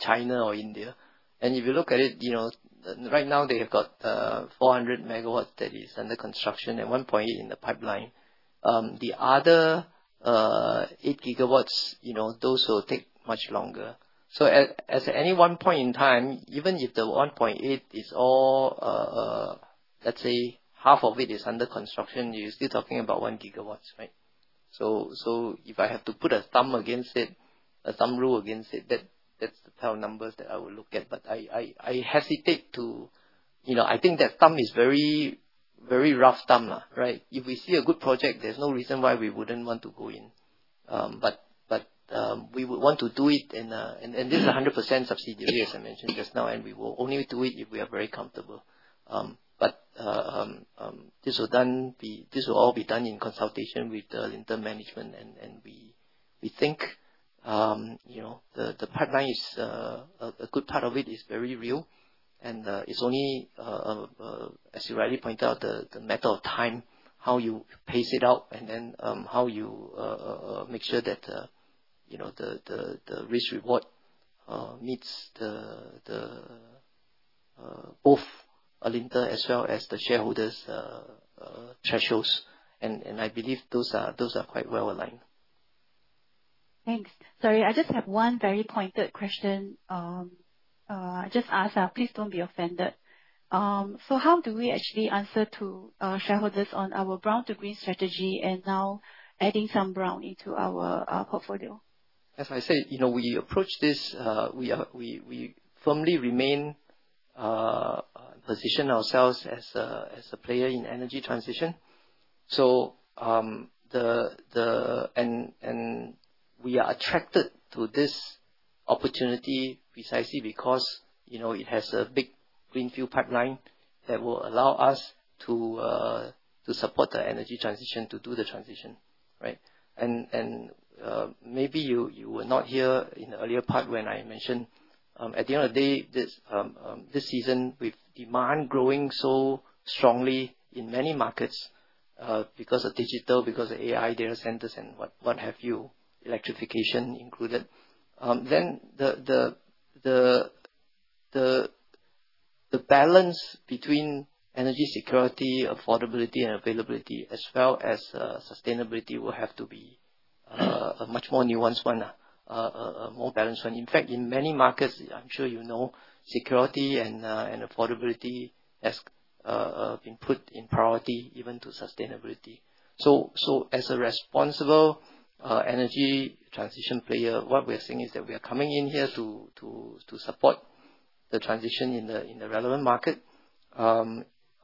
China or India. And if you look at it, right now, they have got 400 megawatts that is under construction and 1.8 in the pipeline. The other 8 gigawatts, those will take much longer. So at any one point in time, even if the 1.8 is all, let's say, half of it is under construction, you're still talking about one gigawatt, right? So if I have to put a rule of thumb against it, that's the power numbers that I will look at. But I hesitate to. I think that rule of thumb is very rough, right? If we see a good project, there's no reason why we wouldn't want to go in, but we would want to do it, and this is 100% subsidiary, as I mentioned just now, and we will only do it if we are very comfortable, but this will all be done in consultation with Alinta management, and we think the pipeline is a good part of it is very real, and it's only, as you rightly pointed out, the matter of time, how you pace it out, and then how you make sure that the risk-reward meets both Alinta as well as the shareholders' thresholds, and I believe those are quite well aligned. Thanks. Sorry, I just have one very pointed question. I just asked, please don't be offended, so how do we actually answer to shareholders on our brown-to-green strategy and now adding some brown into our portfolio? As I said, we approach this as we firmly reposition ourselves as a player in energy transition, so we are attracted to this opportunity precisely because it has a big greenfield pipeline that will allow us to support the energy transition to do the transition, right? Maybe you were not here in the earlier part when I mentioned at the end of the day, this scenario with demand growing so strongly in many markets because of digital, because of AI, data centers, and what have you, electrification included. Then the balance between energy security, affordability, and availability, as well as sustainability, will have to be a much more nuanced one, a more balanced one. In fact, in many markets, I'm sure you know, security and affordability has been put in priority even to sustainability. As a responsible energy transition player, what we are seeing is that we are coming in here to support the transition in the relevant market.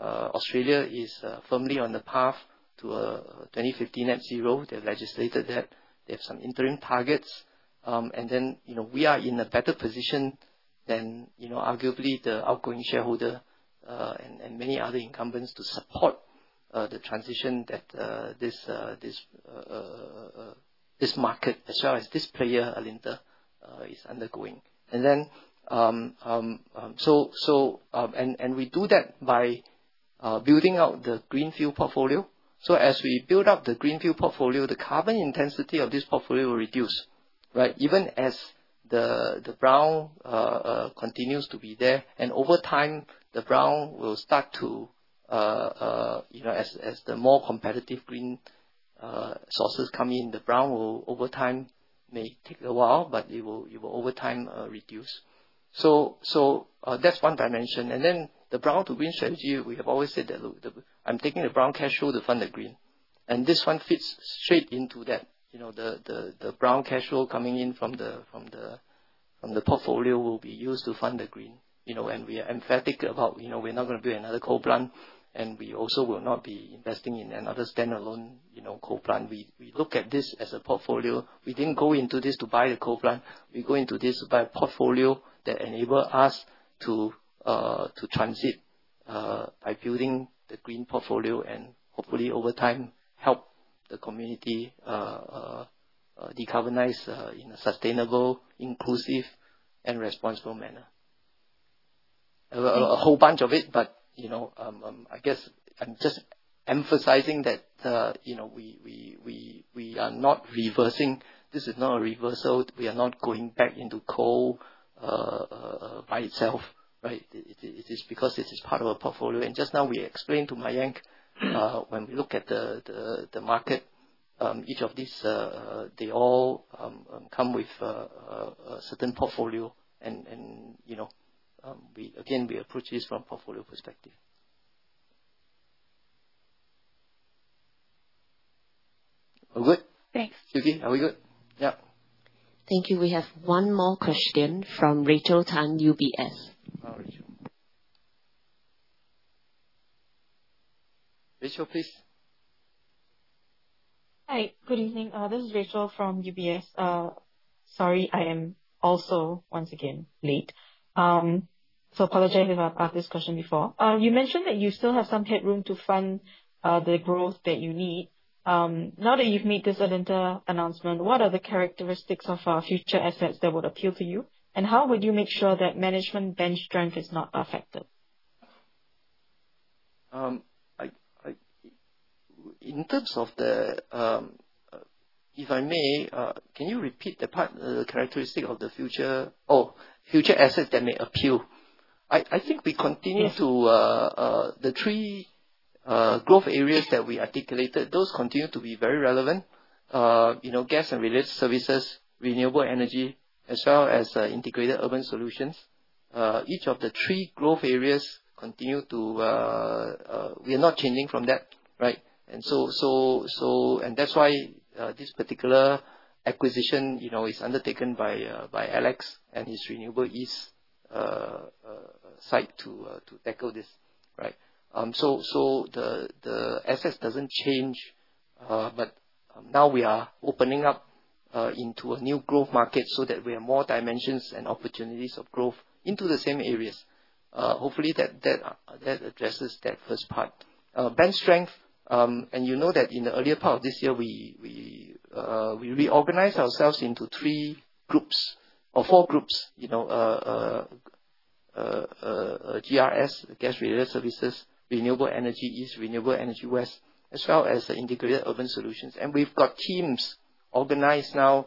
Australia is firmly on the path to a 2050 Net Zero. They've legislated that. They have some interim targets. We are in a better position than arguably the outgoing shareholder and many other incumbents to support the transition that this market, as well as this player, Alinta, is undergoing. We do that by building out the greenfield portfolio. As we build up the greenfield portfolio, the carbon intensity of this portfolio will reduce, right? Even as the brown continues to be there. And over time, the brown will start to, as the more competitive green sources come in, the brown will over time may take a while, but it will over time reduce. That's one dimension. Then the brown-to-green strategy. We have always said that I'm taking the brown cash flow to fund the green. This one fits straight into that. The brown cash flow coming in from the portfolio will be used to fund the green. We are emphatic about we're not going to build another coal plant, and we also will not be investing in another standalone coal plant. We look at this as a portfolio. We didn't go into this to buy the coal plant. We go into this to buy a portfolio that enables us to transition by building the green portfolio and hopefully over time help the community decarbonize in a sustainable, inclusive, and responsible manner. A whole bunch of it, but I guess I'm just emphasizing that we are not reversing. This is not a reversal. We are not going back into coal by itself, right? It is because it is part of a portfolio. And just now we explained to Mayank, when we look at the market, each of these, they all come with a certain portfolio. And again, we approach this from a portfolio perspective. We're good? Thanks. Siew Khee, are we good? Yeah. Thank you. We have one more question from Rachel Tan, UBS. Rachel. Rachel, please. Hi. Good evening. This is Rachel from UBS. Sorry, I am also once again late. So apologize if I asked this question before. You mentioned that you still have some headroom to fund the growth that you need. Now that you've made this Alinta announcement, what are the characteristics of future assets that would appeal to you? And how would you make sure that management bench strength is not affected? In terms of the, if I may, can you repeat the characteristic of the future, oh, future assets that may appeal? I think we continue to the three growth areas that we articulated, those continue to be very relevant: gas and related services, renewable energy, as well as integrated urban solutions. Each of the three growth areas continue to we are not changing from that, right? And that's why this particular acquisition is undertaken by Alex and his Renewables East to tackle this, right? So the assets doesn't change, but now we are opening up into a new growth market so that we have more dimensions and opportunities of growth into the same areas. Hopefully, that addresses that first part. Bench strength, and you know that in the earlier part of this year, we reorganized ourselves into three groups or four groups: GRS, Gas Related Services, Renewable Energy East, Renewable Energy West, as well as Integrated Urban Solutions, and we've got teams organized now,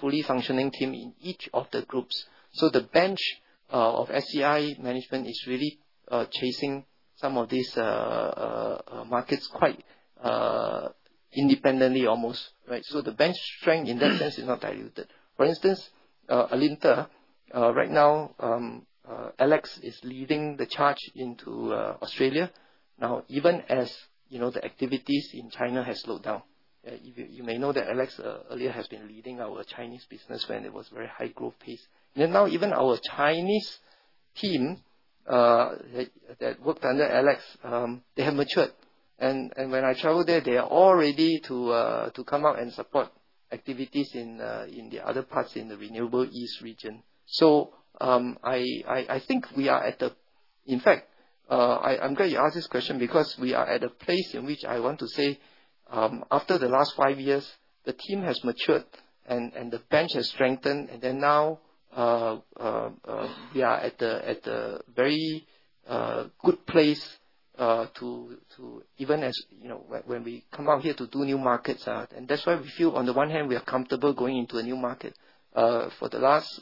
fully functioning team in each of the groups, so the bench of SCI management is really chasing some of these markets quite independently almost, right, so the bench strength in that sense is not diluted. For instance, Alinta, right now, Alex is leading the charge into Australia. Now, even as the activities in China have slowed down, you may know that Alex earlier has been leading our Chinese business when it was very high growth pace. Now, even our Chinese team that worked under Alex, they have matured. And when I travel there, they are all ready to come out and support activities in the other parts in the Renewables East region. So I think we are at the, in fact, I'm glad you asked this question because we are at a place in which I want to say after the last five years, the team has matured and the bench has strengthened. And then now we are at the very good place to even as when we come out here to do new markets. And that's why we feel on the one hand, we are comfortable going into a new market. For the last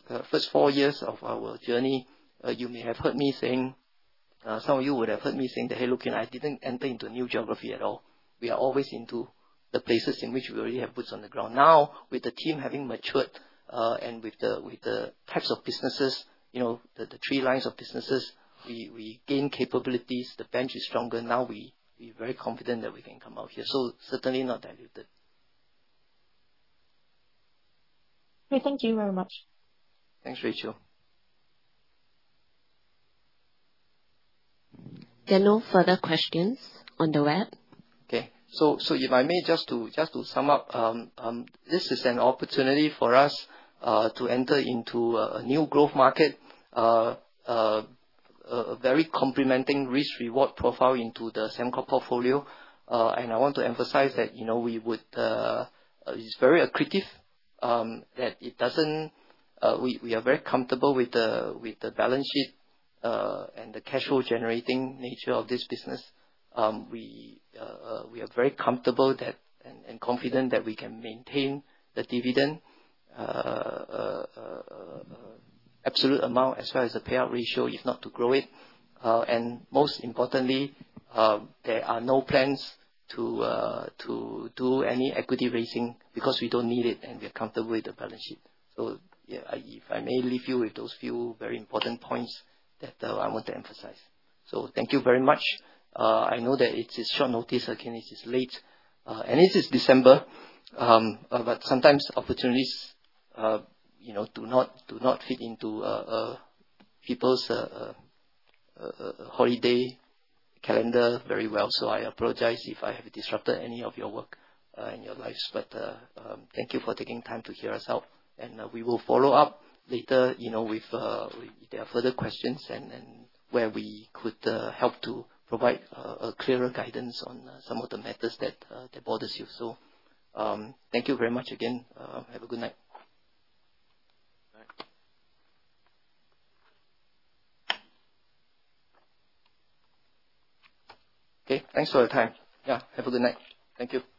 four years of our journey, you may have heard me saying some of you would have heard me saying that, "Hey, look, I didn't enter into a new geography at all." We are always into the places in which we already have boots on the ground. Now, with the team having matured and with the types of businesses, the three lines of businesses, we gain capabilities. The bench is stronger. Now we are very confident that we can come out here. So certainly not diluted. Okay. Thank you very much. Thanks, Rachel. There are no further questions on the web. Okay. So if I may just to sum up, this is an opportunity for us to enter into a new growth market, a very complementing risk-reward profile into the Sembcorp portfolio. And I want to emphasize that we would. It's very accretive that it doesn't. We are very comfortable with the balance sheet and the cash flow generating nature of this business. We are very comfortable and confident that we can maintain the dividend absolute amount as well as the payout ratio if not to grow it. And most importantly, there are no plans to do any equity raising because we don't need it and we are comfortable with the balance sheet. So if I may leave you with those few very important points that I want to emphasize. So thank you very much. I know that it's short notice. Again, it is late. And this is December, but sometimes opportunities do not fit into people's holiday calendar very well. So I apologize if I have disrupted any of your work and your lives. But thank you for taking time to hear us out. And we will follow up later if there are further questions and where we could help to provide a clearer guidance on some of the matters that bother you. So thank you very much again. Have a good night. Okay. Thanks for your time. Yeah. Have a good night. Thank you.